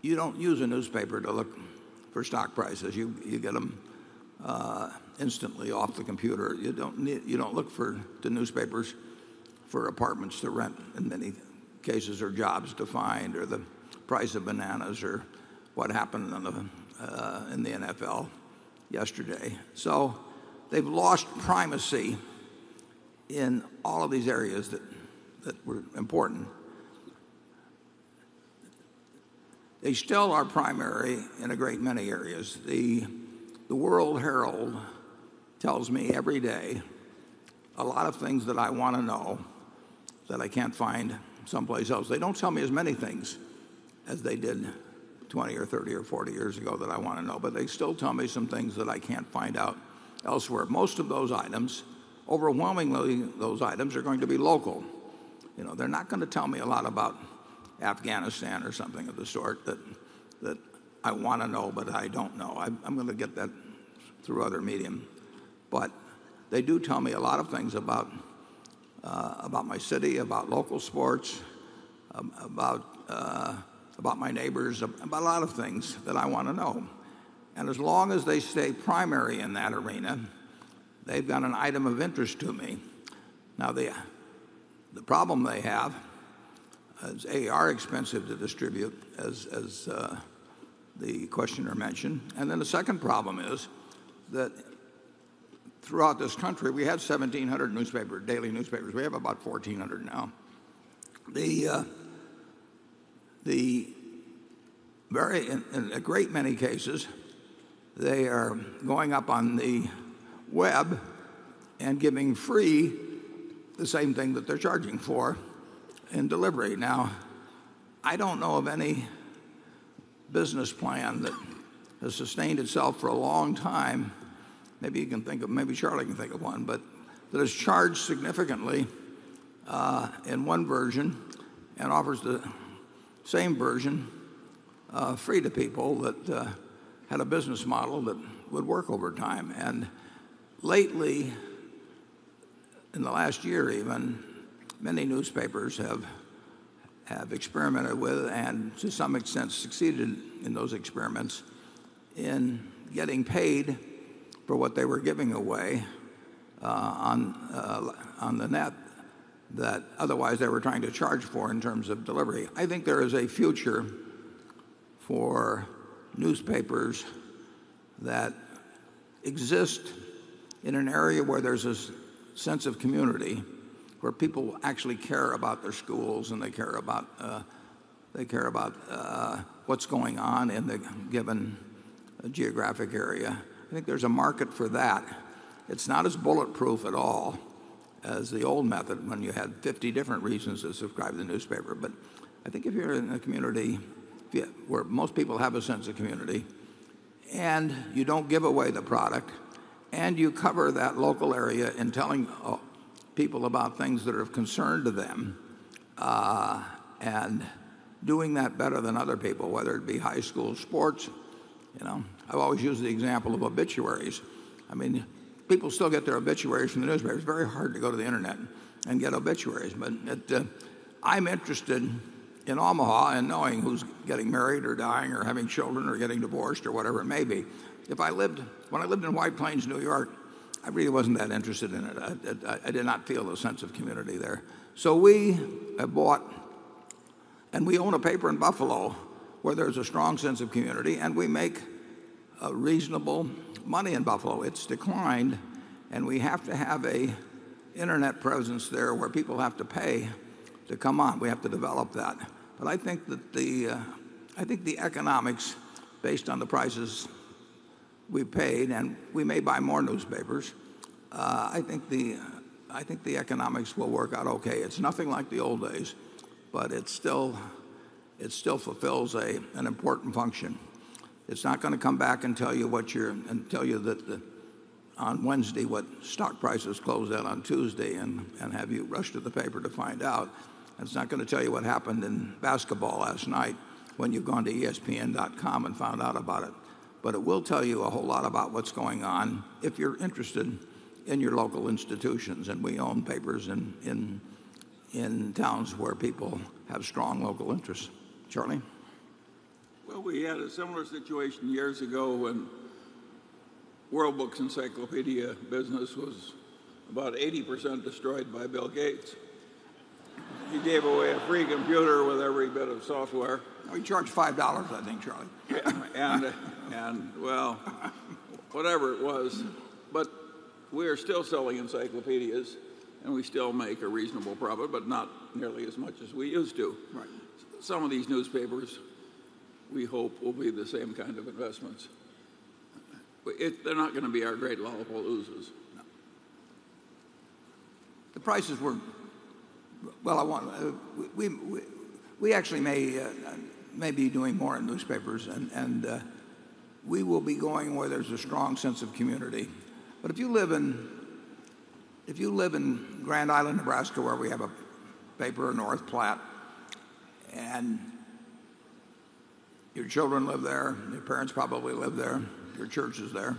you don't use a newspaper to look for stock prices. You get them instantly off the computer. You don't look for the newspapers for apartments to rent in many cases or jobs to find or the price of bananas or what happened in the NFL yesterday. They've lost primacy in all of these areas that were important. They still are primary in a great many areas. The World Herald tells me every day a lot of things that I want to know that I can't find someplace else. They don't tell me as many things as they did 20 or 30 or 40 years ago that I want to know, but they still tell me some things that I can't find out elsewhere. Most of those items, overwhelmingly those items, are going to be local. You know, they're not going to tell me a lot about Afghanistan or something of the sort that I want to know, but I don't know. I'm going to get that through other medium. They do tell me a lot of things about my city, about local sports, about my neighbors, about a lot of things that I want to know. As long as they stay primary in that arena, they've got an item of interest to me. Now, the problem they have is they are expensive to distribute, as the questioner mentioned. The second problem is that throughout this country, we have 1,700 newspapers, daily newspapers. We have about 1,400 now. In a great many cases, they are going up on the web and giving free the same thing that they're charging for in delivery. I don't know of any business plan that has sustained itself for a long time. Maybe you can think of, maybe Charlie can think of one, that has charged significantly in one version and offers the same version free to people that had a business model that would work over time. Lately, in the last year even, many newspapers have experimented with, and to some extent succeeded in those experiments, in getting paid for what they were giving away on the net that otherwise they were trying to charge for in terms of delivery. I think there is a future for newspapers that exist in an area where there's a sense of community, where people actually care about their schools and they care about what's going on in the given geographic area. I think there's a market for that. It's not as bulletproof at all as the old method when you had 50 different reasons to subscribe to the newspaper. I think if you're in a community where most people have a sense of community and you don't give away the product and you cover that local area in telling people about things that are of concern to them and doing that better than other people, whether it be high school sports, you know, I've always used the example of obituaries. I mean, people still get their obituaries from the newspaper. It's very hard to go to the internet and get obituaries. I'm interested in Omaha and knowing who's getting married or dying or having children or getting divorced or whatever it may be. When I lived in White Plains, New York, I really wasn't that interested in it. I did not feel a sense of community there. We have bought and we own a paper in Buffalo where there's a strong sense of community and we make reasonable money in Buffalo. It's declined and we have to have an Internet presence there where people have to pay to come on. We have to develop that. I think the economics based on the prices we've paid and we may buy more newspapers. I think the economics will work out okay. It's nothing like the old days, but it still fulfills an important function. It's not going to come back and tell you what you're, and tell you that on Wednesday what stock prices closed out on Tuesday and have you rush to the paper to find out. It's not going to tell you what happened in basketball last night when you've gone to ESPN.com and found out about it. It will tell you a whole lot about what's going on if you're interested in your local institutions. We own papers in towns where people have strong local interests. Charlie? We had a similar situation years ago when World Book's encyclopedia business was about 80% destroyed by Bill Gates. He gave away a free computer with every bit of software. Oh, he charged $5, I think, Charlie. Yeah, whatever it was, we are still selling encyclopedias and we still make a reasonable profit, but not nearly as much as we used to. Right. Some of these newspapers we hope will be the same kind of investments. They're not going to be our great lollipop losers. No. The prices weren't, we actually may be doing more in newspapers and we will be going where there's a strong sense of community. If you live in Grand Island, Nebraska, where we have a paper in North Platte and your children live there and your parents probably live there, your church is there,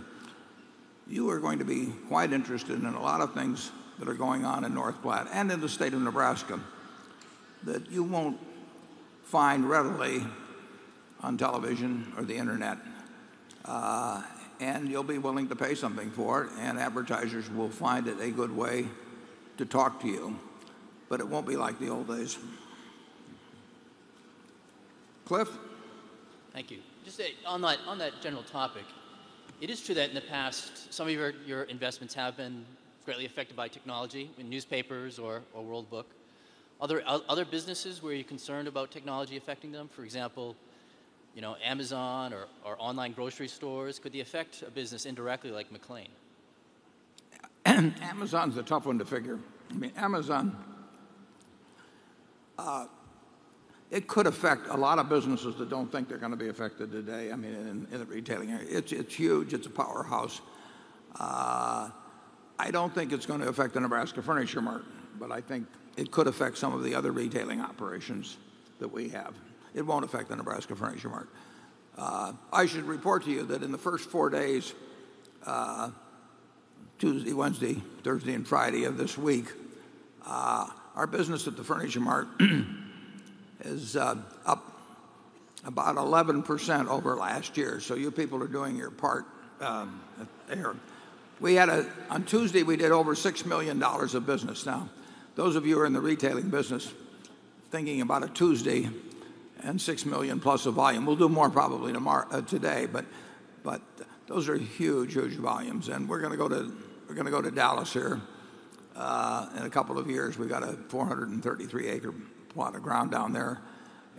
you are going to be quite interested in a lot of things that are going on in North Platte and in the state of Nebraska that you won't find readily on television or the internet. You'll be willing to pay something for it and advertisers will find it a good way to talk to you. It won't be like the old days. Cliff? Thank you. Just on that general topic, it is true that in the past some of your investments have been greatly affected by technology in newspapers or World Book. Are there other businesses where you're concerned about technology affecting them? For example, you know, Amazon or online grocery stores? Could they affect a business indirectly like McLane? Amazon's a tough one to figure. I mean, Amazon, it could affect a lot of businesses that don't think they're going to be affected today. I mean, in the retailing area, it's huge. It's a powerhouse. I don't think it's going to affect the Nebraska Furniture Mart, but I think it could affect some of the other retailing operations that we have. It won't affect the Nebraska Furniture Mart. I should report to you that in the first four days, Tuesday, Wednesday, Thursday, and Friday of this week, our business at the Furniture Mart is up about 11% over last year. You people are doing your part there. On Tuesday, we did over $6 million of business. Now, those of you who are in the retailing business, thinking about a Tuesday and $6 million plus of volume. We'll do more probably today, but those are huge, huge volumes. We're going to go to Dallas here in a couple of years. We've got a 433-acre plot of ground down there.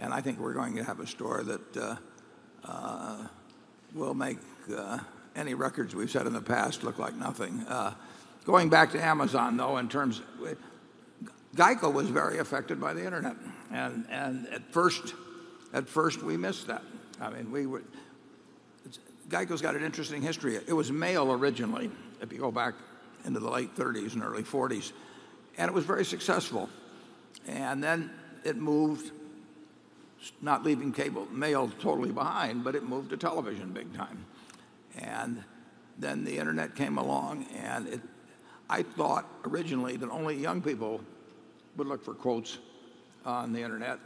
I think we're going to have a store that will make any records we've set in the past look like nothing. Going back to Amazon, though, in terms of GEICO was very affected by the Internet. At first, we missed that. GEICO's got an interesting history. It was mail originally, if you go back into the late 1930s and early 1940s. It was very successful. Then it moved, not leaving cable mail totally behind, but it moved to television big time. The Internet came along and I thought originally that only young people would look for quotes on the internet.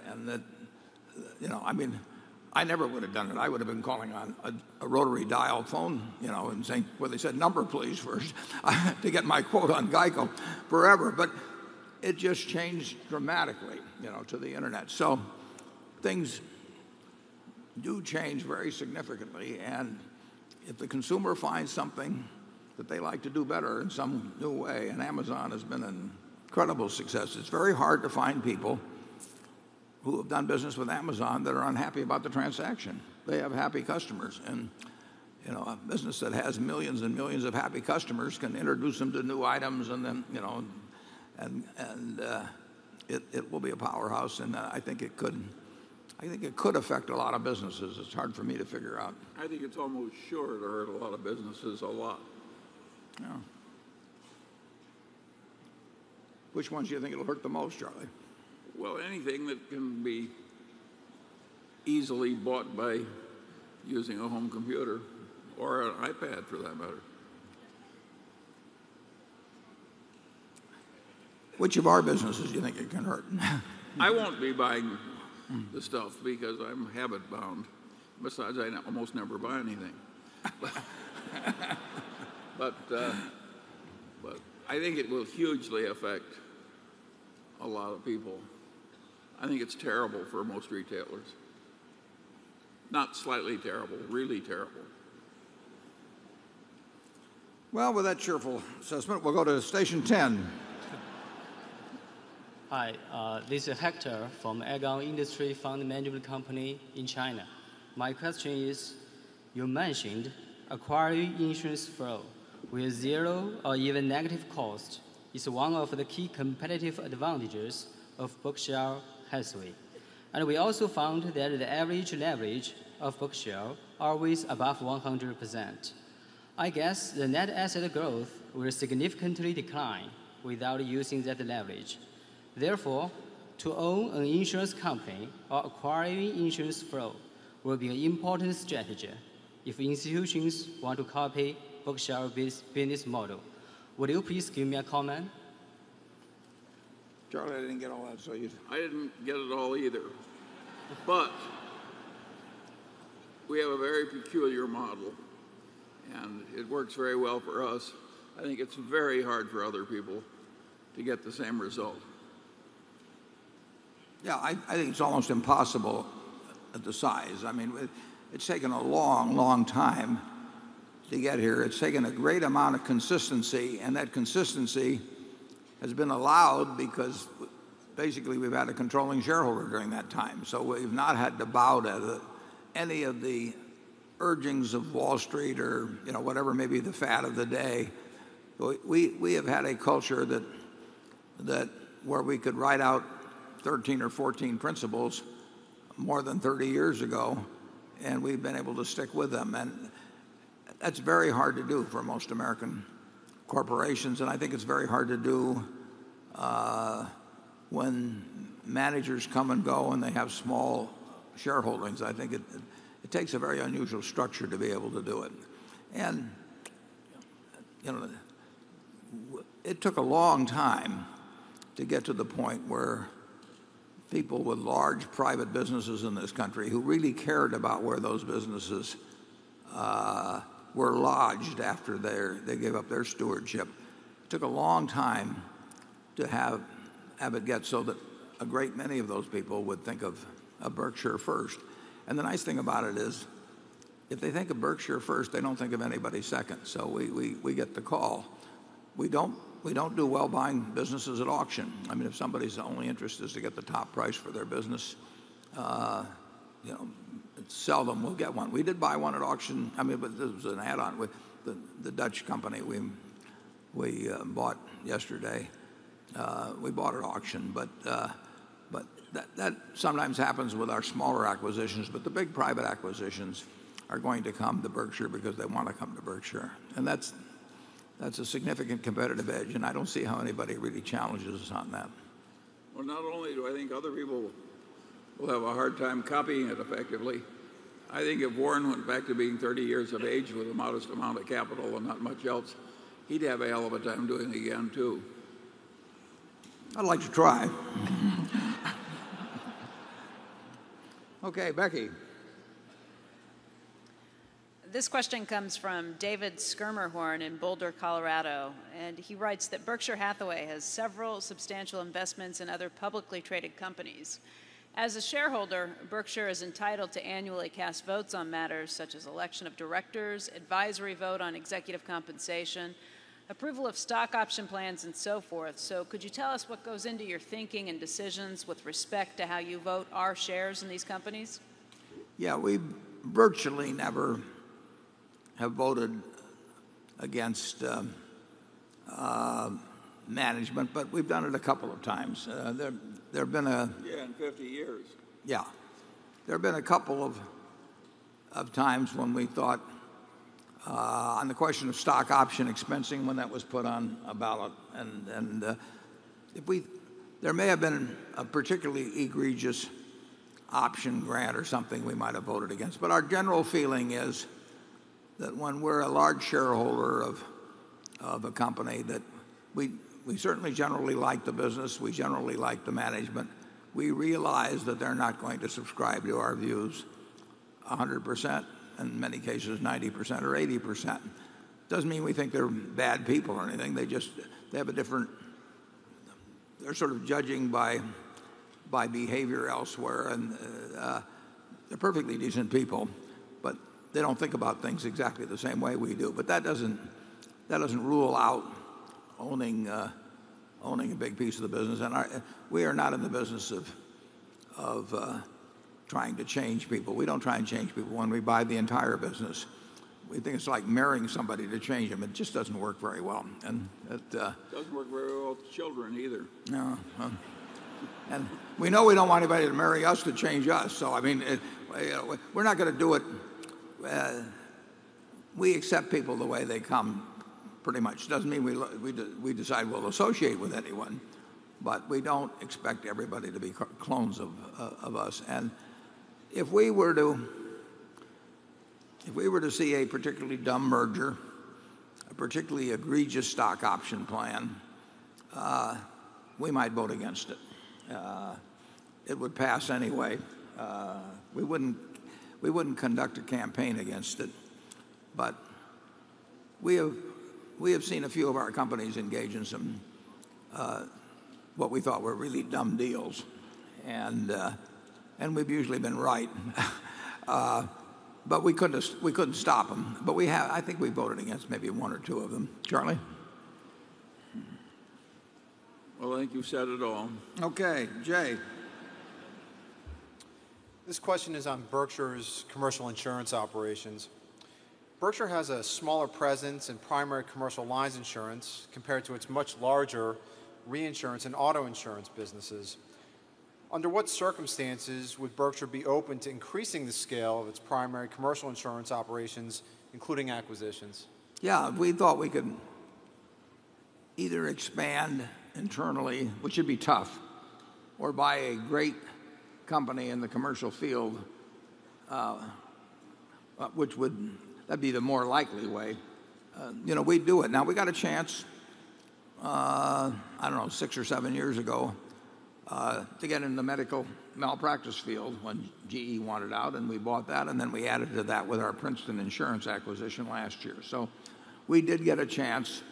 I never would have done it. I would have been calling on a rotary dial phone, you know, and saying, "Will they set number please for to get my quote on GEICO?" forever. It just changed dramatically to the Internet. Things do change very significantly. If the consumer finds something that they like to do better in some new way, and Amazon has been an incredible success, it's very hard to find people who have done business with Amazon that are unhappy about the transaction. They have happy customers. A business that has millions and millions of happy customers can introduce them to new items and it will be a powerhouse. I think it could affect a lot of businesses. It's hard for me to figure out. I think it's almost sure it'll hurt a lot of businesses a lot. Yeah. Which ones do you think it'll hurt the most, Charlie? Anything that can be easily bought by using a home computer or an iPad for that matter. Which of our businesses do you think it can hurt? I won't be buying the stuff because I'm habit-bound. Besides, I almost never buy anything. I think it will hugely affect a lot of people. I think it's terrible for most retailers, not slightly terrible, really terrible. With that cheerful assessment, we'll go to station 10. Hi, this is Hector from Eagle Industry Fund Management Company in China. My question is, you mentioned acquiring insurance flow with zero or even negative cost is one of the key competitive advantages of Berkshire Hathaway. We also found that the average leverage of Berkshire is always above 100%. I guess the net asset growth will significantly decline without using that leverage. Therefore, to own an insurance company or acquiring insurance flow will be an important strategy if institutions want to copy Berkshire's business model. Would you please give me a comment? Charlie, I didn't get all that. I didn't get it all either. We have a very peculiar model, and it works very well for us. I think it's very hard for other people to get the same result. Yeah, I think it's almost impossible at the size. I mean, it's taken a long, long time to get here. It's taken a great amount of consistency, and that consistency has been allowed because basically we've had a controlling shareholder during that time. We've not had to bow to any of the urgings of Wall Street or, you know, whatever may be the fad of the day. We have had a culture where we could write out 13 or 14 principles more than 30 years ago, and we've been able to stick with them. That's very hard to do for most American corporations. I think it's very hard to do when managers come and go and they have small shareholdings. I think it takes a very unusual structure to be able to do it. It took a long time to get to the point where people with large private businesses in this country who really cared about where those businesses were lodged after they gave up their stewardship, it took a long time to have it get so that a great many of those people would think of Berkshire first. The nice thing about it is if they think of Berkshire first, they don't think of anybody second. We get the call. We don't do well buying businesses at auction. If somebody's only interest is to get the top price for their business, it's seldom we'll get one. We did buy one at auction. This was an add-on with the Dutch company we bought yesterday. We bought at auction, but that sometimes happens with our smaller acquisitions. The big private acquisitions are going to come to Berkshire because they want to come to Berkshire. That's a significant competitive edge, and I don't see how anybody really challenges us on that. I think other people will have a hard time copying it effectively. I think if Warren went back to being 30 years of age with a modest amount of capital and not much else, he'd have a hell of a time doing it again too. I'd like to try. Okay, Becky. This question comes from David Schermerhorn in Boulder, Colorado. He writes that Berkshire Hathaway has several substantial investments in other publicly-traded companies. As a shareholder, Berkshire is entitled to annually cast votes on matters such as election of directors, advisory vote on executive compensation, approval of stock option plans, and so forth. Could you tell us what goes into your thinking and decisions with respect to how you vote our shares in these companies? Yeah, we virtually never have voted against management, but we've done it a couple of times. There have been a. Yeah, in 50 years. Yeah. There have been a couple of times when we thought on the question of stock option expensing when that was put on a ballot. If we, there may have been a particularly egregious option grant or something, we might have voted against. Our general feeling is that when we're a large shareholder of a company, we certainly generally like the business, we generally like the management, we realize that they're not going to subscribe to our views 100%, and in many cases, 90% or 80%. It doesn't mean we think they're bad people or anything. They just have a different, they're sort of judging by behavior elsewhere. They're perfectly decent people, but they don't think about things exactly the same way we do. That doesn't rule out owning a big piece of the business. We are not in the business of trying to change people. We don't try and change people when we buy the entire business. We think it's like marrying somebody to change them. It just doesn't work very well. It doesn't work very well with children either. No. We know we don't want anybody to marry us to change us. I mean, we're not going to do it. We accept people the way they come pretty much. It doesn't mean we decide we'll associate with anyone, but we don't expect everybody to be clones of us. If we were to see a particularly dumb merger, a particularly egregious stock option plan, we might vote against it. It would pass anyway. We wouldn't conduct a campaign against it. We have seen a few of our companies engage in some what we thought were really dumb deals. We've usually been right. We couldn't stop them. I think we voted against maybe one or two of them. Charlie? I think you've said it all. Okay, Jay. This question is on Berkshire Hathaway's commercial insurance operations. Berkshire has a smaller presence in primary commercial lines insurance compared to its much larger reinsurance and auto insurance businesses. Under what circumstances would Berkshire be open to increasing the scale of its primary commercial insurance operations, including acquisitions? Yeah, we thought we could either expand internally, which would be tough, or buy a great company in the commercial field, which would, that'd be the more likely way. You know, we'd do it. Now, we got a chance, I don't know, six or seven years ago to get into the medical malpractice field when GE wanted out, and we bought that. Then we added to that with our Princeton Insurance acquisition last year. We did get a chance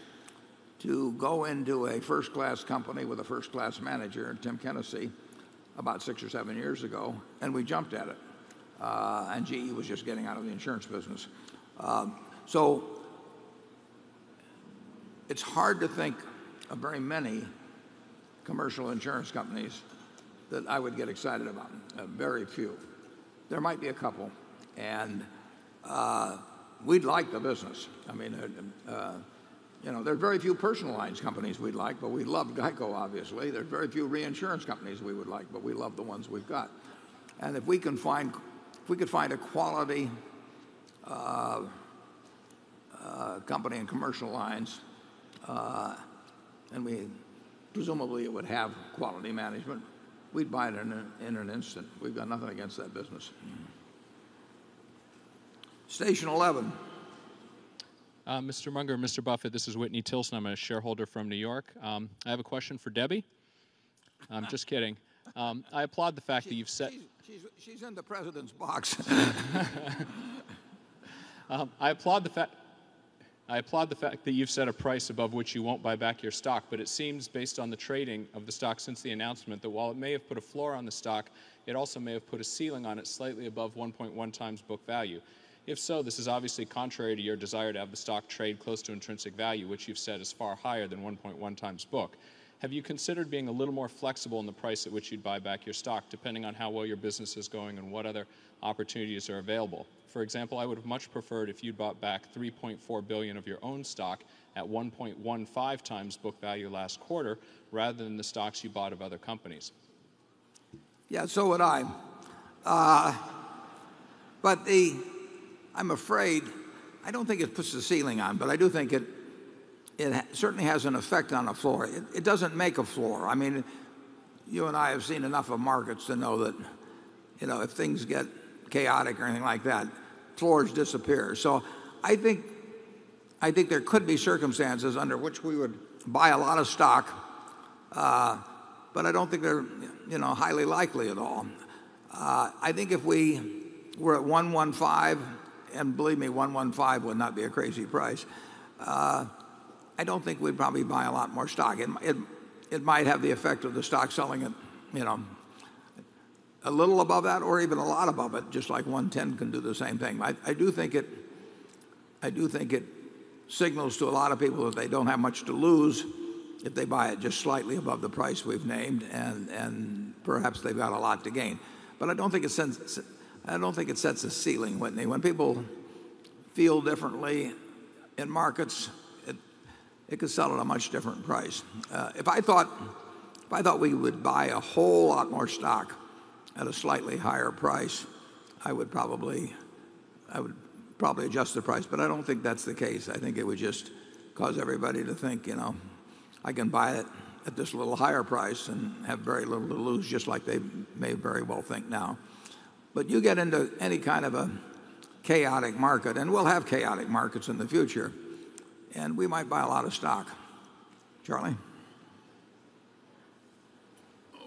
to go into a first-class company with a first-class manager, Tim Kenesey, about six or seven years ago, and we jumped at it. GE was just getting out of the insurance business. It's hard to think of very many commercial insurance companies that I would get excited about. Very few. There might be a couple. We'd like the business. I mean, you know, there's very few personal lines companies we'd like, but we love GEICO, obviously. There's very few reinsurance companies we would like, but we love the ones we've got. If we can find, if we could find a quality company in commercial lines, and we presumably would have quality management, we'd buy it in an instant. We've got nothing against that business. Station 11. Mr. Munger, Mr. Buffett, this is Whitney Tilson. I'm a shareholder from New York. I have a question for Debbie. I'm just kidding. I applaud the fact that you've set. She's in the President's box. I applaud the fact that you've set a price above which you won't buy back your stock, but it seems based on the trading of the stock since the announcement that while it may have put a floor on the stock, it also may have put a ceiling on it slightly above 1.1x book value. If so, this is obviously contrary to your desire to have the stock trade close to intrinsic value, which you've said is far higher than 1.1x book. Have you considered being a little more flexible in the price at which you'd buy back your stock depending on how well your business is going and what other opportunities are available? For example, I would have much preferred if you'd bought back $3.4 billion of your own stock at 1.15x book value last quarter rather than the stocks you bought of other companies. Yeah, so would I. I'm afraid, I don't think it puts a ceiling on, but I do think it certainly has an effect on a floor. It doesn't make a floor. You and I have seen enough of markets to know that, if things get chaotic or anything like that, floors disappear. I think there could be circumstances under which we would buy a lot of stock, but I don't think they're highly likely at all. I think if we were at $115, and believe me, $115 would not be a crazy price, I don't think we'd probably buy a lot more stock. It might have the effect of the stock selling a little above that or even a lot above it, just like $110 can do the same thing. I do think it signals to a lot of people that they don't have much to lose if they buy it just slightly above the price we've named, and perhaps they've got a lot to gain. I don't think it sets a ceiling, Whitney. When people feel differently in markets, it could sell at a much different price. If I thought we would buy a whole lot more stock at a slightly higher price, I would probably adjust the price. I don't think that's the case. I think it would just cause everybody to think, I can buy it at this little higher price and have very little to lose, just like they may very well think now. You get into any kind of a chaotic market, and we'll have chaotic markets in the future, and we might buy a lot of stock. Charlie?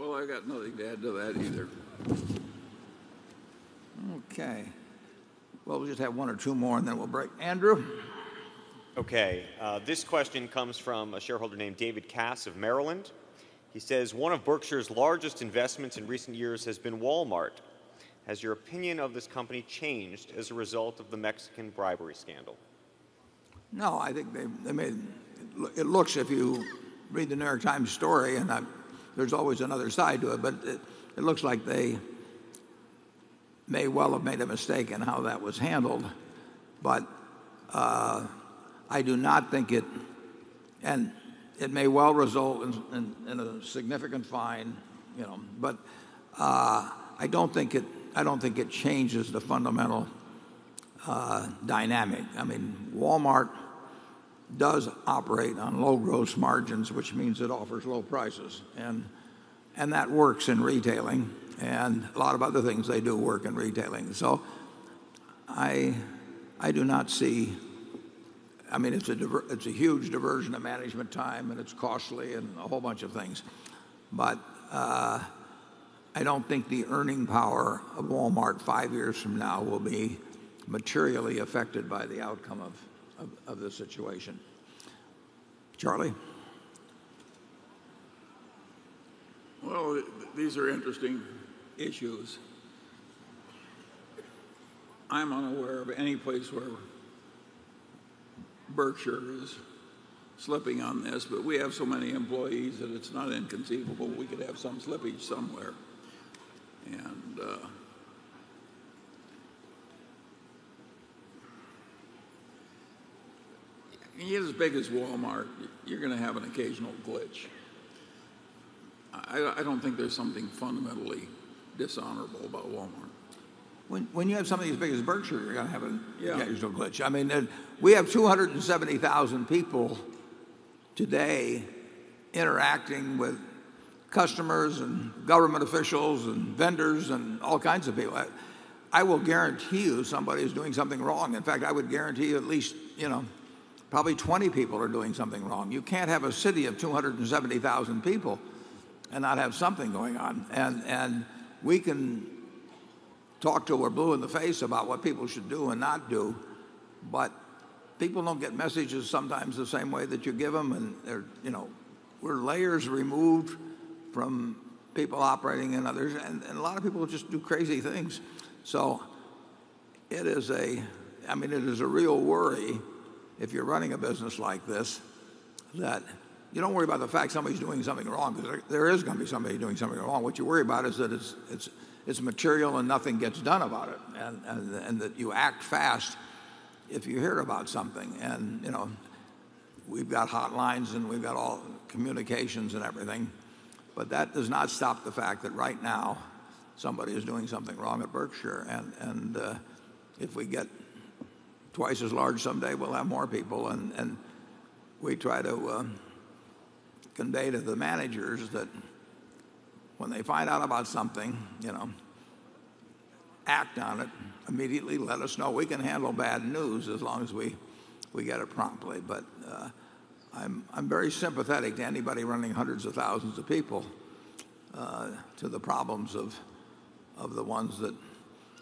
I got nothing to add to that either. Okay. We'll just have one or two more, and then we'll break. Andrew? Okay. This question comes from a shareholder named David Cass of Maryland. He says, one of Berkshire's largest investments in recent years has been Walmart. Has your opinion of this company changed as a result of the Mexican bribery scandal? No, I think they made, it looks, if you read the New York Times story, and there's always another side to it, but it looks like they may well have made a mistake in how that was handled. I do not think it, and it may well result in a significant fine, you know, but I don't think it changes the fundamental dynamic. I mean, Walmart does operate on low gross margins, which means it offers low prices. That works in retailing, and a lot of other things they do work in retailing. I do not see, I mean, it's a huge diversion of management time, and it's costly and a whole bunch of things. I don't think the earning power of Walmart five years from now will be materially affected by the outcome of the situation. Charlie? These are interesting issues. I'm unaware of any place where Berkshire is slipping on this, but we have so many employees that it's not inconceivable we could have some slippage somewhere. It is as big as Walmart, you're going to have an occasional glitch. I don't think there's something fundamentally dishonorable about Walmart. When you have something as big as Berkshire, you're going to have an occasional glitch. I mean, we have 270,000 people today interacting with customers and government officials and vendors and all kinds of people. I will guarantee you somebody is doing something wrong. In fact, I would guarantee you at least, you know, probably 20 people are doing something wrong. You can't have a city of 270,000 people and not have something going on. We can talk till we're blue in the face about what people should do and not do. People don't get messages sometimes the same way that you give them. They're, you know, we're layers removed from people operating in others. A lot of people just do crazy things. It is a, I mean, it is a real worry if you're running a business like this that you don't worry about the fact somebody's doing something wrong because there is going to be somebody doing something wrong. What you worry about is that it's material and nothing gets done about it and that you act fast if you hear about something. You know, we've got hotlines and we've got all communications and everything. That does not stop the fact that right now somebody is doing something wrong at Berkshire. If we get twice as large someday, we'll have more people. We try to convey to the managers that when they find out about something, you know, act on it immediately. Let us know. We can handle bad news as long as we get it promptly. I'm very sympathetic to anybody running hundreds of thousands of people to the problems of the ones that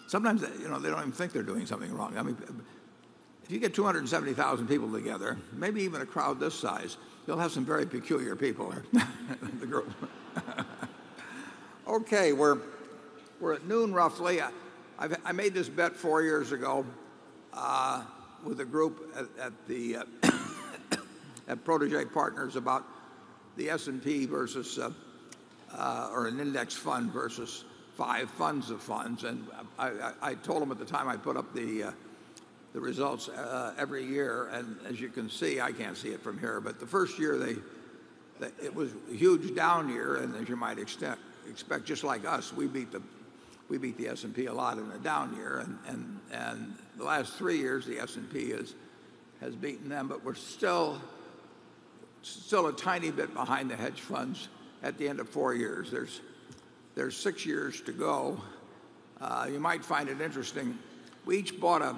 sometimes, you know, they don't even think they're doing something wrong. I mean, if you get 270,000 people together, maybe even a crowd this size, you'll have some very peculiar people in the group. Okay, we're at noon roughly. I made this bet four years ago with a group at Protege Partners about the S&P versus or an index fund versus five funds of funds. I told them at the time I put up the results every year. As you can see, I can't see it from here. The first year, it was a huge down year. As you might expect, just like us, we beat the S&P a lot in a down year. The last three years, the S&P has beaten them. We're still a tiny bit behind the hedge funds at the end of four years. There's six years to go. You might find it interesting. We each bought a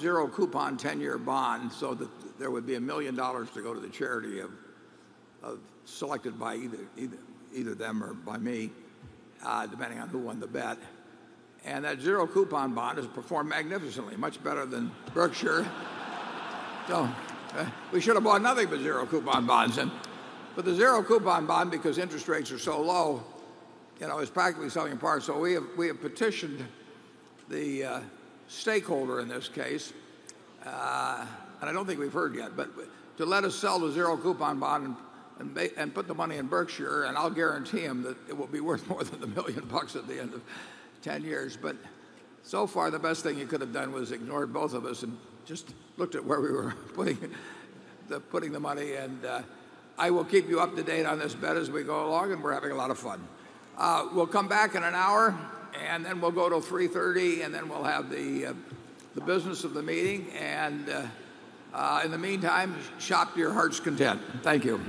zero coupon 10-year bond so that there would be $1 million to go to the charity selected by either them or by me, depending on who won the bet. That zero coupon bond has performed magnificently, much better than Berkshire. We should have bought nothing but zero coupon bonds. The zero coupon bond, because interest rates are so low, is practically selling at par. We have petitioned the stakeholder in this case, and I don't think we've heard yet, to let us sell the zero coupon bond and put the money in Berkshire. I'll guarantee him that it will be worth more than $1 million at the end of 10 years. So far, the best thing you could have done was ignore both of us and just looked at where we were putting the money. I will keep you up to date on this bet as we go along. We're having a lot of fun. We'll come back in an hour, and then we'll go to 3:30 P.M., and then we'll have the business of the meeting. In the meantime, shop to your heart's content. Thank you.